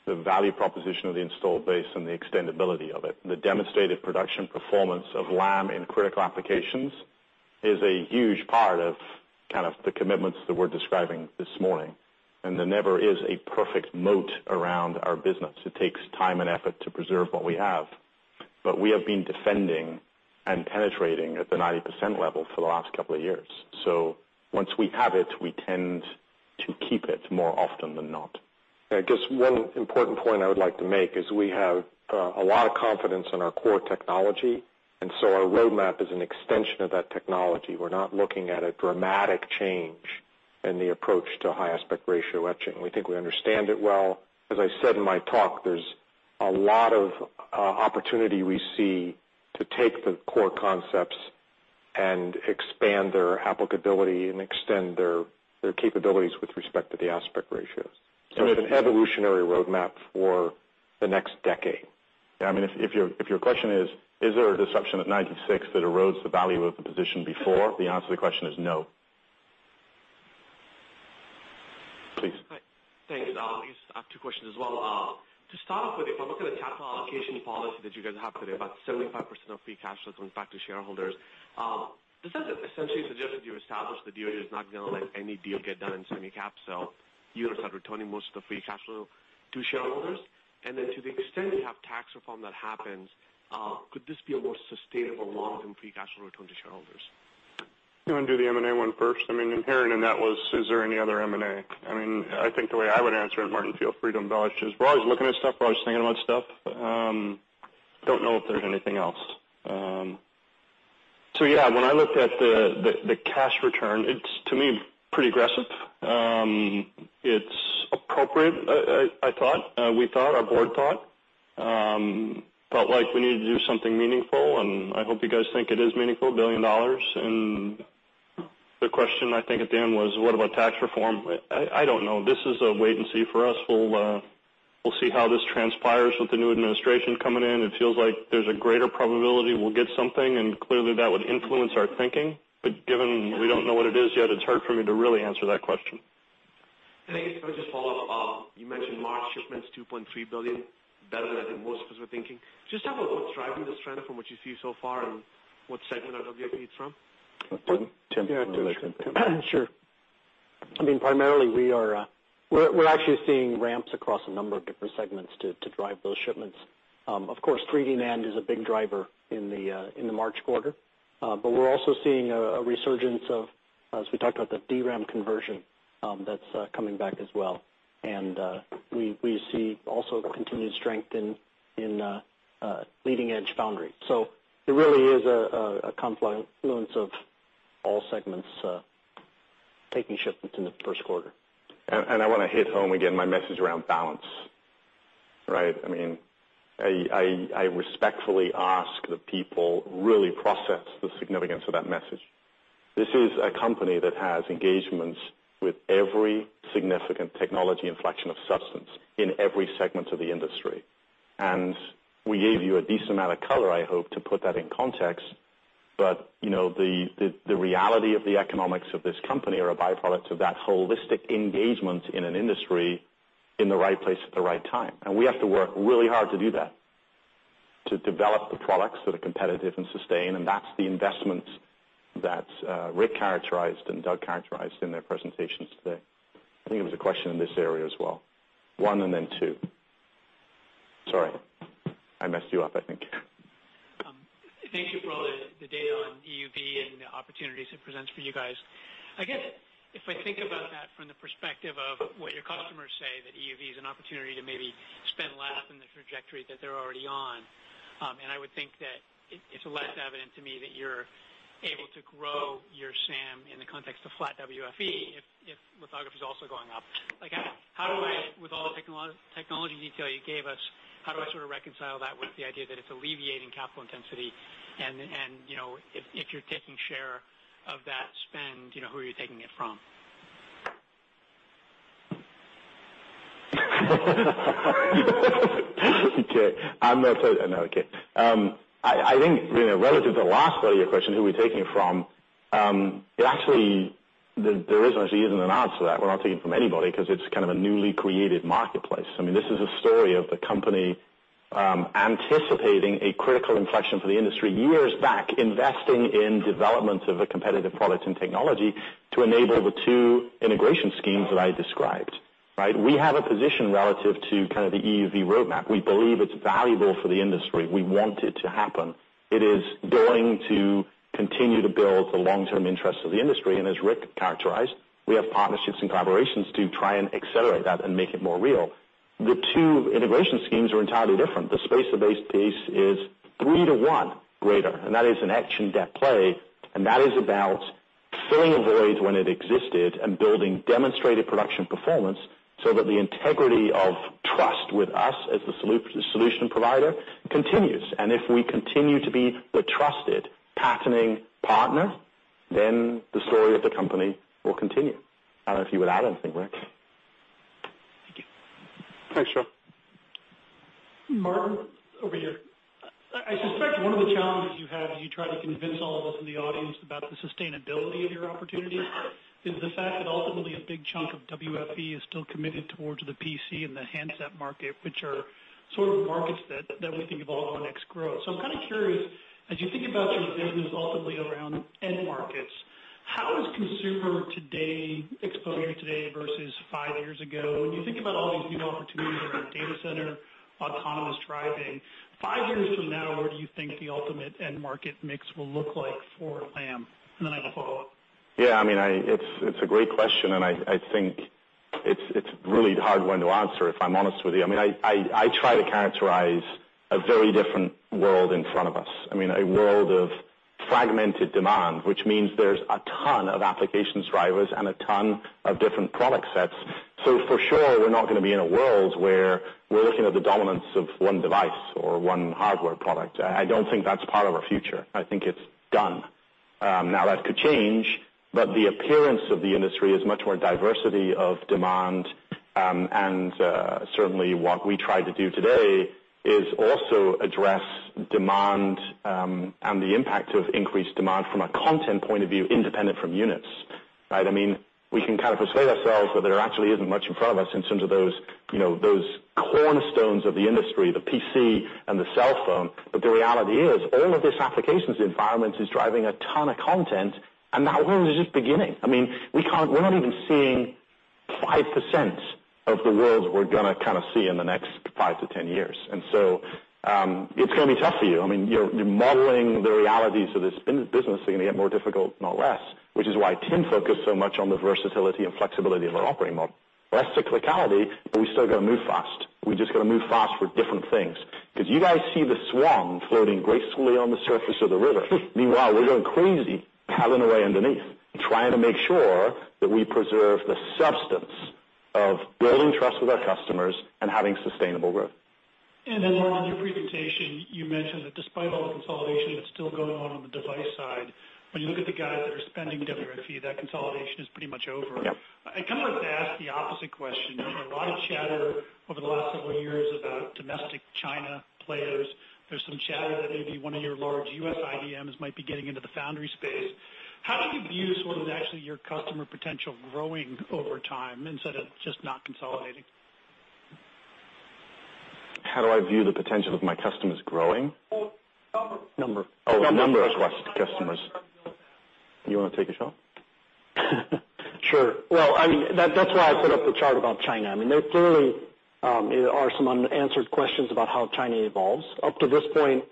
the value proposition of the installed base and the extendibility of it, the demonstrated production performance of Lam Research in critical applications is a huge part of the commitments that we're describing this morning. There never is a perfect moat around our business. It takes time and effort to preserve what we have. We have been defending and penetrating at the 90% level for the last couple of years. Once we have it, we tend to keep it more often than not. I guess one important point I would like to make is we have a lot of confidence in our core technology. Our roadmap is an extension of that technology. We're not looking at a dramatic change in the approach to high aspect ratio etching. We think we understand it well. As I said in my talk, there's a lot of opportunity we see to take the core concepts and expand their applicability and extend their capabilities with respect to the aspect ratios. It's an evolutionary roadmap for the next decade. If your question is: Is there a disruption at 96 that erodes the value of the position before? The answer to the question is no. Please. Hi. Thanks. I guess I have two questions as well. To start off with, if I look at the capital allocation policy that you guys have today, about 75% of free cash flow is going back to shareholders. Does that essentially suggest that you established that DOJ is not going to let any deal get done in semi cap space, you guys are returning most of the free cash flow to shareholders? To the extent you have tax reform that happens, could this be a more sustainable model than free cash flow return to shareholders? You want to do the M&A one first? Inherent in that was, is there any other M&A? I think the way I would answer it, Martin, feel free to embellish, is we're always looking at stuff, we're always thinking about stuff. Don't know if there's anything else. Yeah, when I looked at the cash return, it's, to me, pretty aggressive. It's appropriate, I thought, we thought, our board thought. Felt like we needed to do something meaningful, and I hope you guys think it is meaningful, $1 billion. The question I think at the end was, what about tax reform? I don't know. This is a wait-and-see for us. We'll see how this transpires with the new administration coming in. It feels like there's a greater probability we'll get something, and clearly that would influence our thinking. Given we don't know what it is yet, it's hard for me to really answer that question. I think if I could just follow up. You mentioned March shipments, $2.3 billion, better than I think most of us were thinking. Just talk about what's driving this trend from what you see so far and what segment of WFE it's from. Tim. Do you want to take that? Sure. Primarily, we're actually seeing ramps across a number of different segments to drive those shipments. Of course, 3D NAND is a big driver in the March quarter. We're also seeing a resurgence of, as we talked about, the DRAM conversion that's coming back as well. We see also continued strength in leading edge foundry. It really is a confluence of all segments taking shipments in the first quarter. I want to hit home again my message around balance. Right? I respectfully ask that people really process the significance of that message. This is a company that has engagements with every significant technology inflection of substance in every segment of the industry. We gave you a decent amount of color, I hope, to put that in context. The reality of the economics of this company are a byproduct of that holistic engagement in an industry in the right place at the right time, and we have to work really hard to do that, to develop the products that are competitive and sustain, and that's the investment that Rick characterized and Doug characterized in their presentations today. I think there was a question in this area as well. One and then two. Sorry. I messed you up, I think. Thank you for all the data on EUV and the opportunities it presents for you guys. I guess if I think about that from the perspective of what your customers say, that EUV is an opportunity to maybe spend less in the trajectory that they're already on, and I would think that it's less evident to me that you're able to grow your SAM in the context of flat WFE if lithography is also going up. With all the technology detail you gave us, how do I sort of reconcile that with the idea that it's alleviating capital intensity and if you're taking share of that spend, who are you taking it from? Okay. I'm not saying No, I'm okay. I think, relative to the last part of your question, who we're taking it from, there isn't an answer to that. We're not taking it from anybody because it's kind of a newly created marketplace. This is a story of the company anticipating a critical inflection for the industry years back, investing in development of a competitive product and technology to enable the two integration schemes that I described. We have a position relative to the EUV roadmap. We believe it's valuable for the industry. We want it to happen. It is going to continue to build the long-term interests of the industry, and as Rick characterized, we have partnerships and collaborations to try and accelerate that and make it more real. The two integration schemes are entirely different. The spacer-based piece is three to one greater, that is an etch and dep play, that is about filling a void when it existed and building demonstrated production performance so that the integrity of trust with us as the solution provider continues. If we continue to be the trusted patterning partner, then the story of the company will continue. I don't know if you would add anything, Rick. Thank you. Thanks, Sean. Martin, over here. I suspect one of the challenges you have as you try to convince all of us in the audience about the sustainability of your opportunity is the fact that ultimately a big chunk of WFE is still committed towards the PC and the handset market, which are sort of markets that we think of all on next growth. I'm kind of curious, as you think about your business ultimately around end markets, how is consumer today, exposure today versus five years ago? When you think about all these new opportunities around data center, autonomous driving, five years from now, where do you think the ultimate end market mix will look like for Lam? Then I have a follow-up. It's a great question. I think it's really a hard one to answer, if I'm honest with you. I try to characterize a very different world in front of us. A world of fragmented demand, which means there's a ton of application drivers and a ton of different product sets. For sure, we're not going to be in a world where we're looking at the dominance of one device or one hardware product. I don't think that's part of our future. I think it's done. That could change, but the appearance of the industry is much more diversity of demand. Certainly what we try to do today is also address demand and the impact of increased demand from a content point of view, independent from units. We can kind of persuade ourselves that there actually isn't much in front of us in terms of those cornerstones of the industry, the PC and the cell phone. The reality is, all of this applications environment is driving a ton of content. That world is just beginning. We're not even seeing 5% of the world we're going to see in the next five to 10 years. It's going to be tough for you. You're modeling the realities of this business are going to get more difficult, not less, which is why Tim focused so much on the versatility and flexibility of our operating model. Less cyclicality, but we still got to move fast. We just got to move fast for different things. You guys see the swan floating gracefully on the surface of the river. Meanwhile, we're going crazy paddling away underneath, trying to make sure that we preserve the substance of building trust with our customers and having sustainable growth. Martin, on your presentation, you mentioned that despite all the consolidation that's still going on on the device side, when you look at the guys that are spending WFE, that consolidation is pretty much over. Yep. I kind of wanted to ask the opposite question. There's been a lot of chatter over the last several years about domestic China players. There's some chatter that maybe one of your large U.S. IDMs might be getting into the foundry space. How do you view sort of actually your customer potential growing over time instead of just not consolidating? How do I view the potential of my customers growing? Well, number. Number. Oh, number of customers. You want to take it, Sean? Sure. Well, that's why I put up the chart about China. There clearly are some unanswered questions about how China evolves. Up to this point,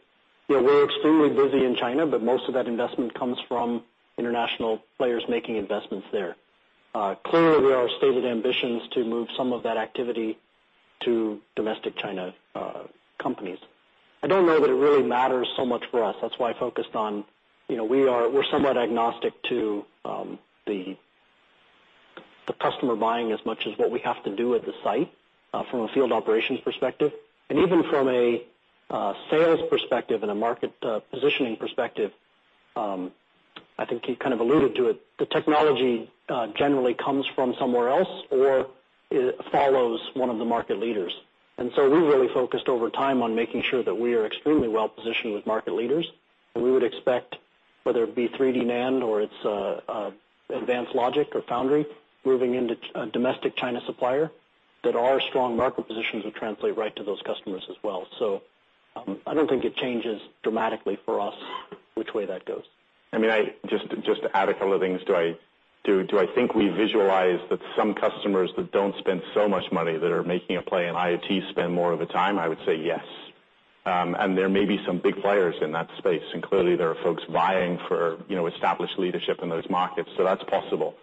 we're extremely busy in China, but most of that investment comes from international players making investments there. Clearly, there are stated ambitions to move some of that activity to domestic China companies. I don't know that it really matters so much for us. That's why I focused on, we're somewhat agnostic to the customer buying as much as what we have to do at the site from a field operations perspective. Even from a sales perspective and a market positioning perspective, I think you kind of alluded to it. The technology generally comes from somewhere else, or it follows one of the market leaders. We really focused over time on making sure that we are extremely well-positioned with market leaders, and we would expect, whether it be 3D NAND or it's advanced logic or foundry moving into a domestic China supplier, that our strong market positions would translate right to those customers as well. I don't think it changes dramatically for us which way that goes. Just to add a couple of things. Do I think we visualize that some customers that don't spend so much money that are making a play in IoT spend more of the time? I would say yes. There may be some big players in that space, and clearly, there are folks vying for established leadership in those markets, so that's possible.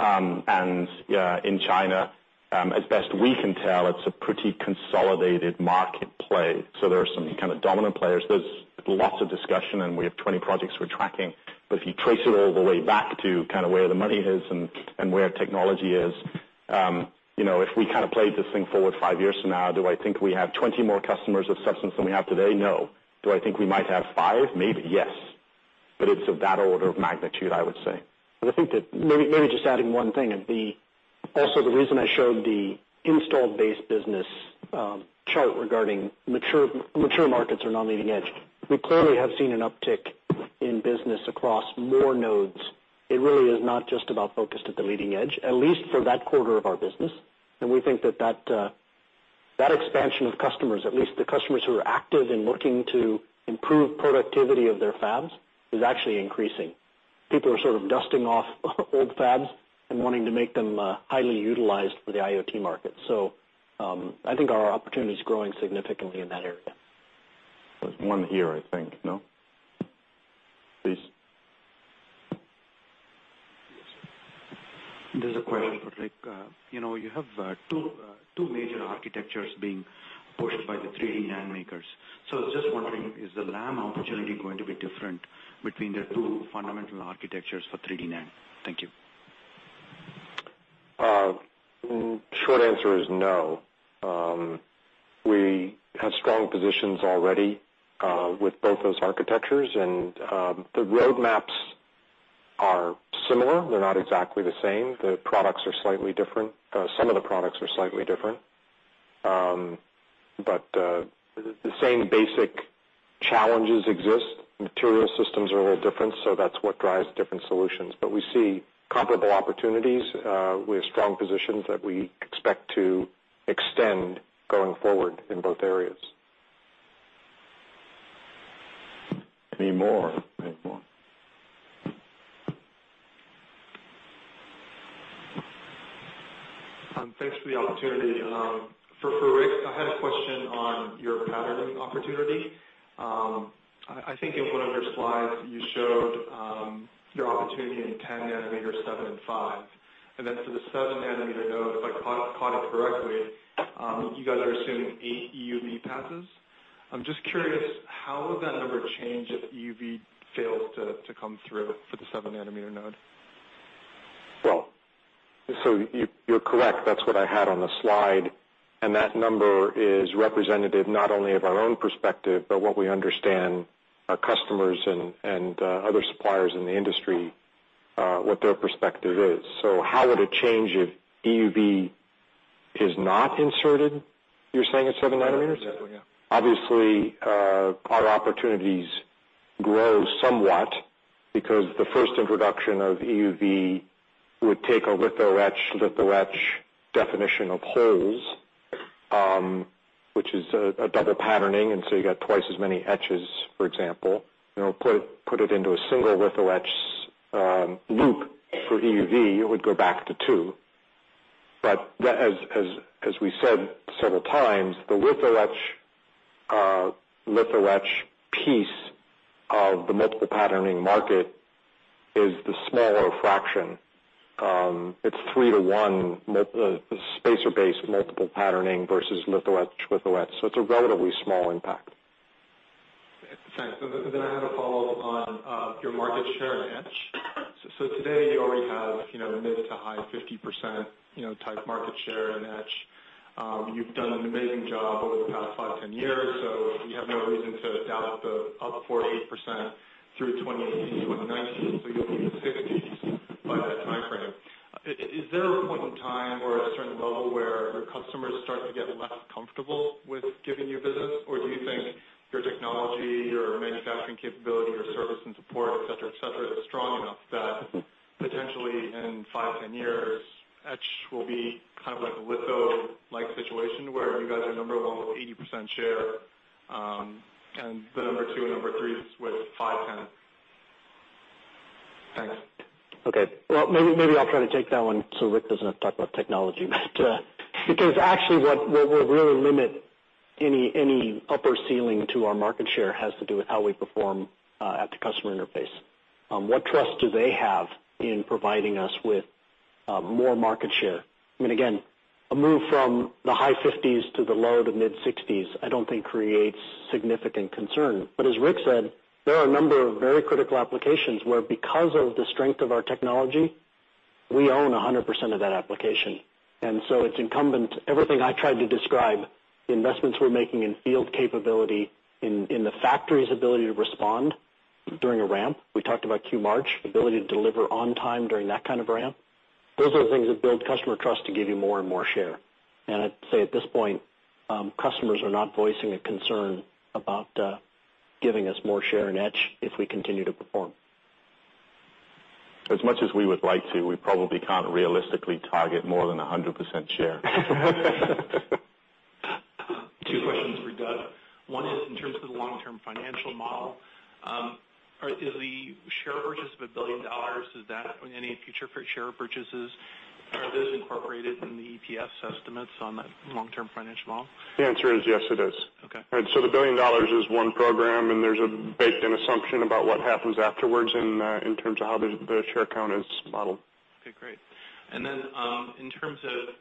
In China, as best we can tell, it's a pretty consolidated market play. There are some kind of dominant players. There's lots of discussion, and we have 20 projects we're tracking, but if you trace it all the way back to where the money is and where technology is, if we kind of played this thing forward five years from now, do I think we have 20 more customers of substance than we have today? No. Do I think we might have five? Maybe, yes. It's of that order of magnitude, I would say. I think that, maybe just adding one thing. The reason I showed the installed base business chart regarding mature markets are not leading edge. We clearly have seen an uptick in business across more nodes. It really is not just about focused at the leading edge, at least for that quarter of our business. We think that that expansion of customers, at least the customers who are active in looking to improve productivity of their fabs, is actually increasing. People are sort of dusting off old fabs and wanting to make them highly utilized for the IoT market. I think our opportunity is growing significantly in that area. There's one here, I think. No? Please. Yes, sir. This is a question for Rick. You have two major architectures being pushed by the 3D NAND makers. Just wondering, is the Lam opportunity going to be different between the two fundamental architectures for 3D NAND? Thank you. Short answer is no. We have strong positions already, with both those architectures. The roadmaps are similar. They're not exactly the same. The products are slightly different. Some of the products are slightly different. The same basic challenges exist. Material systems are a little different, that's what drives different solutions. We see comparable opportunities, with strong positions that we expect to extend going forward in both areas. Any more? Any more. Thanks for the opportunity. For Rick, I had a question on your patterning opportunity. In one of your slides, you showed your opportunity in 10-nanometer, seven, and five. For the 7-nanometer nodes, if I caught it correctly, you guys are assuming eight EUV passes. I'm just curious, how would that number change if EUV fails to come through for the 7-nanometer node? You're correct. That's what I had on the slide, and that number is representative, not only of our own perspective, but what we understand our customers and other suppliers in the industry, what their perspective is. How would it change if EUV is not inserted, you're saying, at 7 nanometers? Exactly, yeah. Obviously, our opportunities grow somewhat because the first introduction of EUV would take a litho etch, litho etch definition of holes, which is a double patterning, you got twice as many etches, for example. Put it into a single litho etch loop for EUV, it would go back to two. As we said several times, the litho etch, litho etch piece of the multiple patterning market is the smaller fraction. It's 3 to 1 spacer-based multiple patterning versus litho etch, litho etch, it's a relatively small impact. Thanks. I have a follow-up on your market share in etch. Today, you already have mid to high 50% type market share in etch. You've done an amazing job over the past five, 10 years, we have no reason to doubt the up 48% through 2018 and 2019. You'll be in the 60s by that timeframe. Is there a point in time or a certain level where your customers start to get less comfortable with giving you business? Do you think your technology, your manufacturing capability, your service and support, et cetera, et cetera, is strong enough that potentially in five, 10 years, etch will be kind of like a litho-like situation where you guys are number 1 with 80% share, and the number 2 and number 3 is with 5%, 10%? Thanks. Well, maybe I'll try to take that one so Rick doesn't have to talk about technology. Actually what will really limit any upper ceiling to our market share has to do with how we perform at the customer interface. What trust do they have in providing us with more market share? I mean, again, a move from the high 50s to the low to mid-60s, I don't think creates significant concern. As Rick said, there are a number of very critical applications where, because of the strength of our technology, we own 100% of that application. It's incumbent, everything I tried to describe, the investments we're making in field capability, in the factory's ability to respond during a ramp. We talked about Q March, ability to deliver on time during that kind of ramp. Those are the things that build customer trust to give you more and more share. I'd say, at this point, customers are not voicing a concern about giving us more share in etch if we continue to perform. As much as we would like to, we probably can't realistically target more than 100% share. Two questions for Doug. One is in terms of the long-term financial model. Is the share purchase of $1 billion, or any future share purchases, are those incorporated in the EPS estimates on the long-term financial model? The answer is yes, it is. Okay. The $1 billion is one program, there's a baked-in assumption about what happens afterwards in terms of how the share count is modeled. Okay, great. In terms of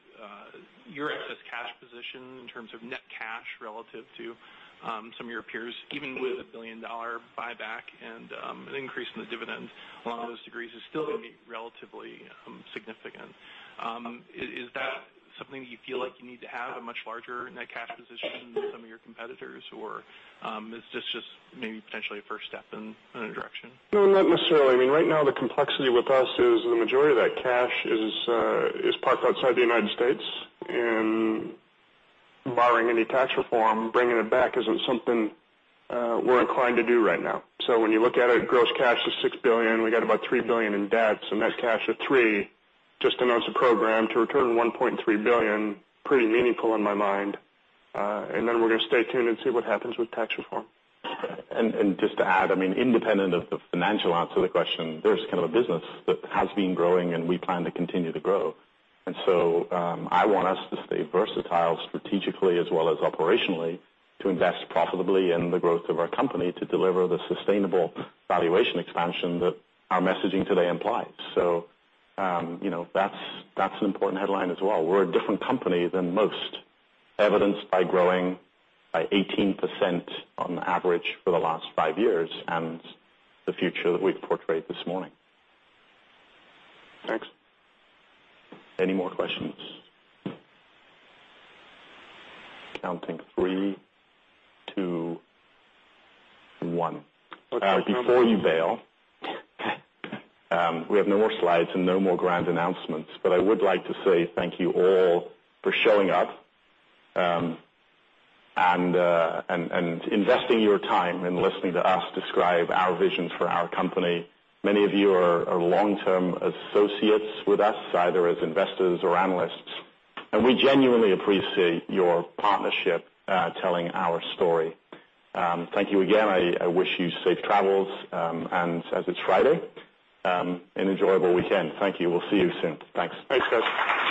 your excess cash position, in terms of net cash relative to some of your peers, even with a $1 billion buyback and an increase in the dividend Along those degrees is still going to be relatively significant. Is that something that you feel like you need to have a much larger net cash position than some of your competitors? Or is this just maybe potentially a first step in a direction? No, not necessarily. Right now the complexity with us is the majority of that cash is parked outside the U.S. Barring any tax reform, bringing it back isn't something we're inclined to do right now. When you look at it, gross cash is $6 billion. We got about $3 billion in debt, so net cash of $3. Just announced a program to return $1.3 billion, pretty meaningful in my mind. We're going to stay tuned and see what happens with tax reform. Just to add, independent of the financial answer to the question, there's a business that has been growing, and we plan to continue to grow. I want us to stay versatile strategically as well as operationally to invest profitably in the growth of our company to deliver the sustainable valuation expansion that our messaging today implies. That's an important headline as well. We're a different company than most, evidenced by growing by 18% on average for the last five years and the future that we've portrayed this morning. Thanks. Any more questions? Counting three, two, one. Before you bail, we have no more slides and no more grand announcements, but I would like to say thank you all for showing up, and investing your time in listening to us describe our visions for our company. Many of you are long-term associates with us, either as investors or analysts, and we genuinely appreciate your partnership telling our story. Thank you again. I wish you safe travels, and as it's Friday, an enjoyable weekend. Thank you. We'll see you soon. Thanks. Thanks, guys.